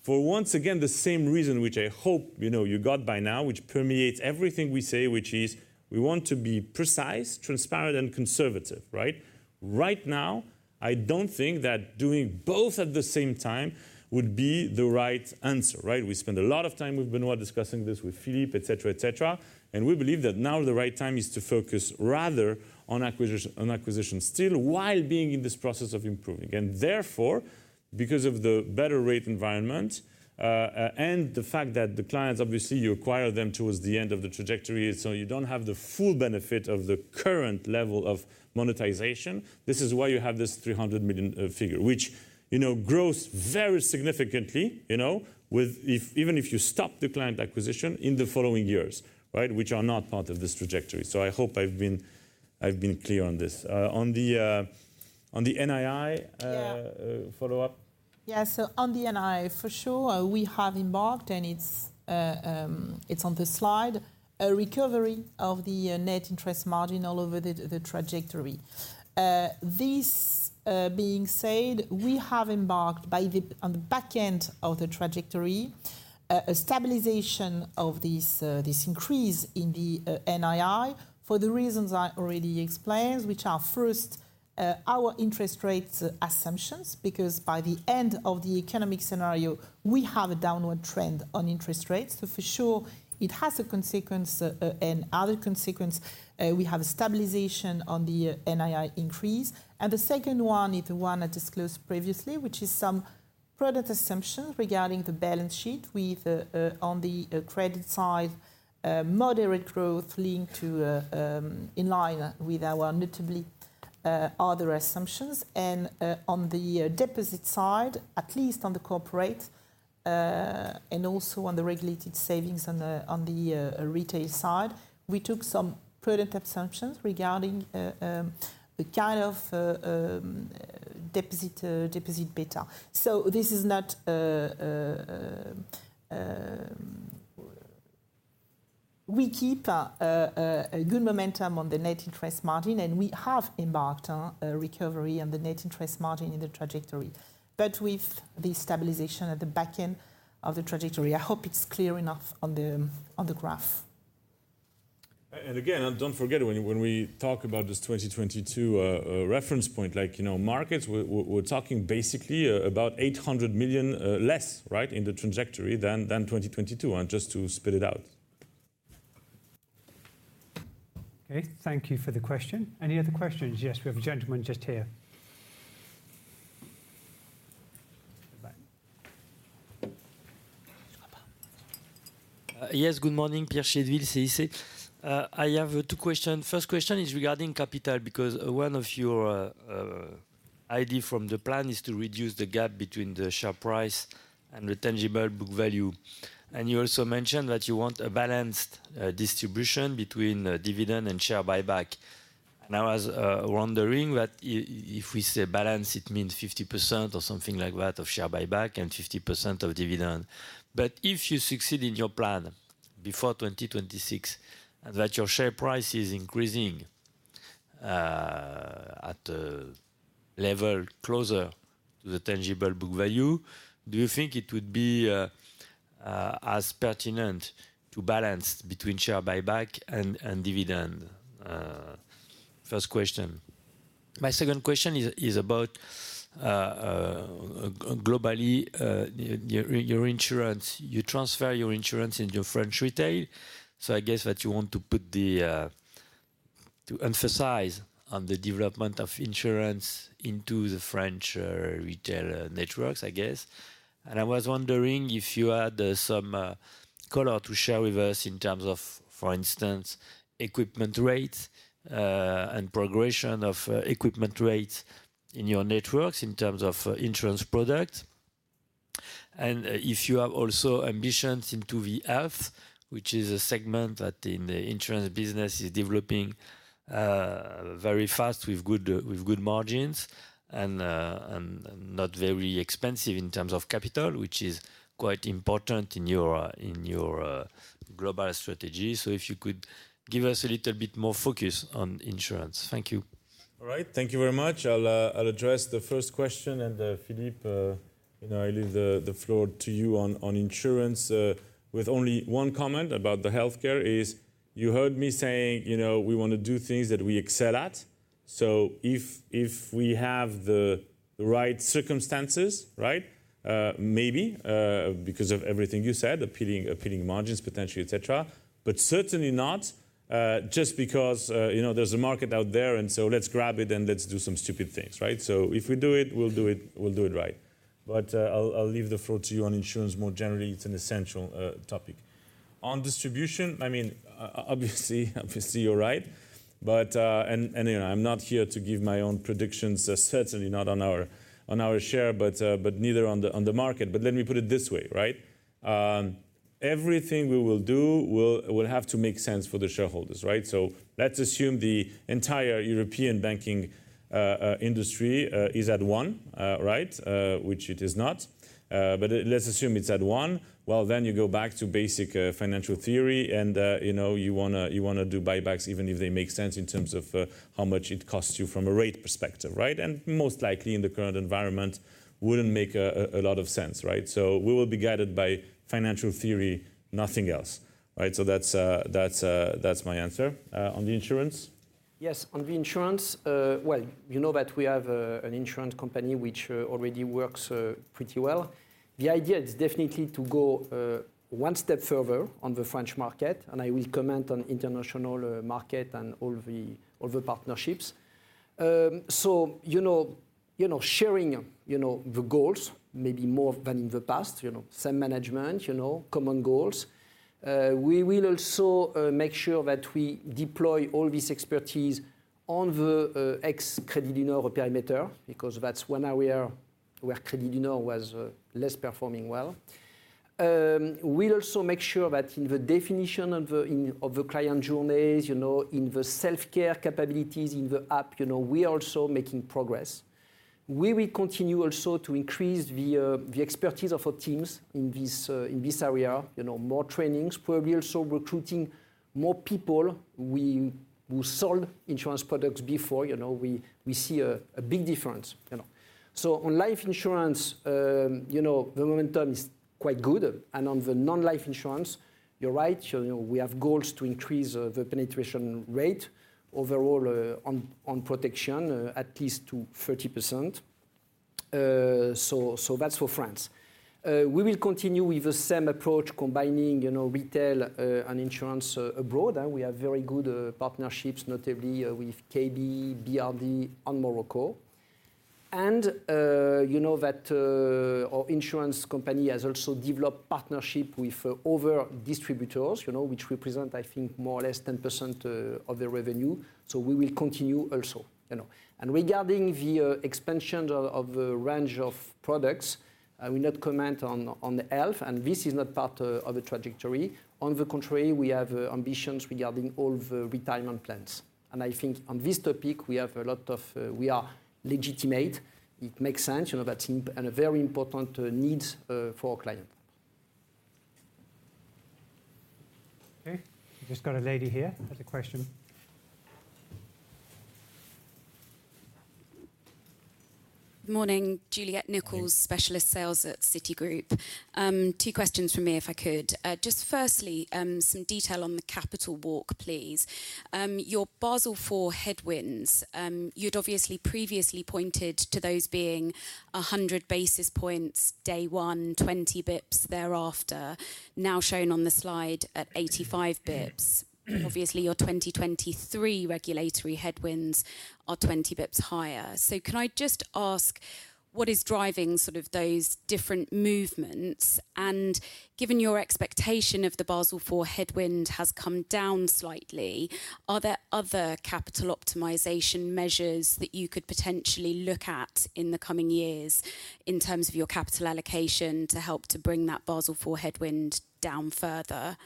For once again, the same reason which I hope, you know, you got by now, which permeates everything we say, which is: we want to be precise, transparent, and conservative, right? Right now, I don't think that doing both at the same time would be the right answer, right? We spent a lot of time with Benoit, discussing this with Philippe, et cetera, et cetera, and we believe that now the right time is to focus rather on acquisition, on acquisition, still, while being in this process of improving. And therefore, because of the better rate environment, and the fact that the clients, obviously, you acquire them towards the end of the trajectory, so you don't have the full benefit of the current level of monetization. This is why you have this 300 million figure, which, you know, grows very significantly, you know, with if, even if you stop the client acquisition in the following years, right? Which are not part of this trajectory. So I hope I've been clear on this. On the NII, Yeah. Follow-up. Yeah, so on the NII, for sure, we have embarked, and it's, it's on the slide, a recovery of the, net interest margin all over the, the trajectory. This, being said, we have embarked by the, on the back end of the trajectory, a, a stabilization of this, this increase in the, NII, for the reasons I already explained, which are, first, our interest rates assumptions, because by the end of the economic scenario, we have a downward trend on interest rates. So for sure, it has a consequence, and other consequence, we have a stabilization on the NII increase. The second one is the one I disclosed previously, which is some product assumptions regarding the balance sheet with, on the credit side, moderate growth linked to in line with our notably other assumptions. On the deposit side, at least on the corporate and also on the regulated savings on the retail side, we took some product assumptions regarding the kind of deposit beta. So this is not... We keep a good momentum on the net interest margin, and we have embarked on a recovery on the net interest margin in the trajectory, but with the stabilization at the back end of the trajectory. I hope it's clear enough on the graph. Again, don't forget, when we talk about this 2022 reference point, like, you know, markets, we're talking basically about 800 million less, right, in the trajectory than 2022, and just to spit it out. Okay, thank you for the question. Any other questions? Yes, we have a gentleman just here. Yes, good morning, Pierre Chédeville, CIC. I have two question. First question is regarding capital, because one of your idea from the plan is to reduce the gap between the share price and the tangible book value. And you also mentioned that you want a balanced distribution between dividend and share buyback. And I was wondering if we say balance, it means 50% or something like that, of share buyback and 50% of dividend. But if you succeed in your plan before 2026, and that your share price is increasing at a level closer to the tangible book value, do you think it would be as pertinent to balance between share buyback and dividend? First question. My second question is about globally your insurance. You transfer your insurance into French retail, so I guess that you want to put the to emphasize on the development of insurance into the French retail networks, I guess. And I was wondering if you had some color to share with us in terms of, for instance, equipment rates and progression of equipment rates in your networks in terms of insurance products. And if you have also ambitions into the health, which is a segment that in the insurance business is developing very fast, with good margins and not very expensive in terms of capital, which is quite important in your global strategy. So if you could give us a little bit more focus on insurance. Thank you. All right. Thank you very much. I'll address the first question, and Philippe, you know, I leave the floor to you on insurance, with only one comment about the healthcare: you heard me saying, you know, we wanna do things that we excel at.... so if we have the right circumstances, right, maybe because of everything you said, appealing margins, potentially, et cetera. But certainly not just because, you know, there's a market out there, and so let's grab it and let's do some stupid things, right? So if we do it, we'll do it right. But I'll leave the floor to you on insurance more generally. It's an essential topic. On distribution, I mean, obviously you're right. But, and, you know, I'm not here to give my own predictions, certainly not on our share, but neither on the market. But let me put it this way, right? Everything we will do will have to make sense for the shareholders, right? So let's assume the entire European banking industry is at one, right? Which it is not, but let's assume it's at one. Well, then you go back to basic financial theory, and you know, you wanna do buybacks, even if they make sense in terms of how much it costs you from a rate perspective, right? And most likely, in the current environment, wouldn't make a lot of sense, right? So we will be guided by financial theory, nothing else, right? That's my answer. On the insurance? Yes, on the insurance, well, you know that we have an insurance company which already works pretty well. The idea is definitely to go one step further on the French market, and I will comment on international market and all the partnerships. So you know, sharing the goals maybe more than in the past, you know, same management, you know, common goals. We will also make sure that we deploy all this expertise on the ex-Crédit Lyonnais perimeter, because that's one area where Crédit Lyonnais was less performing well. We'll also make sure that in the definition of the client journeys, you know, in the self-care capabilities, in the app, you know, we are also making progress. We will continue also to increase the expertise of our teams in this area, you know, more trainings, where we are also recruiting more people. We, who sold insurance products before, you know, we, we see a, a big difference, you know. So on life insurance, you know, the momentum is quite good, and on the non-life insurance, you're right, you know, we have goals to increase the penetration rate overall on protection at least to 30%. So that's for France. We will continue with the same approach, combining, you know, retail and insurance abroad, and we have very good partnerships, notably, with KB, BRD, and Morocco. You know, that our insurance company has also developed partnership with other distributors, you know, which represent, I think, more or less 10% of the revenue. We will continue also, you know. Regarding the expansion of the range of products, I will not comment on the health, and this is not part of the trajectory. On the contrary, we have ambitions regarding all the retirement plans. I think on this topic, we have a lot of... we are legitimate. It makes sense, you know, that's important and a very important need for our client. Okay, we've just got a lady here with a question. Good morning. Juliet Nichols- Hi... Specialist Sales at Citigroup. Two questions from me, if I could. Just firstly, some detail on the capital walk, please. Your Basel IV headwinds, you'd obviously previously pointed to those being 100 basis points, day one, 20 basis points thereafter, now shown on the slide at 85 basis points. Obviously, your 2023 regulatory headwinds are 20 basis points higher. Can I just ask, what is driving sort of those different movements? And given your expectation of the Basel IV headwind has come down slightly, are there other capital optimization measures that you could potentially look at in the coming years in terms of your capital allocation, to help to bring that Basel IV headwind down further?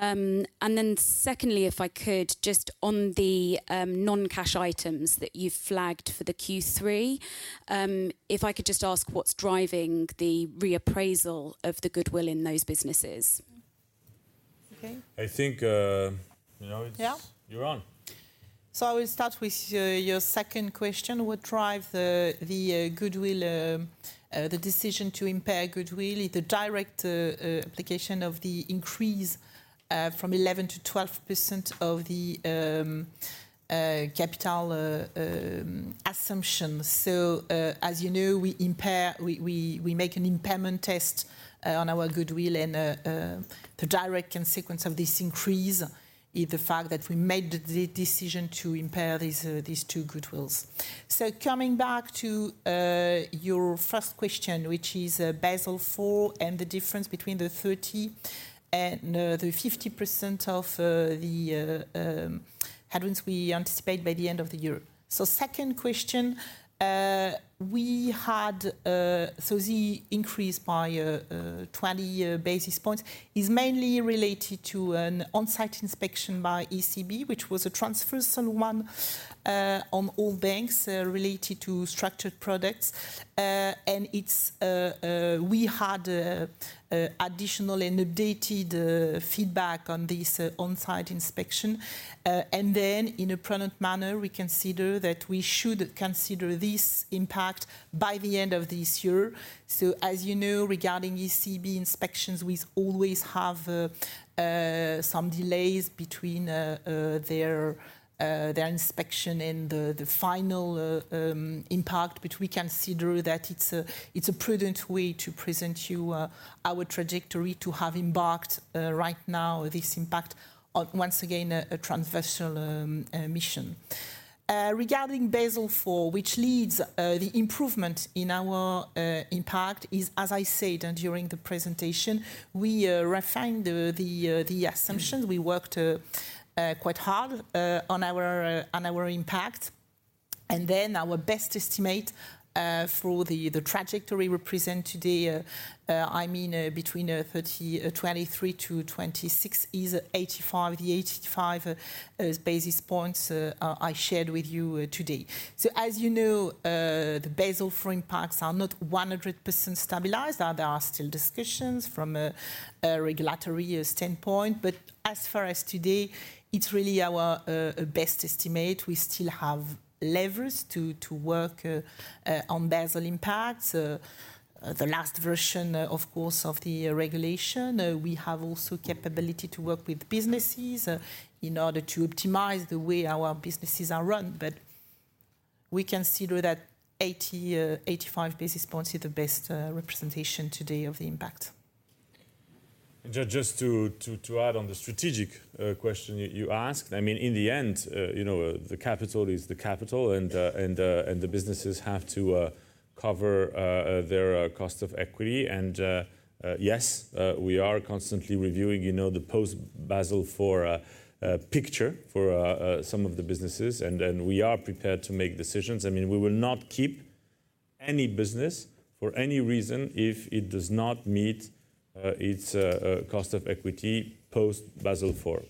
And then secondly, if I could, just on the non-cash items that you flagged for the Q3, if I could just ask what's driving the reappraisal of the goodwill in those businesses? Okay. I think, you know, it's Yeah... you're on. So I will start with your second question: What drive the decision to impair goodwill is the direct application of the increase from 11%-12% of the capital assumptions. So, as you know, we make an impairment test on our goodwill, and the direct consequence of this increase is the fact that we made the decision to impair these two goodwills. So coming back to your first question, which is Basel IV and the difference between the 30 and the 50% of the headwinds we anticipate by the end of the year. So second question, we had... So the increase by 20 basis points is mainly related to an on-site inspection by ECB, which was a transversal one, on all banks, related to structured products. And it's we had additional and updated feedback on this on-site inspection. And then in a prudent manner, we consider that we should consider this impact by the end of this year. So as you know, regarding ECB inspections, we always have some delays between their inspection and the final impact. But we consider that it's a prudent way to present you our trajectory, to have embarked right now, this impact on, once again, a transversal mission. Regarding Basel IV, which leads the improvement in our impact is, as I said, during the presentation, we refined the assumptions. We worked quite hard on our impact.... and then our best estimate, for the trajectory we present today, I mean, between 2023-2026 is 85, the 85, basis points, I shared with you, today. So as you know, the Basel III impacts are not 100% stabilized, there are still discussions from a regulatory standpoint, but as far as today, it's really our best estimate. We still have levers to work on Basel impacts. The last version, of course, of the regulation. We have also capability to work with businesses, in order to optimize the way our businesses are run. But we consider that 85 basis points is the best representation today of the impact. Just to add on the strategic question you asked, I mean, in the end, you know, the capital is the capital, and the businesses have to cover their cost of equity. And yes, we are constantly reviewing, you know, the post-Basel IV picture for some of the businesses, and we are prepared to make decisions. I mean, we will not keep any business for any reason if it does not meet its cost of equity post-Basel IV.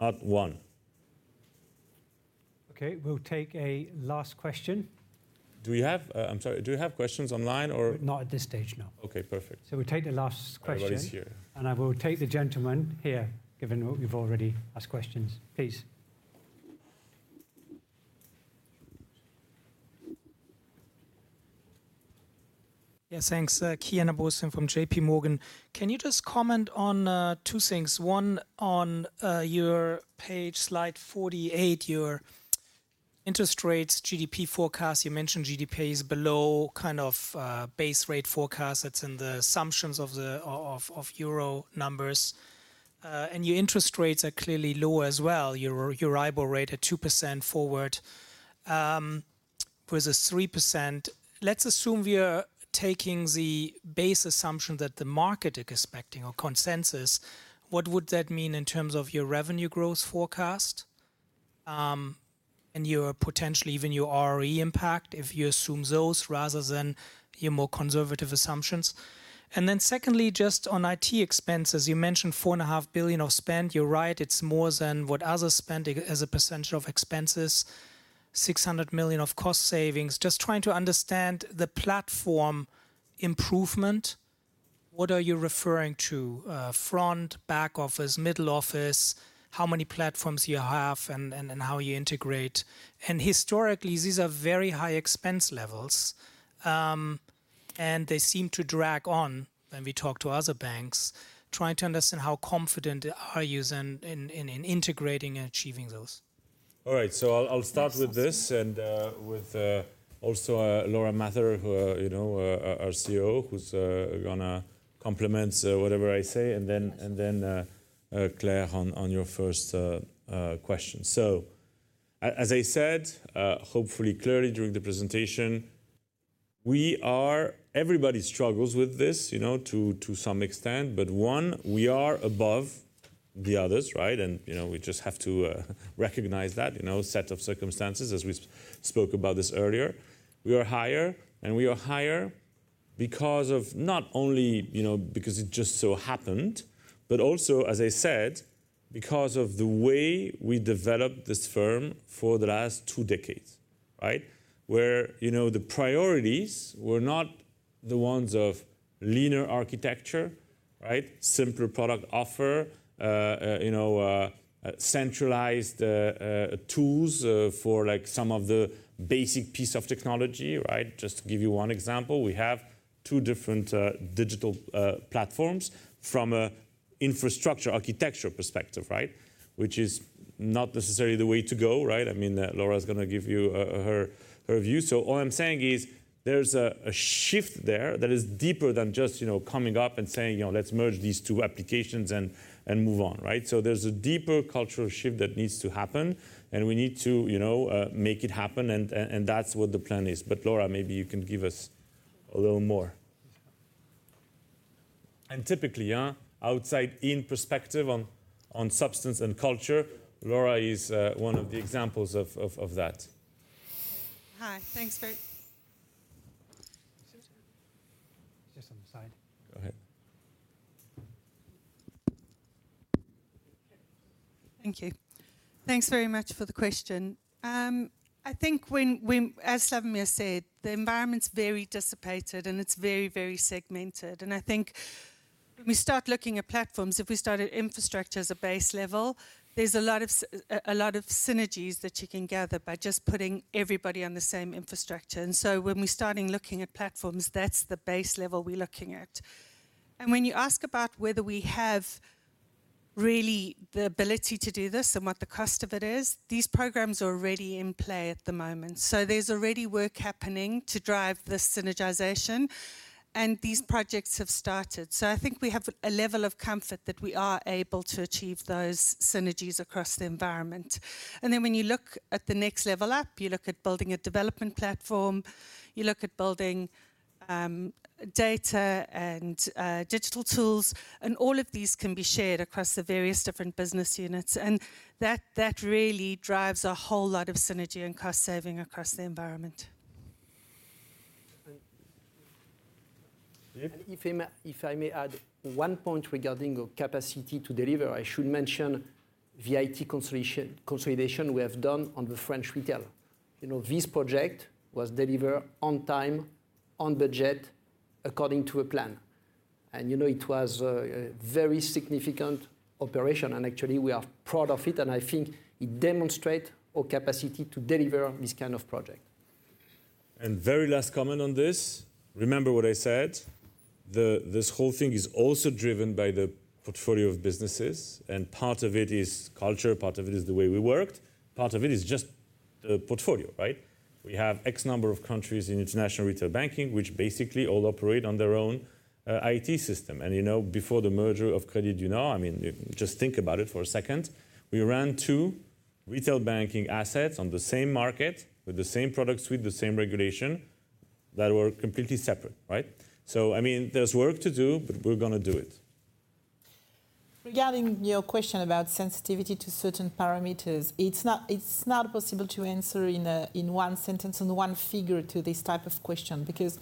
Not one. Okay, we'll take a last question. Do we have... I'm sorry, do we have questions online or? Not at this stage, no. Okay, perfect. We take the last question- Everybody's here. I will take the gentleman here, given you've already asked questions. Please. Yeah, thanks. Kian Abouhossein from JPMorgan. Can you just comment on two things? One, on your page, slide 48, your interest rates, GDP forecast. You mentioned GDP is below kind of base rate forecast. That's in the assumptions of the euro numbers. And your interest rates are clearly lower as well. Your Euribor rate at 2% forward, versus 3%. Let's assume we are taking the base assumption that the market is expecting or consensus, what would that mean in terms of your revenue growth forecast, and your potentially even your ROE impact, if you assume those rather than your more conservative assumptions? And then secondly, just on IT expenses, you mentioned 4.5 billion of spend. You're right, it's more than what others spend as a percentage of expenses, 600 million of cost savings. Just trying to understand the platform improvement, what are you referring to? Front, back office, middle office? How many platforms you have and, and, and how you integrate? And historically, these are very high expense levels, and they seem to drag on when we talk to other banks. Trying to understand how confident are yous in, in, in integrating and achieving those? All right. So I'll start with this and with also Laura Mather, who you know our CEO, who's gonna complement whatever I say, and then Claire, on your first question. So as I said, hopefully clearly during the presentation, we are. Everybody struggles with this, you know, to some extent, but one, we are above the others, right? And you know, we just have to recognize that, you know, set of circumstances, as we spoke about this earlier. We are higher, and we are higher because of not only, you know, because it just so happened, but also, as I said, because of the way we developed this firm for the last two decades, right? Where you know, the priorities were not the ones of leaner architecture, right? Simpler product offer, you know, centralized tools for, like, some of the basic piece of technology, right? Just to give you one example, we have two different digital platforms from a infrastructure architecture perspective, right? Which is not necessarily the way to go, right? I mean, Laura's gonna give you her view. So all I'm saying is there's a shift there that is deeper than just, you know, coming up and saying, "You know, let's merge these two applications and move on," right? So there's a deeper cultural shift that needs to happen, and we need to, you know, make it happen, and that's what the plan is. But, Laura, maybe you can give us a little more. Typically, yeah, outside-in perspective on substance and culture, Laura is one of the examples of that. Hi. Thanks. Great. Just on the side. Go ahead. Thank you. Thanks very much for the question. I think when... As Slawomir said, the environment's very dissipated, and it's very, very segmented. And I think when we start looking at platforms, if we start at infrastructure as a base level, there's a lot of synergies that you can gather by just putting everybody on the same infrastructure. And so when we're starting looking at platforms, that's the base level we're looking at. And when you ask about whether we have really the ability to do this and what the cost of it is, these programs are already in play at the moment. So there's already work happening to drive this synergization, and these projects have started. So I think we have a level of comfort that we are able to achieve those synergies across the environment. And then when you look at the next level up, you look at building a development platform. You look at building-... data and digital tools, and all of these can be shared across the various different business units, and that really drives a whole lot of synergy and cost-saving across the environment. And- Yeah. And if I may, if I may add one point regarding our capacity to deliver, I should mention the IT consolidation we have done on the French retail. You know, this project was delivered on time, on budget, according to a plan. And, you know, it was a very significant operation, and actually, we are proud of it, and I think it demonstrate our capacity to deliver this kind of project. Very last comment on this, remember what I said, this whole thing is also driven by the portfolio of businesses, and part of it is culture, part of it is the way we worked, part of it is just the portfolio, right? We have X number of countries in International Retail Banking, which basically all operate on their own IT system. You know, before the merger of Crédit du Nord, I mean, just think about it for a second, we ran two retail banking assets on the same market, with the same product suite, the same regulation, that were completely separate, right? So, I mean, there's work to do, but we're gonna do it. Regarding your question about sensitivity to certain parameters, it's not, it's not possible to answer in a in one sentence and one figure to this type of question, because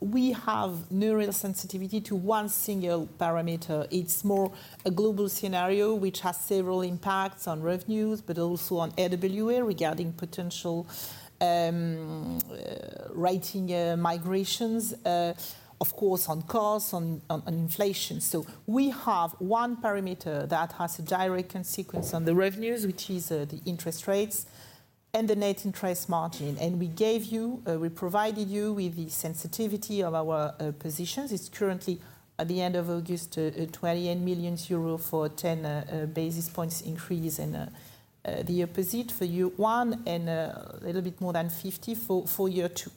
we have no real sensitivity to one single parameter. It's more a global scenario, which has several impacts on revenues, but also on RWA, regarding potential rating migrations, of course, on costs, on inflation. So we have one parameter that has a direct consequence on the revenues, which is the interest rates and the net interest margin. And we gave you, we provided you with the sensitivity of our positions. It's currently, at the end of August, 28 million euro for 10 basis points increase, and the opposite for year one, and a little bit more than 50 for year two.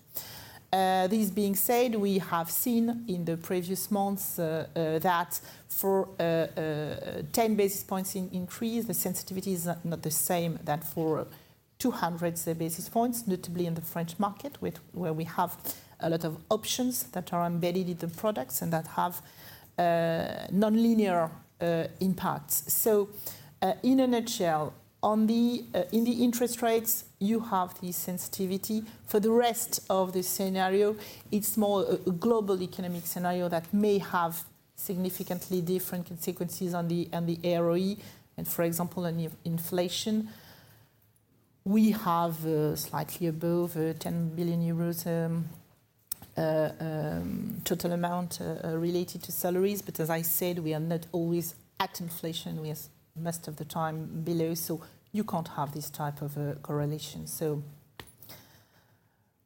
This being said, we have seen in the previous months that for a 10 basis points increase, the sensitivity is not the same than for 200 basis points, notably in the French market, where we have a lot of options that are embedded in the products and that have non-linear impacts. So, in a nutshell, on the interest rates, you have the sensitivity. For the rest of the scenario, it's more a global economic scenario that may have significantly different consequences on the ROE, and, for example, on the inflation. We have slightly above EUR 10 billion total amount related to salaries, but as I said, we are not always at inflation, we are most of the time below, so you can't have this type of a correlation. So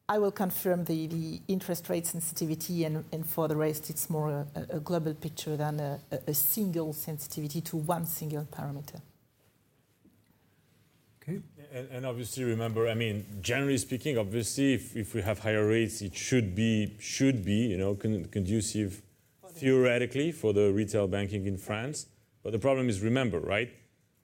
I will confirm the interest rate sensitivity, and for the rest, it's more a global picture than a single sensitivity to one single parameter. Okay. And obviously, remember, I mean, generally speaking, obviously, if we have higher rates, it should be, you know, conducive, theoretically, for the retail banking in France. But the problem is, remember, right?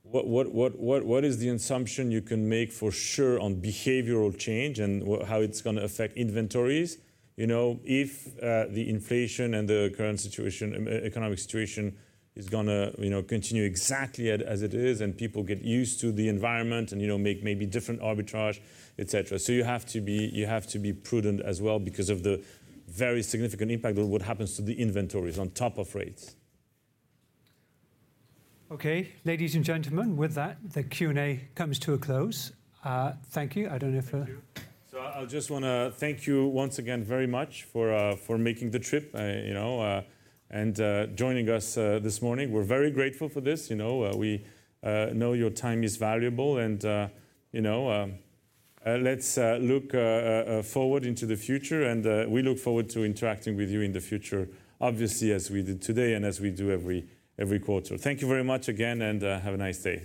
What is the assumption you can make for sure on behavioral change and what... how it's gonna affect inventories, you know, if the inflation and the current situation, economic situation is gonna, you know, continue exactly as it is, and people get used to the environment and, you know, make maybe different arbitrage, et cetera. So you have to be, you have to be prudent as well because of the very significant impact of what happens to the inventories on top of rates. Okay, ladies and gentlemen, with that, the Q&A comes to a close. Thank you. I don't know if, Thank you. So I just wanna thank you once again, very much for making the trip, you know, and joining us this morning. We're very grateful for this. You know, we know your time is valuable, and you know, let's look forward into the future, and we look forward to interacting with you in the future, obviously, as we did today and as we do every quarter. Thank you very much again, and have a nice day.